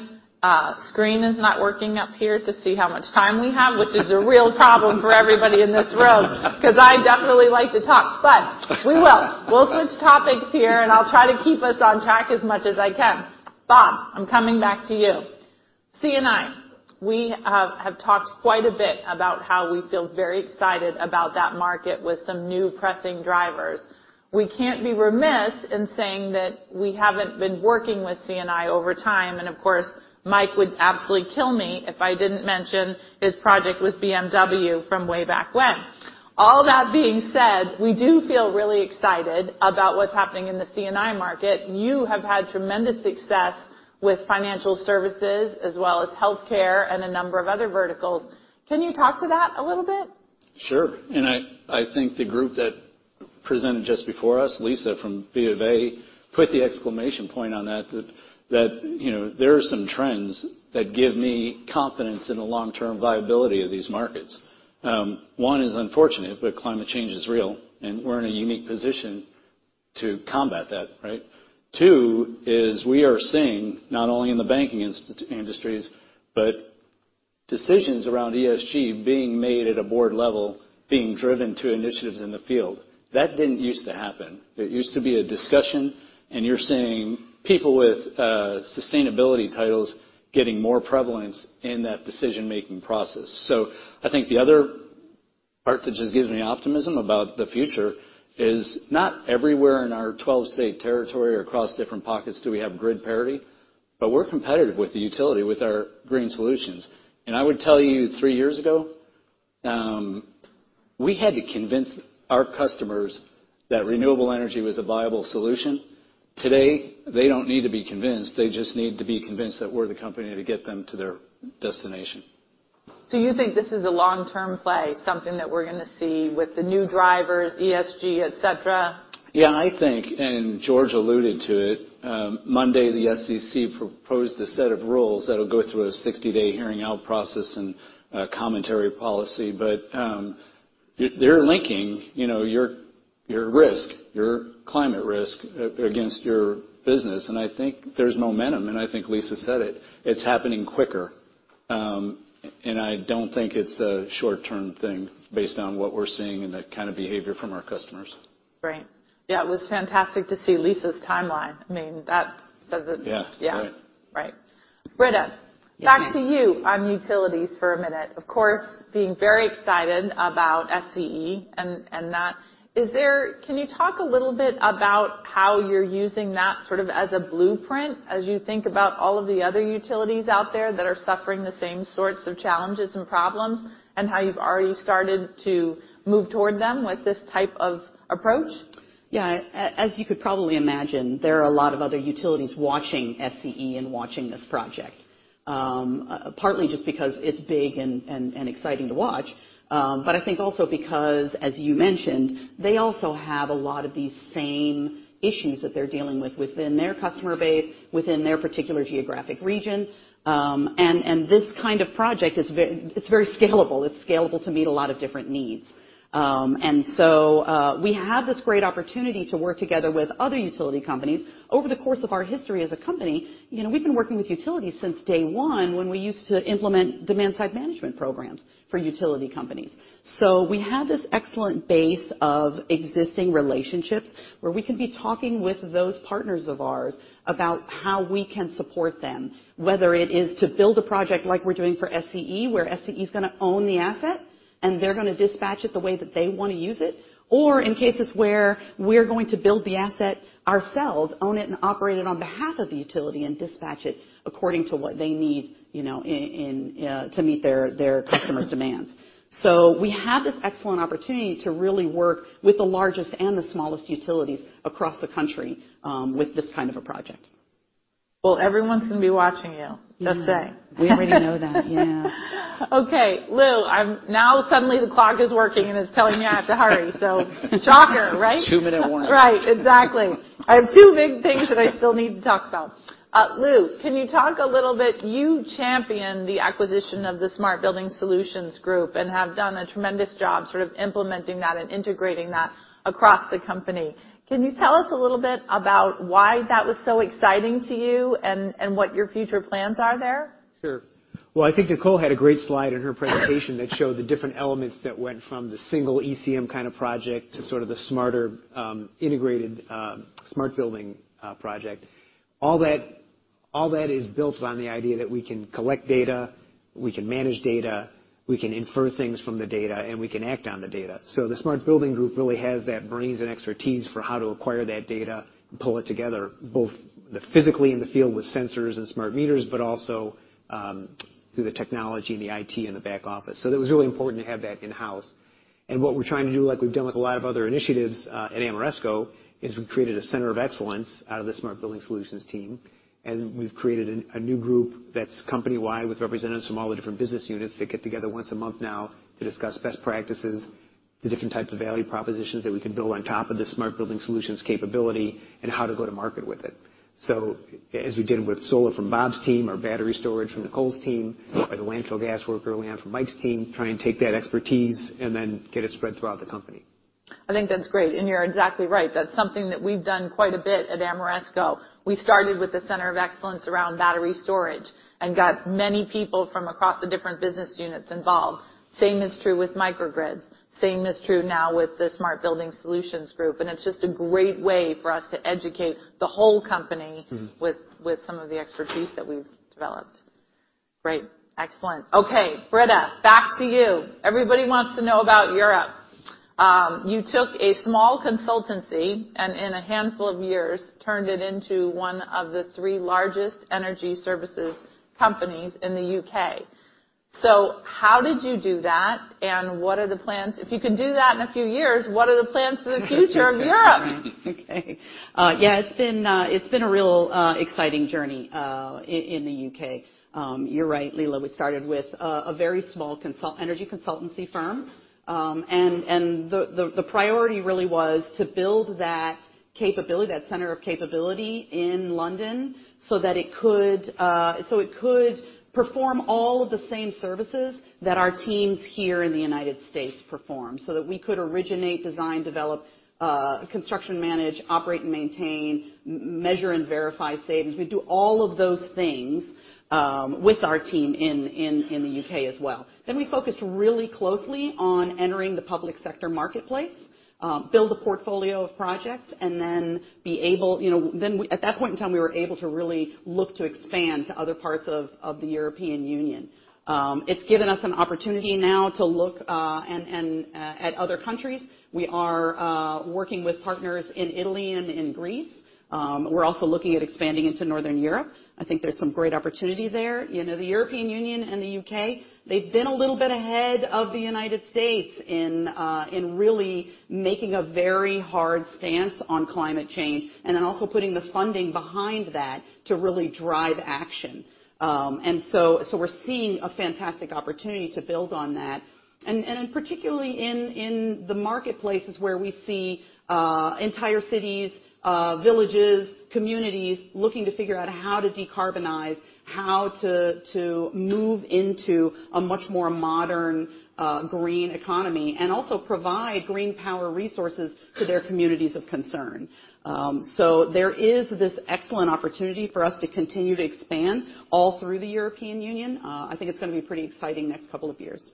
screen is not working up here to see how much time we have, which is a real problem for everybody in this room, 'cause I definitely like to talk. We will. We'll switch topics here, and I'll try to keep us on track as much as I can. Bob, I'm coming back to you. C&I, we have talked quite a bit about how we feel very excited about that market with some new pressing drivers. We can't be remiss in saying that we haven't been working with C&I over time, and of course, Mike would absolutely kill me if I didn't mention his project with BMW from way back when. All that being said, we do feel really excited about what's happening in the C&I market. You have had tremendous success with financial services as well as healthcare and a number of other verticals. Can you talk to that a little bit? Sure. I think the group that presented just before us, Lisa from BofA, put the exclamation point on that, you know, there are some trends that give me confidence in the long-term viability of these markets. One is unfortunate, but climate change is real, and we're in a unique position. To combat that, right? Two, we are seeing not only in the banking industries, but decisions around ESG being made at a board level, being driven to initiatives in the field. That didn't use to happen. It used to be a discussion, and you're seeing people with sustainability titles getting more prevalence in that decision-making process. I think the other part that just gives me optimism about the future is not everywhere in our 12-state territory or across different pockets do we have grid parity, but we're competitive with the utility with our green solutions. I would tell you, three years ago, we had to convince our customers that renewable energy was a viable solution. Today, they don't need to be convinced. They just need to be convinced that we're the company to get them to their destination. You think this is a long-term play, something that we're gonna see with the new drivers, ESG, et cetera? Yeah, I think, and George alluded to it, Monday the SEC proposed a set of rules that'll go through a 60-day comment period. They're linking, you know, your climate risk against your business. I think there's momentum, and I think Lisa said it's happening quicker. I don't think it's a short-term thing based on what we're seeing and the kind of behavior from our customers. Right. Yeah, it was fantastic to see Lisa's timeline. I mean, that says it. Yeah. Yeah. Right. Right. Britta, back to you on utilities for a minute. Of course, being very excited about SCE and that. Can you talk a little bit about how you're using that sort of as a blueprint as you think about all of the other utilities out there that are suffering the same sorts of challenges and problems, and how you've already started to move toward them with this type of approach? Yeah. As you could probably imagine, there are a lot of other utilities watching SCE and watching this project. Partly just because it's big and exciting to watch. I think also because, as you mentioned, they also have a lot of these same issues that they're dealing with within their customer base, within their particular geographic region. This kind of project is very scalable. It's scalable to meet a lot of different needs. We have this great opportunity to work together with other utility companies. Over the course of our history as a company, you know, we've been working with utilities since day one, when we used to implement demand-side management programs for utility companies. We have this excellent base of existing relationships where we can be talking with those partners of ours about how we can support them, whether it is to build a project like we're doing for SCE, where SCE is gonna own the asset, and they're gonna dispatch it the way that they wanna use it. In cases where we're going to build the asset ourselves, own it, and operate it on behalf of the utility and dispatch it according to what they need, you know, to meet their customers' demands. We have this excellent opportunity to really work with the largest and the smallest utilities across the country, with this kind of a project. Well, everyone's gonna be watching you. Yeah. Just saying. We already know that, yeah. Okay, Lou, now suddenly the clock is working and it's telling me I have to hurry. Shocker, right? Two-minute warning. Right. Exactly. I have two big things that I still need to talk about. Lou, can you talk a little bit, you championed the acquisition of the Smart Building Solutions group and have done a tremendous job sort of implementing that and integrating that across the company. Can you tell us a little bit about why that was so exciting to you and what your future plans are there? Sure. Well, I think Nicole had a great slide in her presentation that showed the different elements that went from the single ECM kind of project to sort of the smarter, integrated, smart building project. All that is built on the idea that we can collect data, we can manage data, we can infer things from the data, and we can act on the data. The Smart Building Group really has that brains and expertise for how to acquire that data and pull it together, both physically in the field with sensors and smart meters, but also through the technology and the IT in the back office. It was really important to have that in-house. What we're trying to do, like we've done with a lot of other initiatives, at Ameresco, is we've created a Center of Excellence out of the Smart Building Solutions team. We've created a new group that's company-wide with representatives from all the different business units that get together once a month now to discuss best practices, the different types of value propositions that we can build on top of the Smart Building Solutions capability, and how to go to market with it. As we did with solar from Bob's team or battery storage from Nicole's team or the landfill gas work early on from Mike's team, try and take that expertise and then get it spread throughout the company. I think that's great, and you're exactly right. That's something that we've done quite a bit at Ameresco. We started with the Center of Excellence around battery storage and got many people from across the different business units involved. Same is true with microgrids. Same is true now with the Smart Building Solutions group, and it's just a great way for us to educate the whole company. Mm-hmm with some of the expertise that we've developed. Great. Excellent. Okay, Britta, back to you. Everybody wants to know about Europe. You took a small consultancy and in a handful of years, turned it into one of the three largest energy services companies in the U.K. How did you do that, and what are the plans? If you can do that in a few years, what are the plans for the future of Europe? Okay. Yeah, it's been a real exciting journey in the U.K. You're right, Leila. We started with a very small energy consultancy firm. The priority really was to build that capability, that center of capability in London so that it could perform all of the same services that our teams here in the U.S. perform, so that we could originate, design, develop, construction manage, operate and maintain, measure and verify savings. We do all of those things with our team in the U.K. as well. We focus really closely on entering the public sector marketplace, build a portfolio of projects, and then be able, you know, at that point in time, we were able to really look to expand to other parts of the European Union. It's given us an opportunity now to look and at other countries. We are working with partners in Italy and in Greece. We're also looking at expanding into Northern Europe. I think there's some great opportunity there. You know, the European Union and the U.K., they've been a little bit ahead of the U.S. in really making a very hard stance on climate change, and then also putting the funding behind that to really drive action. We're seeing a fantastic opportunity to build on that. Particularly in the marketplaces where we see entire cities, villages, communities looking to figure out how to decarbonize, how to move into a much more modern green economy, and also provide green power resources to their communities of concern. There is this excellent opportunity for us to continue to expand all through the European Union. I think it's gonna be pretty exciting next couple of years.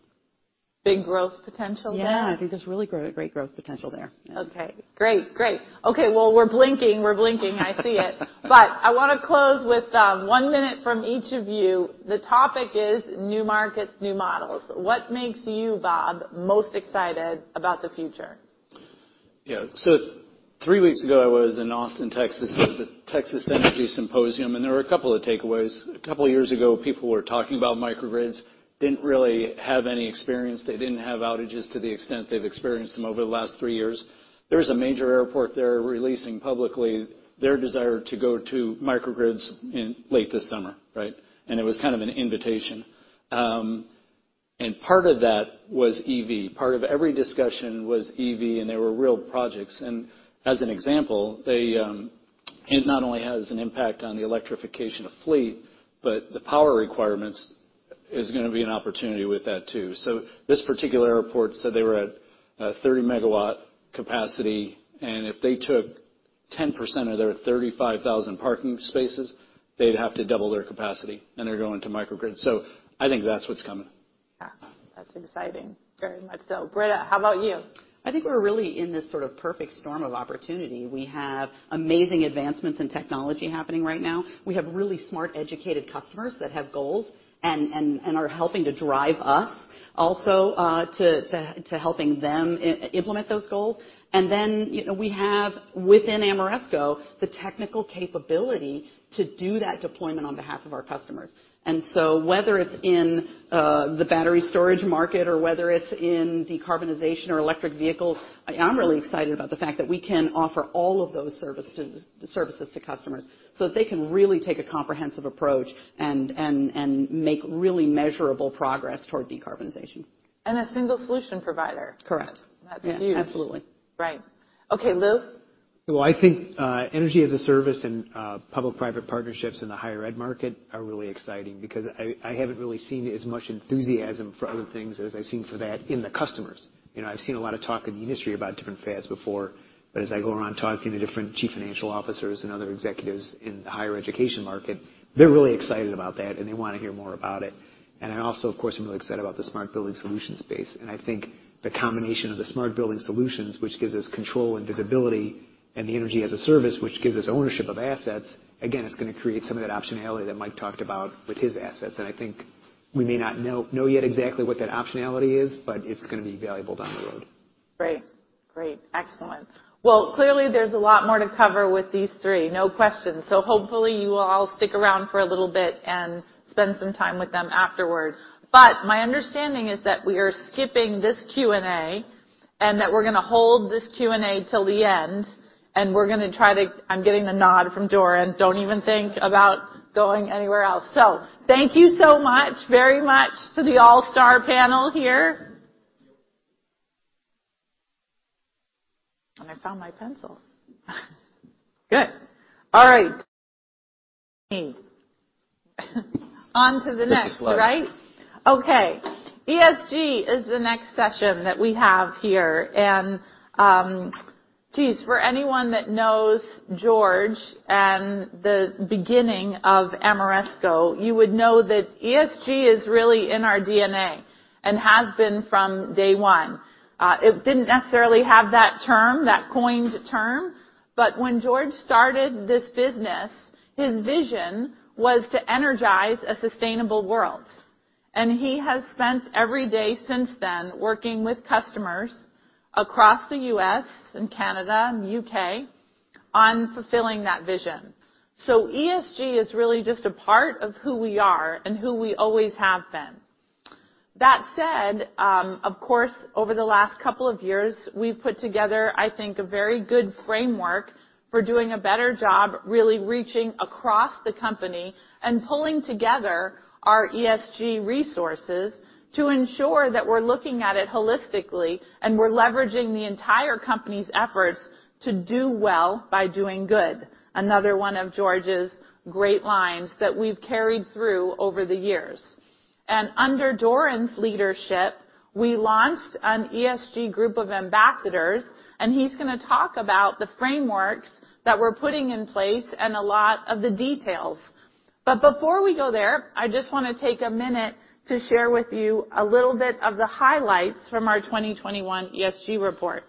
Big growth potential there? Yeah, I think there's really great growth potential there. Okay, great. Okay, well, we're blinking. I see it. I wanna close with one minute from each of you. The topic is new markets, new models. What makes you, Bob, most excited about the future? Yeah. Three weeks ago, I was in Austin, Texas. It was a Texas Energy Summit, and there were a couple of takeaways. A couple of years ago, people were talking about microgrids. They didn't really have any experience. They didn't have outages to the extent they've experienced them over the last three years. There was a major airport there releasing publicly their desire to go to microgrids in late this summer, right? It was kind of an invitation. Part of that was EV. Part of every discussion was EV, and they were real projects. As an example, they, it not only has an impact on the electrification of fleet, but the power requirements is gonna be an opportunity with that, too. This particular airport said they were at a 30 MW capacity, and if they took 10% of their 35,000 parking spaces, they'd have to double their capacity, and they're going to microgrid. I think that's what's coming. Yeah. That's exciting. Very much so. Britta, how about you? I think we're really in this sort of perfect storm of opportunity. We have amazing advancements in technology happening right now. We have really smart, educated customers that have goals and are helping to drive us also to helping them implement those goals. You know, we have within Ameresco the technical capability to do that deployment on behalf of our customers. Whether it's in the battery storage market or whether it's in decarbonization or electric vehicles, I'm really excited about the fact that we can offer all of those services to customers so they can really take a comprehensive approach and make really measurable progress toward decarbonization. A single solution provider. Correct. That's huge. Absolutely. Right. Okay, Louis? Well, I think, energy as a service and, public-private partnerships in the higher ed market are really exciting because I haven't really seen as much enthusiasm for other things as I've seen for that in the customers. You know, I've seen a lot of talk in the industry about different fads before, but as I go around talking to different chief financial officers and other executives in the higher education market, they're really excited about that, and they wanna hear more about it. I also, of course, I'm really excited about the Smart Building Solutions space. I think the combination of the Smart Building Solutions, which gives us control and visibility, and the energy as a service, which gives us ownership of assets, again, it's gonna create some of that optionality that Mike talked about with his assets. I think we may not know yet exactly what that optionality is, but it's gonna be valuable down the road. Great. Great. Excellent. Well, clearly, there's a lot more to cover with these three, no question. Hopefully, you all stick around for a little bit and spend some time with them afterward. But my understanding is that we are skipping this Q&A, and that we're gonna hold this Q&A till the end, and we're gonna try to. I'm getting the nod from Doran. Don't even think about going anywhere else. Thank you so much, very much to the all-star panel here. I found my pencil. Good. All right. On to the next, right? Okay. ESG is the next session that we have here. Geez, for anyone that knows George and the beginning of Ameresco, you would know that ESG is really in our DNA and has been from day one. It didn't necessarily have that term, that coined term, but when George started this business, his vision was to energize a sustainable world. He has spent every day since then working with customers across the U.S. and Canada and the U.K. on fulfilling that vision. ESG is really just a part of who we are and who we always have been. That said, of course, over the last couple of years, we've put together, I think, a very good framework for doing a better job really reaching across the company and pulling together our ESG resources to ensure that we're looking at it holistically, and we're leveraging the entire company's efforts to do well by doing good. Another one of George's great lines that we've carried through over the years. Under Doran's leadership, we launched an ESG group of ambassadors, and he's gonna talk about the frameworks that we're putting in place and a lot of the details. Before we go there, I just wanna take a minute to share with you a little bit of the highlights from our 2021 ESG report.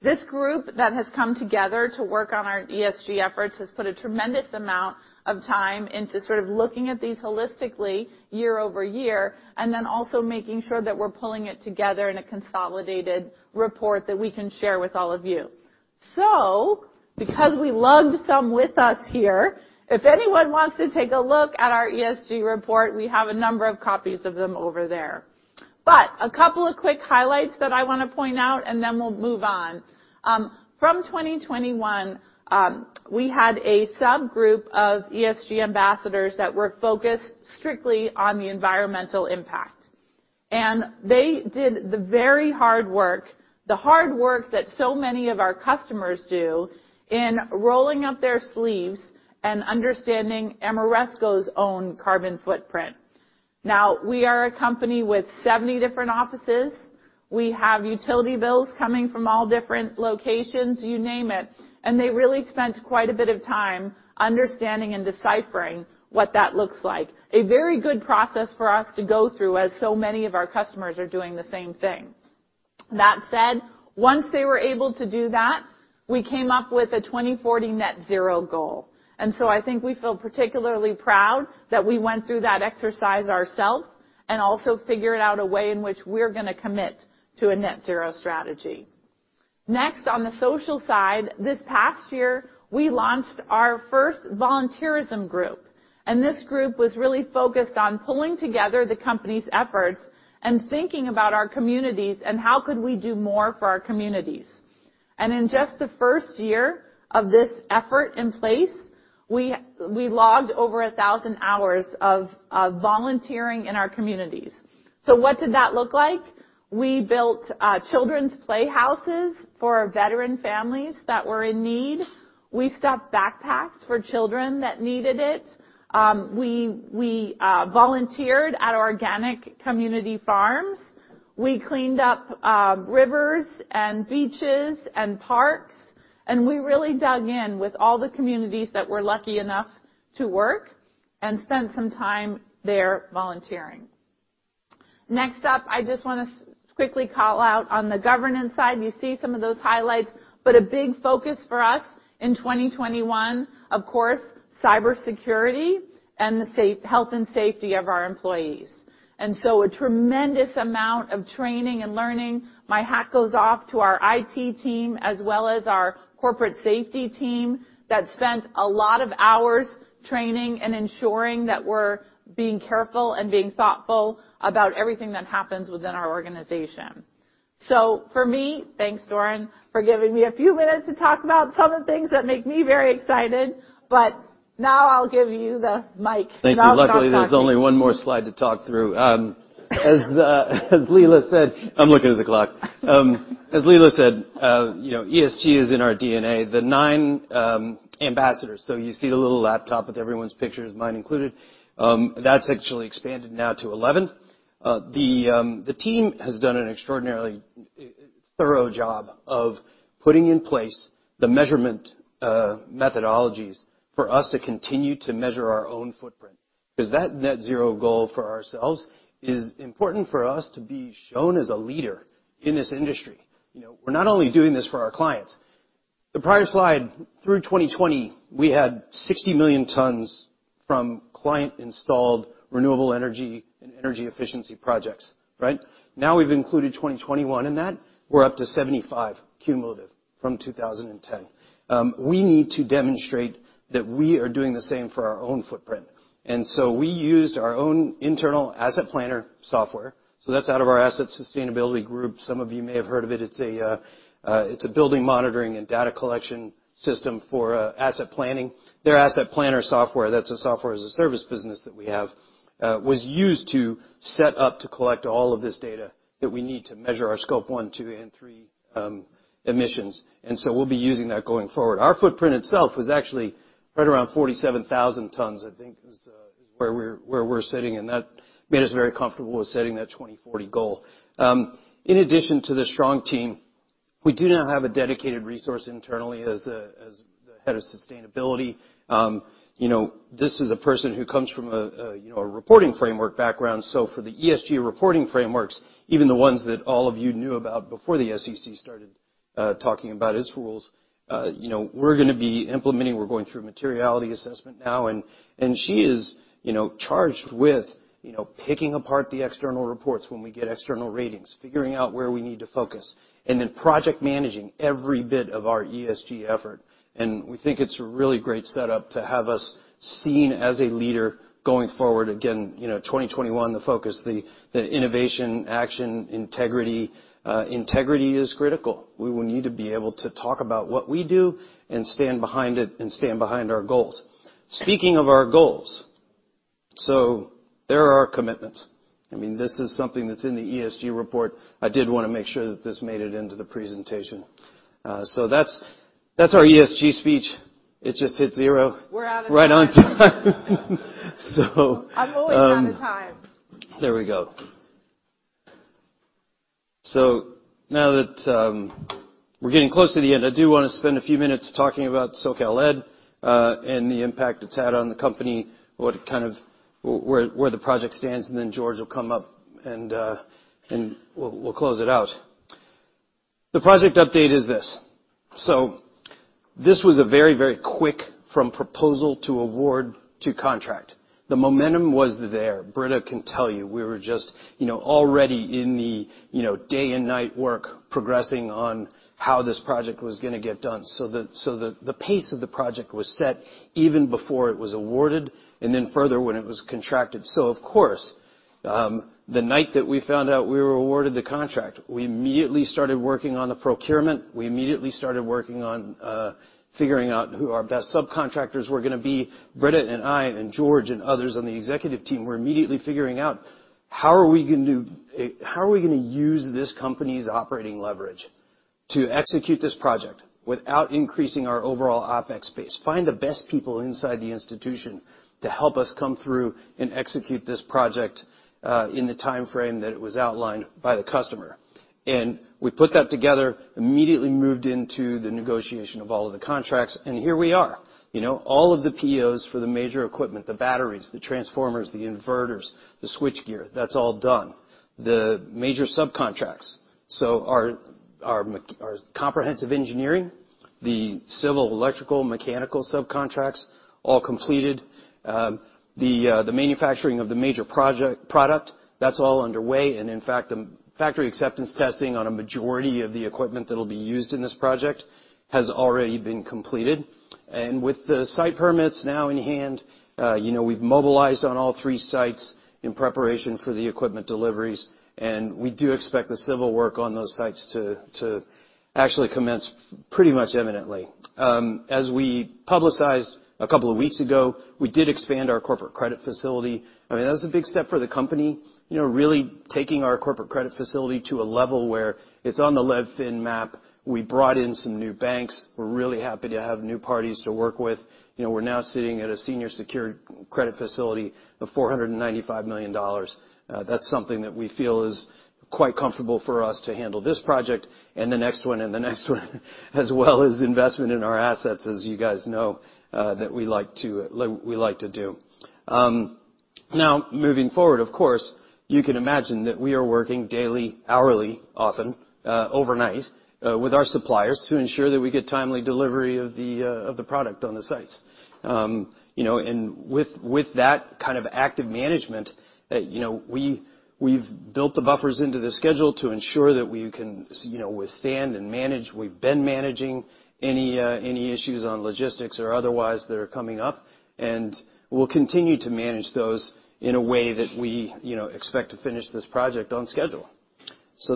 This group that has come together to work on our ESG efforts has put a tremendous amount of time into sort of looking at these holistically year-over-year, and then also making sure that we're pulling it together in a consolidated report that we can share with all of you. Because we lugged some with us here, if anyone wants to take a look at our ESG report, we have a number of copies of them over there. A couple of quick highlights that I wanna point out, and then we'll move on. From 2021, we had a subgroup of ESG ambassadors that were focused strictly on the environmental impact. They did the hard work that so many of our customers do in rolling up their sleeves and understanding Ameresco's own carbon footprint. Now, we are a company with 70 different offices. We have utility bills coming from all different locations, you name it, and they really spent quite a bit of time understanding and deciphering what that looks like. A very good process for us to go through as so many of our customers are doing the same thing. That said, once they were able to do that, we came up with a 2040 net zero goal. I think we feel particularly proud that we went through that exercise ourselves and also figured out a way in which we're gonna commit to a net zero strategy. Next, on the social side, this past year, we launched our first volunteerism group, and this group was really focused on pulling together the company's efforts and thinking about our communities and how could we do more for our communities. In just the first year of this effort in place, we logged over 1,000 hours of volunteering in our communities. What did that look like? We built children's playhouses for veteran families that were in need. We stuffed backpacks for children that needed it. We volunteered at organic community farms. We cleaned up rivers and beaches and parks, and we really dug in with all the communities that were lucky enough to work and spend some time there volunteering. Next up, I just wanna quickly call out on the governance side, you see some of those highlights, but a big focus for us in 2021, of course, cybersecurity and the health and safety of our employees. A tremendous amount of training and learning. My hat goes off to our IT team as well as our corporate safety team that spent a lot of hours training and ensuring that we're being careful and being thoughtful about everything that happens within our organization. For me, thanks, Doran, for giving me a few minutes to talk about some of the things that make me very excited. Now I'll give you the mic. Thank you. Luckily, there's only one more slide to talk through. As Leila said, I'm looking at the clock. As Leila said, you know, ESG is in our DNA. The nine ambassadors, so you see the little laptop with everyone's pictures, mine included, that's actually expanded now to 11. The team has done an extraordinarily thorough job of putting in place the measurement methodologies for us to continue to measure our own footprint 'cause that net zero goal for ourselves is important for us to be shown as a leader in this industry. You know, we're not only doing this for our clients. The prior slide, through 2020, we had 60 million tons from client-installed renewable energy and energy efficiency projects, right? Now we've included 2021 in that, we're up to 75 cumulative from 2010. We need to demonstrate that we are doing the same for our own footprint. We used our own internal Asset Planner software. That's out of our asset sustainability group. Some of you may have heard of it. It's a building monitoring and data collection system for asset planning. Their Asset Planner software, that's a software-as-a-service business that we have, was used to set up to collect all of this data that we need to measure our Scope 1, 2, and 3 emissions. We'll be using that going forward. Our footprint itself was actually right around 47,000 tons, I think is where we're sitting, and that made us very comfortable with setting that 2040 goal. In addition to the strong team, we do now have a dedicated resource internally as the head of sustainability. You know, this is a person who comes from a reporting framework background. For the ESG reporting frameworks, even the ones that all of you knew about before the SEC started talking about its rules, you know, we're gonna be implementing, we're going through materiality assessment now, and she is charged with picking apart the external reports when we get external ratings, figuring out where we need to focus, and then project managing every bit of our ESG effort. We think it's a really great setup to have us seen as a leader going forward. Again, you know, 2021, the focus, the innovation, action, integrity. Integrity is critical. We will need to be able to talk about what we do and stand behind it and stand behind our goals. Speaking of our goals, there are our commitments. I mean, this is something that's in the ESG report. I did wanna make sure that this made it into the presentation. That's our ESG speech. It just hits zero- We're out of time. Right on time. I'm always out of time. There we go. Now that we're getting close to the end, I do wanna spend a few minutes talking about SCE, and the impact it's had on the company, where the project stands, and then George will come up and we'll close it out. The project update is this. This was a very quick from proposal to award to contract. The momentum was there. Britta can tell you, we were just, you know, already in the, you know, day and night work progressing on how this project was gonna get done. The pace of the project was set even before it was awarded, and then further when it was contracted. Of course, the night that we found out we were awarded the contract, we immediately started working on the procurement. We immediately started working on figuring out who our best subcontractors were gonna be. Britta and I and George and others on the executive team were immediately figuring out how are we gonna use this company's operating leverage to execute this project without increasing our overall OpEx base. Find the best people inside the institution to help us come through and execute this project in the timeframe that it was outlined by the customer. We put that together, immediately moved into the negotiation of all of the contracts, and here we are, you know. All of the POs for the major equipment, the batteries, the transformers, the inverters, the switchgear, that's all done. The major subcontracts, so our comprehensive engineering, the civil, electrical, mechanical subcontracts all completed. The manufacturing of the major project product, that's all underway. In fact, the factory acceptance testing on a majority of the equipment that'll be used in this project has already been completed. With the site permits now in hand, you know, we've mobilized on all three sites in preparation for the equipment deliveries, and we do expect the civil work on those sites to actually commence pretty much imminently. As we publicized a couple of weeks ago, we did expand our corporate credit facility. I mean, that was a big step for the company, you know, really taking our corporate credit facility to a level where it's on the. We brought in some new banks. We're really happy to have new parties to work with. You know, we're now sitting at a senior secured credit facility of $495 million. That's something that we feel is quite comfortable for us to handle this project and the next one and the next one, as well as investment in our assets, as you guys know, that we like to do. Now moving forward, of course, you can imagine that we are working daily, hourly, often, overnight, with our suppliers to ensure that we get timely delivery of the product on the sites. You know, and with that kind of active management, you know, we've built the buffers into the schedule to ensure that we can withstand and manage. We've been managing any issues on logistics or otherwise that are coming up, and we'll continue to manage those in a way that we, you know, expect to finish this project on schedule.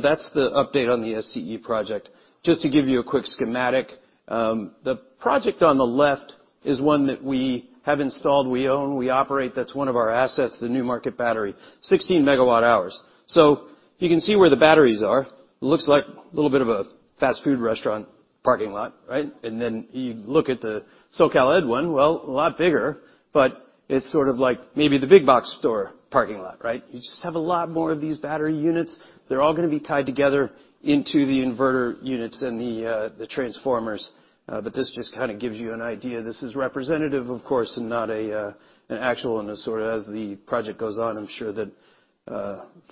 That's the update on the SCE project. Just to give you a quick schematic, the project on the left is one that we have installed, we own, we operate. That's one of our assets, the Newmarket Battery, 16 MWh. You can see where the batteries are. It looks like a little bit of a fast food restaurant parking lot, right? You look at the SCE one, well, a lot bigger, but it's sort of like maybe the big box store parking lot, right? You just have a lot more of these battery units. They're all gonna be tied together into the inverter units and the transformers. This just kinda gives you an idea. This is representative, of course, and not an actual in the sort of as the project goes on, I'm sure that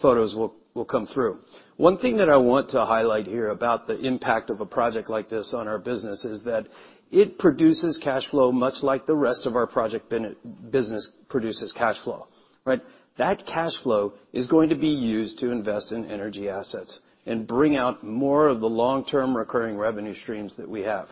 photos will come through. One thing that I want to highlight here about the impact of a project like this on our business is that it produces cash flow much like the rest of our project business produces cash flow, right? That cash flow is going to be used to invest in energy assets and bring out more of the long-term recurring revenue streams that we have.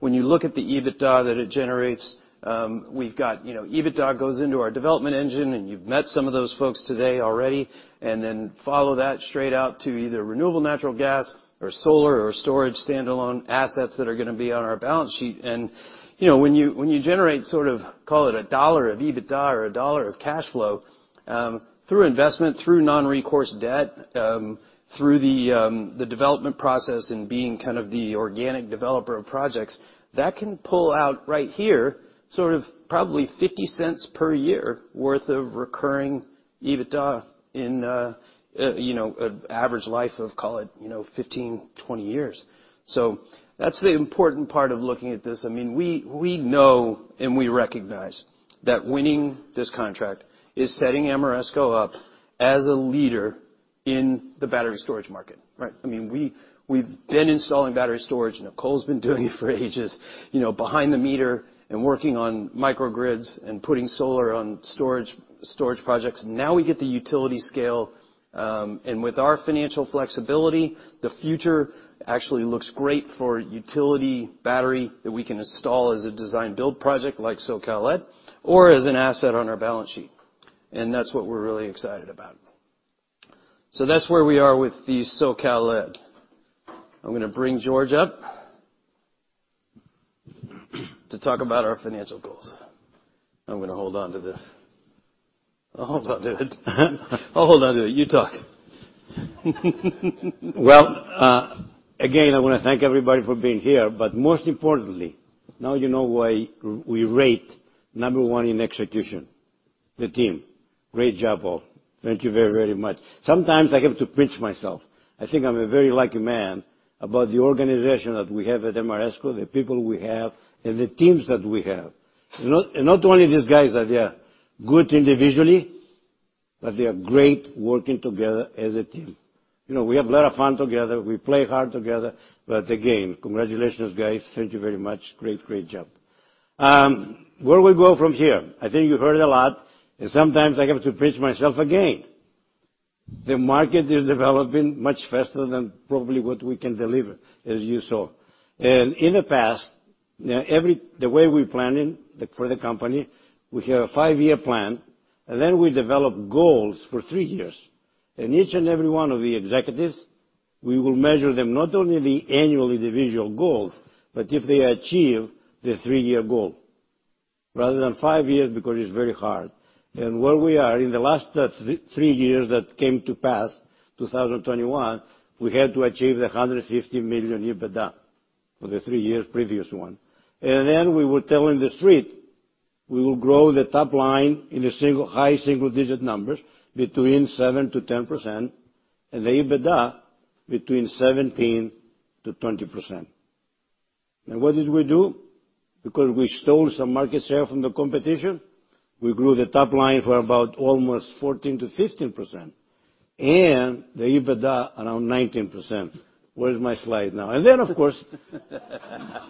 When you look at the EBITDA that it generates, you know, EBITDA goes into our development engine, and you've met some of those folks today already. Then follow that straight out to either renewable natural gas or solar or storage standalone assets that are gonna be on our balance sheet. You know, when you generate sort of, call it $1 of EBITDA or $1 of cash flow, through investment, through non-recourse debt, through the development process and being kind of the organic developer of projects, that can pull out right here, sort of probably $0.50 per year worth of recurring EBITDA in, you know, an average life of, call it, you know, 15, 20 years. That's the important part of looking at this. I mean, we know and we recognize that winning this contract is setting Ameresco up as a leader in the battery storage market, right? I mean, we've been installing battery storage. Nicole's been doing it for ages, you know, behind the meter and working on microgrids and putting solar on storage projects. Now we get the utility scale, and with our financial flexibility, the future actually looks great for utility battery that we can install as a design build project like SCE or as an asset on our balance sheet. That's what we're really excited about. That's where we are with the SCE. I'm gonna bring George up to talk about our financial goals. I'm gonna hold onto this. I'll hold onto it. I'll hold onto it. You talk. Well, again, I wanna thank everybody for being here, but most importantly, now you know why we rate number one in execution, the team. Great job, all. Thank you very, very much. Sometimes I have to pinch myself. I think I'm a very lucky man about the organization that we have at Ameresco, the people we have, and the teams that we have. You know, and not only these guys that they are good individually, but they are great working together as a team. You know, we have a lot of fun together. We play hard together. But again, congratulations, guys. Thank you very much. Great, great job. Where we go from here? I think you've heard a lot, and sometimes I have to pinch myself again. The market is developing much faster than probably what we can deliver, as you saw. In the past, the way we're planning for the company, we have a five-year plan, and then we develop goals for three years. Each and every one of the executives, we will measure them not only the annual individual goals, but if they achieve their three-year goal, rather than five years because it's very hard. Where we are in the last three years that came to pass, 2021, we had to achieve the $150 million EBITDA for the three years previous one. Then we were telling the street we will grow the top line in high single-digit numbers between 7%-10%, and the EBITDA between 17%-20%. What did we do? Because we stole some market share from the competition, we grew the top line for about almost 14%-15%, and the EBITDA around 19%. Where's my slide now? What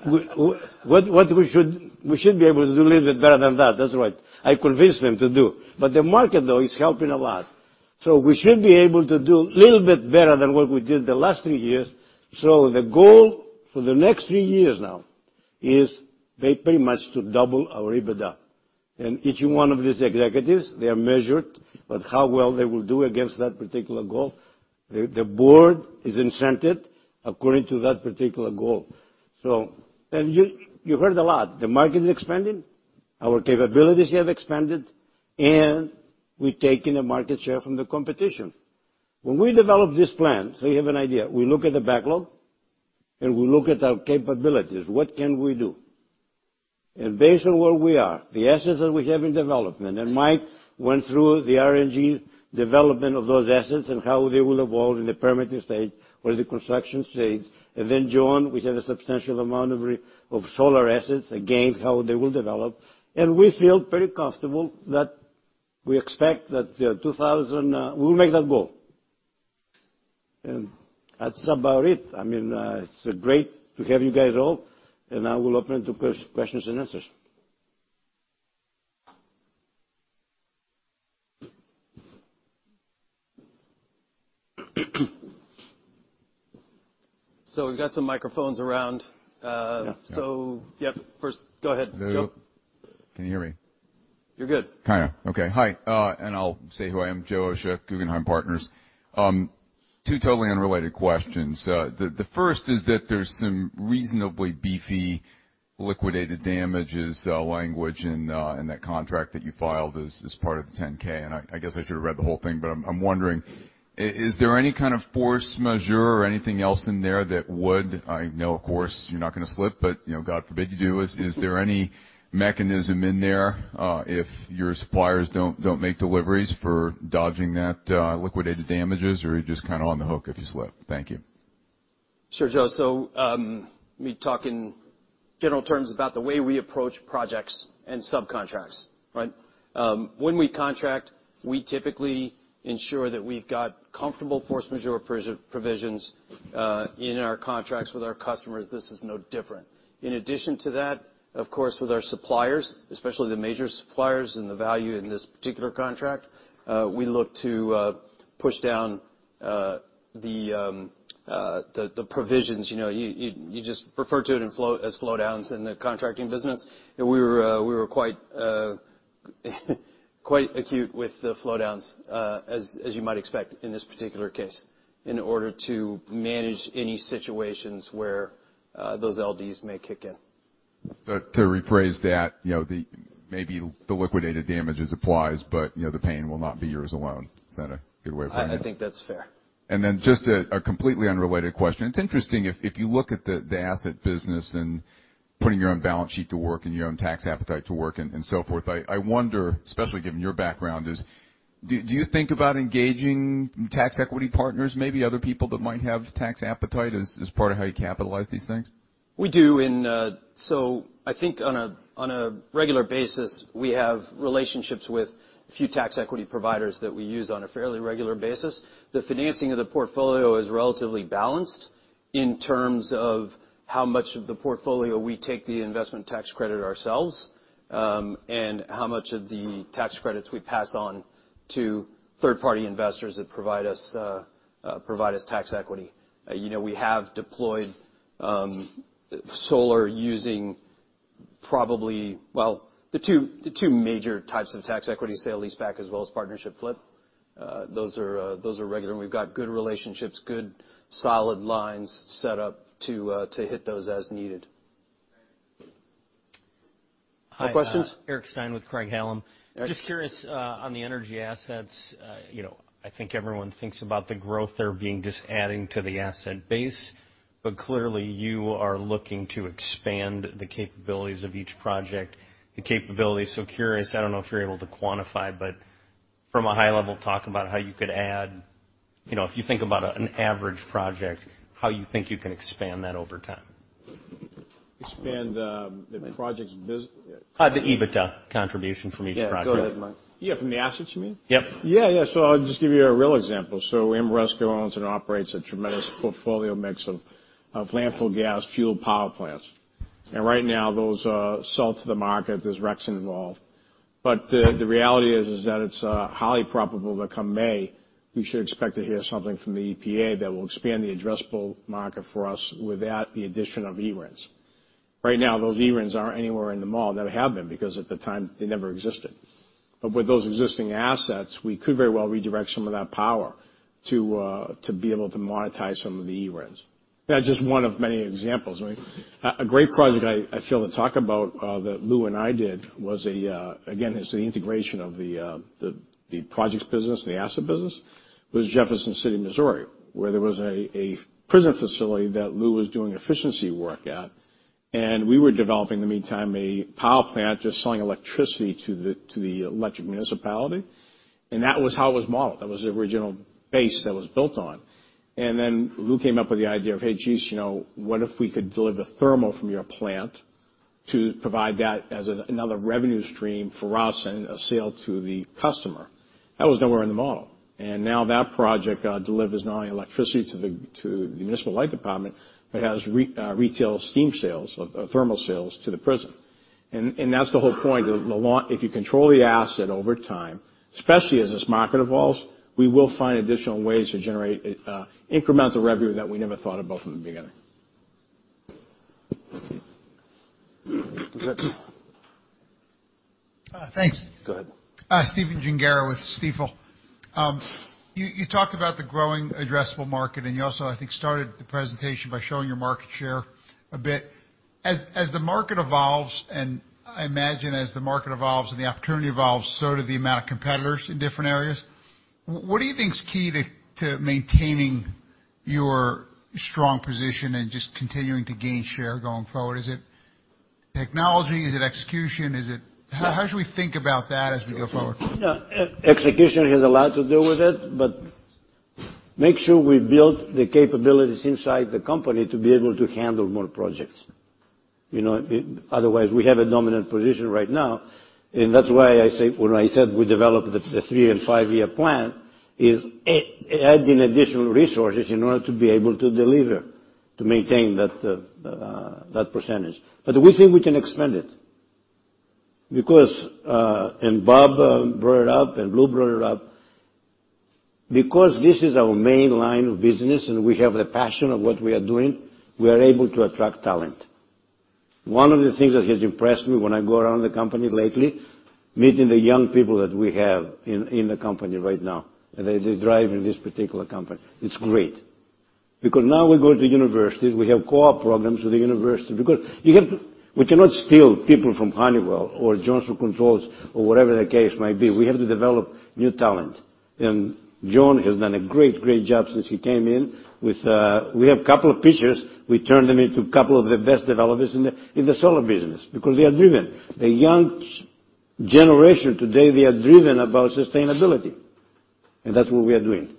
we should be able to do a little bit better than that. That's what I convinced them to do. The market, though, is helping a lot. We should be able to do little bit better than what we did the last three years. The goal for the next three years now is very, pretty much to double our EBITDA. Each one of these executives, they are measured on how well they will do against that particular goal. The board is incented according to that particular goal. You heard a lot. The market is expanding, our capabilities have expanded, and we've taken a market share from the competition. When we develop this plan, so you have an idea, we look at the backlog, and we look at our capabilities. What can we do? Based on where we are, the assets that we have in development, and Mike went through the RNG development of those assets and how they will evolve in the permitting stage or the construction stage. Then John, we have a substantial amount of solar assets, again, how they will develop. We feel pretty comfortable that we expect that 2,000, we'll make that goal. That's about it. I mean, it's great to have you guys all. Now we'll open to questions and answers. We've got some microphones around. Yeah. Yeah. First, go ahead. Joe? Can you hear me? You're good. Kind of. Okay. Hi. I'll say who I am, Joseph Osha, Guggenheim Securities. Two totally unrelated questions. The first is that there's some reasonably beefy liquidated damages language in that contract that you filed as part of the 10-K, and I guess I should have read the whole thing, but I'm wondering, is there any kind of force majeure or anything else in there that would. I know, of course, you're not gonna slip, but, you know, God forbid you do. Is there any mechanism in there, if your suppliers don't make deliveries for dodging that liquidated damages, or you're just kind of on the hook if you slip? Thank you. Sure, Joe. Let me talk in general terms about the way we approach projects and subcontracts. Right? When we contract, we typically ensure that we've got comfortable force majeure provisions in our contracts with our customers. This is no different. In addition to that, of course, with our suppliers, especially the major suppliers and the value in this particular contract, we look to push down the provisions. You know, you just refer to it as flow downs in the contracting business. We were quite acute with the flow downs, as you might expect in this particular case, in order to manage any situations where those LDs may kick in. To rephrase that, you know, the, maybe the liquidated damages applies, but, you know, the pain will not be yours alone. Is that a good way of putting it? I think that's fair. Just a completely unrelated question. It's interesting if you look at the asset business and putting your own balance sheet to work and your own tax appetite to work and so forth, I wonder, especially given your background, do you think about engaging tax equity partners, maybe other people that might have tax appetite as part of how you capitalize these things? We do. I think on a regular basis, we have relationships with a few tax equity providers that we use on a fairly regular basis. The financing of the portfolio is relatively balanced in terms of how much of the portfolio we take the investment tax credit ourselves, and how much of the tax credits we pass on to third-party investors that provide us tax equity. You know, we have deployed solar using Probably, well, the two major types of tax equity sale-leaseback as well as partnership flip, those are regular. We've got good relationships, good solid lines set up to hit those as needed. All right. More questions? Hi. Eric Stine with Craig-Hallum. Eric. Just curious, on the energy assets. You know, I think everyone thinks about the growth there being just adding to the asset base. Clearly, you are looking to expand the capabilities of each project. So curious, I don't know if you're able to quantify, but from a high level, talk about how you could add, you know, if you think about an average project, how you think you can expand that over time. Expand the project's bus- The EBITDA contribution from each project. Yeah. Go ahead, Mike. Yeah, from the assets you mean? Yep. Yeah, yeah. I'll just give you a real example. Ameresco owns and operates a tremendous portfolio mix of landfill gas fuel power plants. Right now, those are sold to the market. There's RECs involved. The reality is that it's highly probable that come May, we should expect to hear something from the EPA that will expand the addressable market for us without the addition of eRINs. Right now, those eRINs aren't anywhere in the model. Never have been, because at the time, they never existed. With those existing assets, we could very well redirect some of that power to be able to monetize some of the eRINs. That's just one of many examples, right? A great project I fail to talk about that Louis and I did was, again, the integration of the projects business, the asset business, was Jefferson City, Missouri. There was a prison facility that Louis was doing efficiency work at, and we were developing in the meantime a power plant just selling electricity to the electric municipality. That was how it was modeled. That was the original base that was built on. Then Louis came up with the idea of, "Hey, geez, you know, what if we could deliver thermal from your plant to provide that as another revenue stream for us and a sale to the customer?" That was nowhere in the model. Now that project delivers not only electricity to the municipal light department, but has retail steam sales of thermal sales to the prison. That's the whole point. If you control the asset over time, especially as this market evolves, we will find additional ways to generate incremental revenue that we never thought about from the beginning. Thanks. Go ahead. Stephen Gengaro with Stifel. You talked about the growing addressable market, and you also, I think, started the presentation by showing your market share a bit. As the market evolves, and I imagine as the market evolves and the opportunity evolves, so do the amount of competitors in different areas. What do you think is key to maintaining your strong position and just continuing to gain share going forward? Is it technology? Is it execution? Is it Yeah. How should we think about that as we go forward? Execution. Yeah, execution has a lot to do with it, but make sure we build the capabilities inside the company to be able to handle more projects. You know, otherwise, we have a dominant position right now, and that's why I say when I said we developed the three- and five-year plan is adding additional resources in order to be able to deliver to maintain that percentage. We think we can expand it because, and Bob brought it up, and Louis brought it up. Because this is our main line of business and we have the passion of what we are doing, we are able to attract talent. One of the things that has impressed me when I go around the company lately, meeting the young people that we have in the company right now, they thrive in this particular company. It's great. Now we go to universities, we have co-op programs with the university. We cannot steal people from Honeywell or Johnson Controls or whatever the case might be. We have to develop new talent. John has done a great job since he came in with. We have a couple of pitchers. We turned them into a couple of the best developers in the solar business because they are driven. The young generation today, they are driven about sustainability, and that's what we are doing.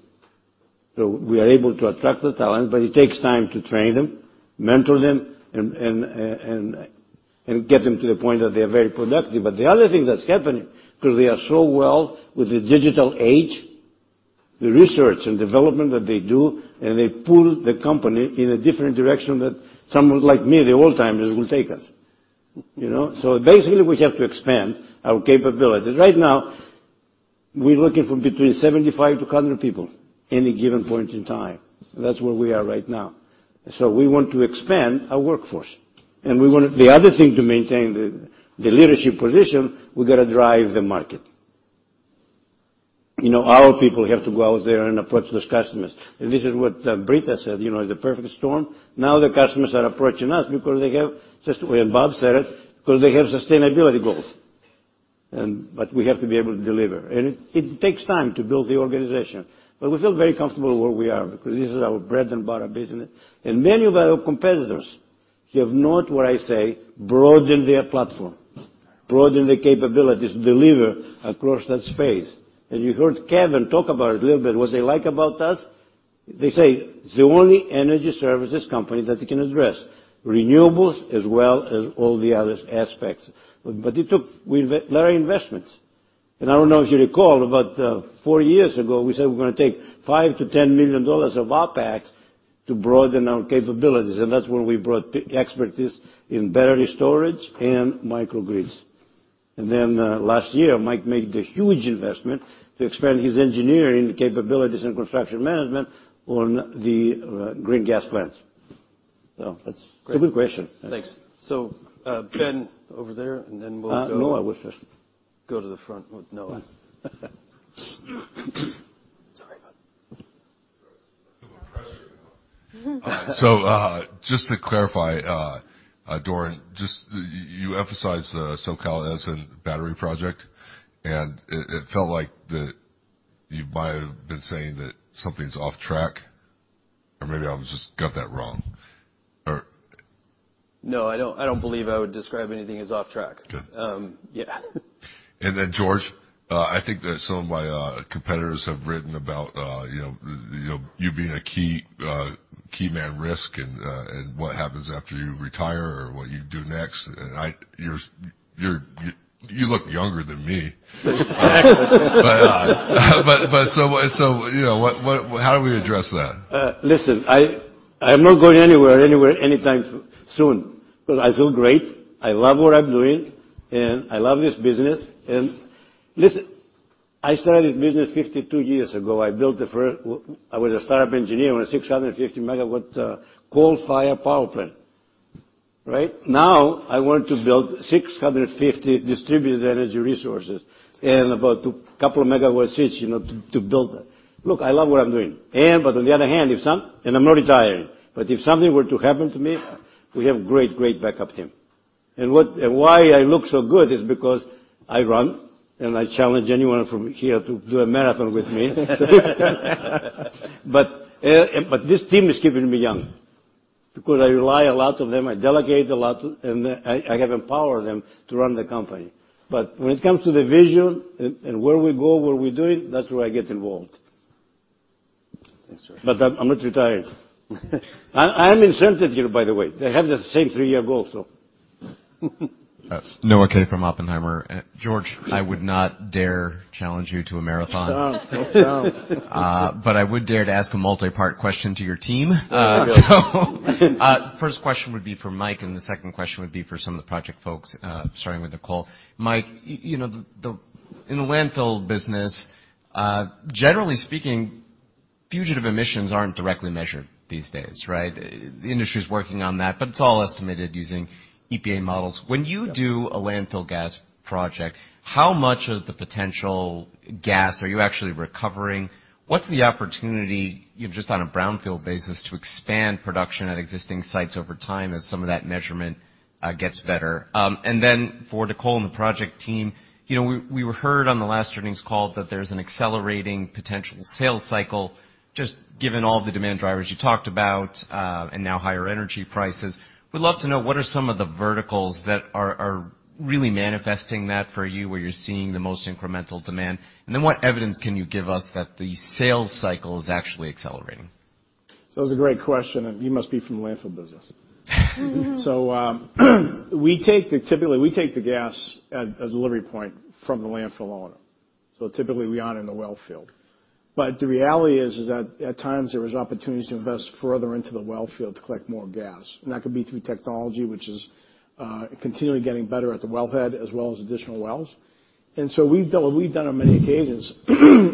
We are able to attract the talent, but it takes time to train them, mentor them, and get them to the point that they are very productive. The other thing that's happening, 'cause they are so well with the digital age, the research and development that they do, and they pull the company in a different direction that someone like me, the old-timers, will take us. You know? Basically, we have to expand our capabilities. Right now, we're looking for between 75-100 people any given point in time. That's where we are right now. We want to expand our workforce. We wanna-- The other thing to maintain the leadership position, we gotta drive the market. You know, our people have to go out there and approach those customers. This is what Britta said, you know, the perfect storm. Now, the customers are approaching us because they have sustainability goals. Well, Bob said it. We have to be able to deliver. It takes time to build the organization. We feel very comfortable where we are because this is our bread and butter business. Many of our competitors have not, what I say, broadened their platform, broadened their capabilities to deliver across that space. You heard Kevin talk about it a little bit, what they like about us. They say it's the only energy services company that they can address renewables as well as all the other aspects. It took a lot of investments. I don't know if you recall, about four years ago, we said we're gonna take $5 million-$10 million of OpEx to broaden our capabilities, and that's where we brought expertise in battery storage and microgrids. Last year, Mike made the huge investment to expand his engineering capabilities and construction management on the green gas plants. Great. Good question. Yes. Thanks. Ben, over there, and then we'll go. Noah was first. Go to the front with Noah. Sorry about that. Feeling the pressure now. Just to clarify, Doran, just you emphasize the SoCal Edison battery project, and it felt like that you might have been saying that something's off track, or maybe I've just got that wrong. Or No, I don't believe I would describe anything as off track. Good. Yeah. Then, George, I think that some of my competitors have written about, you know, you being a key man risk and what happens after you retire or what you do next. You look younger than me. Thanks. You know, how do we address that? Listen, I'm not going anywhere anytime soon because I feel great, I love what I'm doing, and I love this business. Listen, I started this business 52 years ago. I was a startup engineer on a 650 MW coal-fired power plant, right? Now, I want to build 650 distributed energy resources and about couple of MW each, you know, to build that. Look, I love what I'm doing. But on the other hand, I'm not retiring. But if something were to happen to me, we have great backup team. Why I look so good is because I run, and I challenge anyone from here to do a marathon with me. This team is keeping me young because I rely a lot on them, I delegate a lot, and I have empowered them to run the company. When it comes to the vision and where we go, where we do it, that's where I get involved. Thanks, George. I'm not retiring. I am incentivized here, by the way. They have the same three-year goal. Noah Kaye from Oppenheimer. George, I would not dare challenge you to a marathon. No. I would dare to ask a multi-part question to your team. Oh. First question would be for Mike, and the second question would be for some of the project folks, starting with Nicole. Mike, you know, In the landfill business, generally speaking, fugitive emissions aren't directly measured these days, right? The industry is working on that, but it's all estimated using EPA models. When you do a landfill gas project, how much of the potential gas are you actually recovering? What's the opportunity, you know, just on a brownfield basis, to expand production at existing sites over time as some of that measurement gets better? And then for Nicole and the project team, you know, we heard on the last earnings call that there's an accelerating potential sales cycle, just given all the demand drivers you talked about, and now higher energy prices. We'd love to know what are some of the verticals that are really manifesting that for you, where you're seeing the most incremental demand, and then what evidence can you give us that the sales cycle is actually accelerating? It's a great question, and you must be from the landfill business. Typically, we take the gas at a delivery point from the landfill owner. Typically, we aren't in the well field. But the reality is that at times, there is opportunities to invest further into the well field to collect more gas. That could be through technology, which is continually getting better at the wellhead as well as additional wells. What we've done on many occasions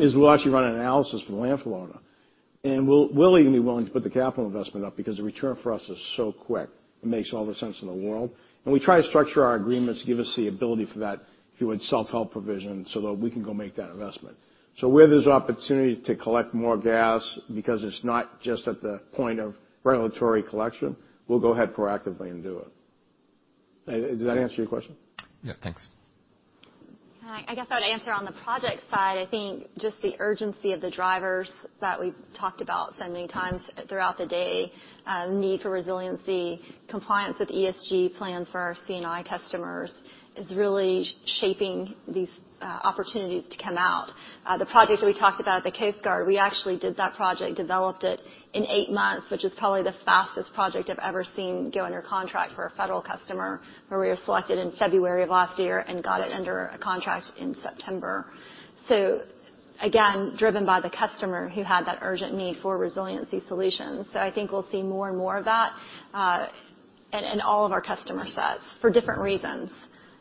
is we'll actually run an analysis for the landfill owner. We'll even be willing to put the capital investment up because the return for us is so quick. It makes all the sense in the world. We try to structure our agreements to give us the ability for that, if you want, self-help provision so that we can go make that investment. Where there's opportunity to collect more gas because it's not just at the point of regulatory collection, we'll go ahead proactively and do it. Does that answer your question? Yeah. Thanks. I guess I would answer on the project side. I think just the urgency of the drivers that we've talked about so many times throughout the day, need for resiliency, compliance with ESG plans for our C&I customers is really shaping these opportunities to come out. The project that we talked about, the Coast Guard, we actually did that project, developed it in 8 months, which is probably the fastest project I've ever seen go under contract for a federal customer, where we were selected in February of last year and got it under a contract in September. Again, driven by the customer who had that urgent need for resiliency solutions. I think we'll see more and more of that, in all of our customer sets for different reasons.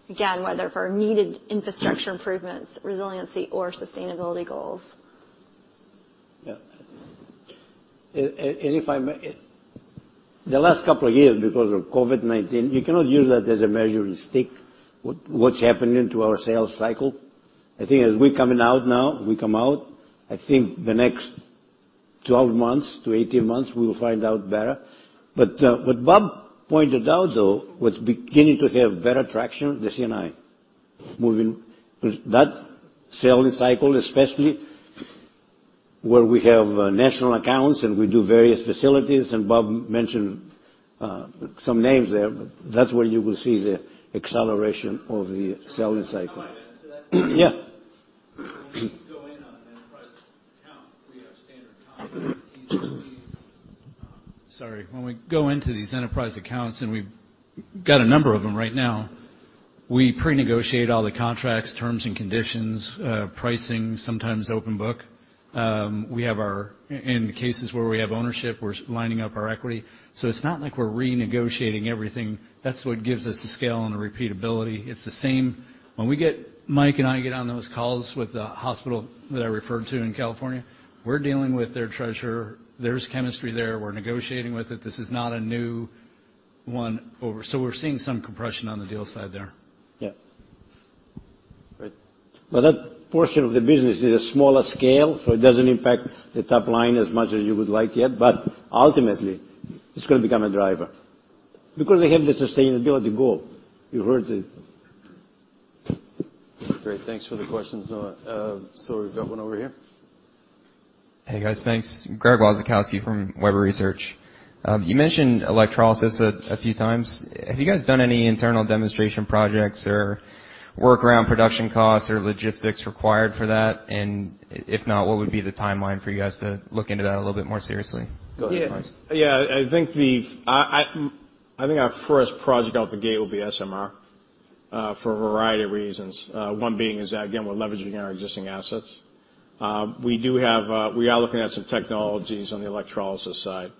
Again, whether for needed infrastructure improvements, resiliency, or sustainability goals. If I may, the last couple of years, because of COVID-19, you cannot use that as a measuring stick what's happening to our sales cycle. I think as we're coming out now, I think the next 12 months to 18 months, we will find out better. What Bob pointed out, though, was beginning to have better traction, the C&I. Moving that selling cycle, especially where we have national accounts and we do various facilities, and Bob mentioned some names there, but that's where you will see the acceleration of the selling cycle. Can I add into that? Yeah. When we go into these enterprise accounts, and we've got a number of them right now, we pre-negotiate all the contracts, terms and conditions, pricing, sometimes open book. In cases where we have ownership, we're lining up our equity. It's not like we're renegotiating everything. That's what gives us the scale and the repeatability. It's the same. When Mike and I get on those calls with the hospital that I referred to in California, we're dealing with their treasurer. There's chemistry there. We're negotiating with it. This is not a new one over. We're seeing some compression on the deal side there. Yeah. Great. Well, that portion of the business is a smaller scale, so it doesn't impact the top line as much as you would like yet. Ultimately, it's gonna become a driver because they have the sustainability goal. You heard it. Great. Thanks for the questions, Noah. We've got one over here. Hey, guys. Thanks. Greg Wasikowski from Webber Research. You mentioned electrolysis a few times. Have you guys done any internal demonstration projects or work around production costs or logistics required for that? If not, what would be the timeline for you guys to look into that a little bit more seriously? Go ahead, Mike. Yeah. Yeah, I think our first project out the gate will be SMR for a variety of reasons. One being is, again, we're leveraging our existing assets. We are looking at some technologies on the electrolysis side.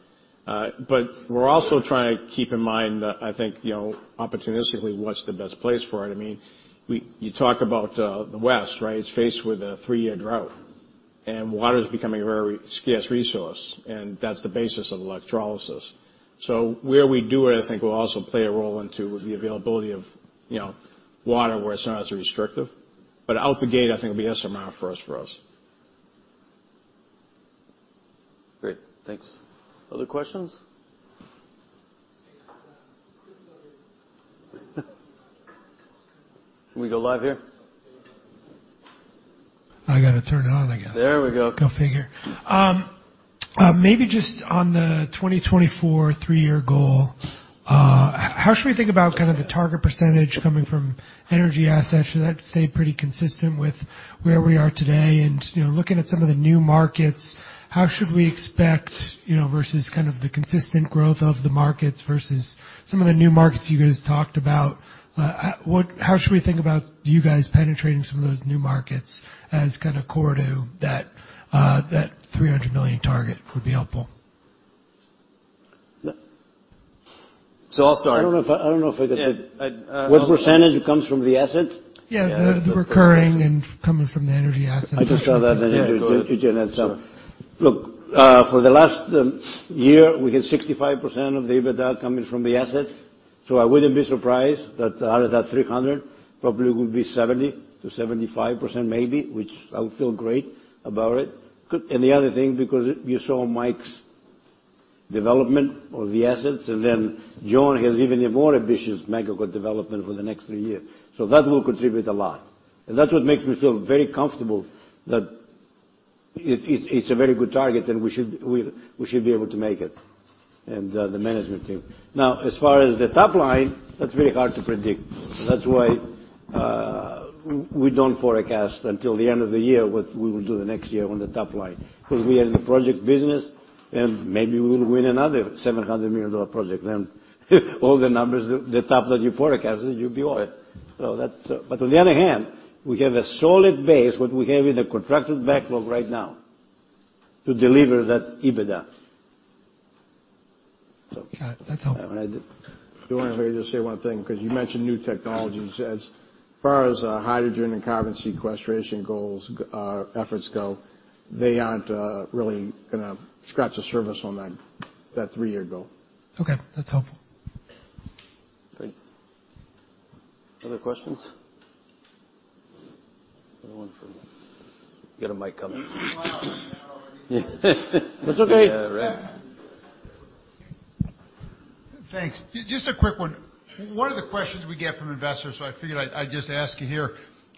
We're also trying to keep in mind, I think, you know, opportunistically, what's the best place for it. I mean, you talk about the West, right? It's faced with a three-year drought, and water is becoming a very scarce resource, and that's the basis of electrolysis. Where we do it, I think will also play a role into the availability of, you know, water where it's not as restrictive. Out the gate, I think it'll be SMR first for us. Great. Thanks. Other questions? Can we go live here? I gotta turn it on, I guess. There we go. Go figure. Maybe just on the 2024 three-year goal, how should we think about kind of the target percentage coming from energy assets? Should that stay pretty consistent with where we are today? You know, looking at some of the new markets, how should we expect, you know, versus kind of the consistent growth of the markets versus some of the new markets you guys talked about, how should we think about you guys penetrating some of those new markets as kind of core to that $300 million target would be helpful. I'll start. I don't know if I get it. Yeah. I'd What percentage comes from the assets? Yeah. Yeah, that's it. The recurring and coming from the energy assets. I just saw that energy. Yeah, go ahead. EBITDA. Look, for the last year, we had 65% of the EBITDA coming from the assets. I wouldn't be surprised that out of that $300, probably it would be 70%-75% maybe, which I would feel great about it. Good. The other thing, because you saw Mike's development of the assets, and then John has even a more ambitious mega good development for the next 3 years. That will contribute a lot. That's what makes me feel very comfortable that it's a very good target, and we should be able to make it, and the management team. Now, as far as the top line, that's very hard to predict. That's why we don't forecast until the end of the year what we will do the next year on the top line, 'cause we are in the project business, and maybe we will win another $700 million project, then all the numbers, the top line you forecasted, you'd be all right. On the other hand, we have a solid base, what we have in the contracted backlog right now to deliver that EBITDA. Got it. That's helpful. If I may just say one thing, 'cause you mentioned new technologies. As far as hydrogen and carbon sequestration goals, efforts go, they aren't really gonna scratch the surface on that three-year goal. Okay. That's helpful. Great. Other questions? Get a mic coming. It's okay. Yeah. Right. Thanks. Just a quick one. One of the questions we get from investors, so I figured I'd just ask you here,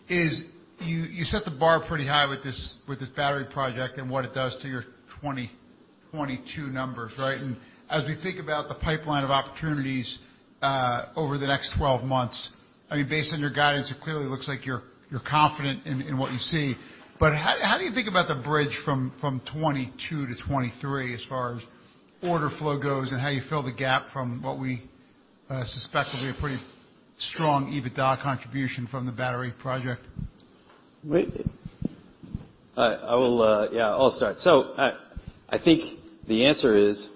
is you set the bar pretty high with this battery project and what it does to your 2022 numbers, right? As we think about the pipeline of opportunities over the next 12 months, I mean, based on your guidance, it clearly looks like you're confident in what you see. How do you think about the bridge from 2022 to 2023 as far as order flow goes and how you fill the gap from what we suspect will be a pretty strong EBITDA contribution from the battery project? We- I will, yeah, I'll start. So I think the answer is,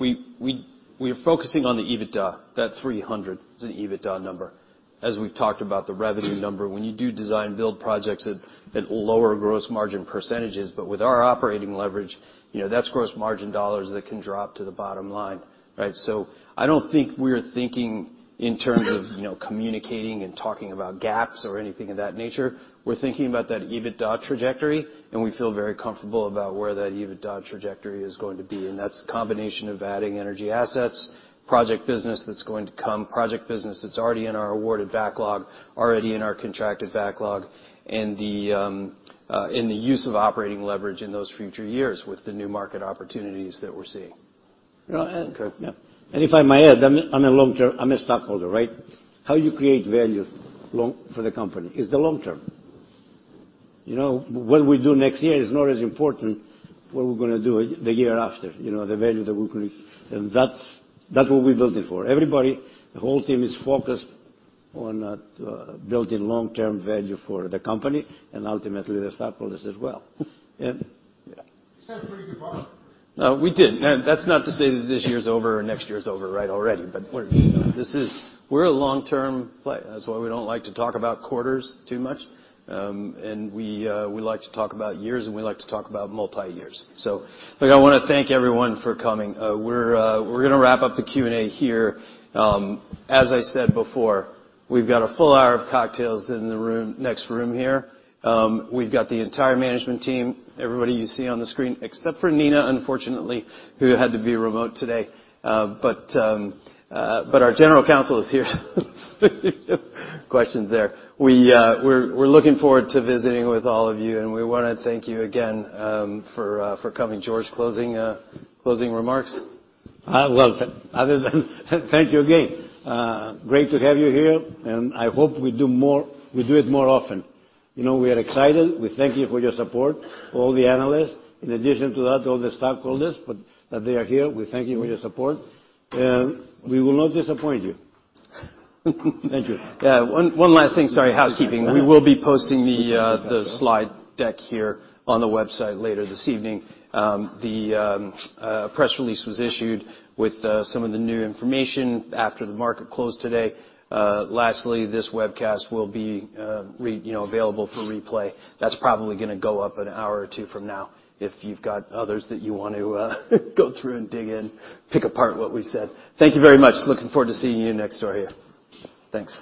we are focusing on the EBITDA. That 300 is an EBITDA number. As we've talked about the revenue number, when you do design build projects at lower gross margin percentages, but with our operating leverage, you know, that's gross margin dollars that can drop to the bottom line, right? So I don't think we're thinking in terms of, you know, communicating and talking about gaps or anything of that nature. We're thinking about that EBITDA trajectory, and we feel very comfortable about where that EBITDA trajectory is going to be, and that's a combination of adding energy assets, project business that's going to come, project business that's already in our awarded backlog, already in our contracted backlog, and the use of operating leverage in those future years with the new market opportunities that we're seeing. You know. Okay. Yeah. If I may add, I'm a long-term stockholder, right? How you create long-term value for the company is the long term. You know, what we do next year is not as important, what we're gonna do the year after. You know, the value that we create. That's what we're building for. Everybody, the whole team is focused on building long-term value for the company and ultimately the stockholders as well. Yeah. Yeah. You set a pretty good bar. No, we did. That's not to say that this year's over or next year is over, right, already. We're a long-term play. That's why we don't like to talk about quarters too much. We like to talk about years, and we like to talk about multi years. Look, I wanna thank everyone for coming. We're gonna wrap up the Q&A here. As I said before, we've got a full hour of cocktails in the room, next room here. We've got the entire management team, everybody you see on the screen, except for Nina, unfortunately, who had to be remote today. Our general counsel is here. Questions there. We're looking forward to visiting with all of you, and we wanna thank you again, for coming. George, closing remarks. Well, other than thank you again. Great to have you here, and I hope we do it more often. You know, we are excited. We thank you for your support, all the analysts. In addition to that, all the stockholders, but that they are here, we thank you for your support. We will not disappoint you. Thank you. Yeah, one last thing. Sorry, housekeeping. We will be posting the slide deck here on the website later this evening. The press release was issued with some of the new information after the market closed today. Lastly, this webcast will be, you know, available for replay. That's probably gonna go up an hour or two from now if you've got others that you want to go through and dig in, pick apart what we've said. Thank you very much. Looking forward to seeing you next quarter. Thanks.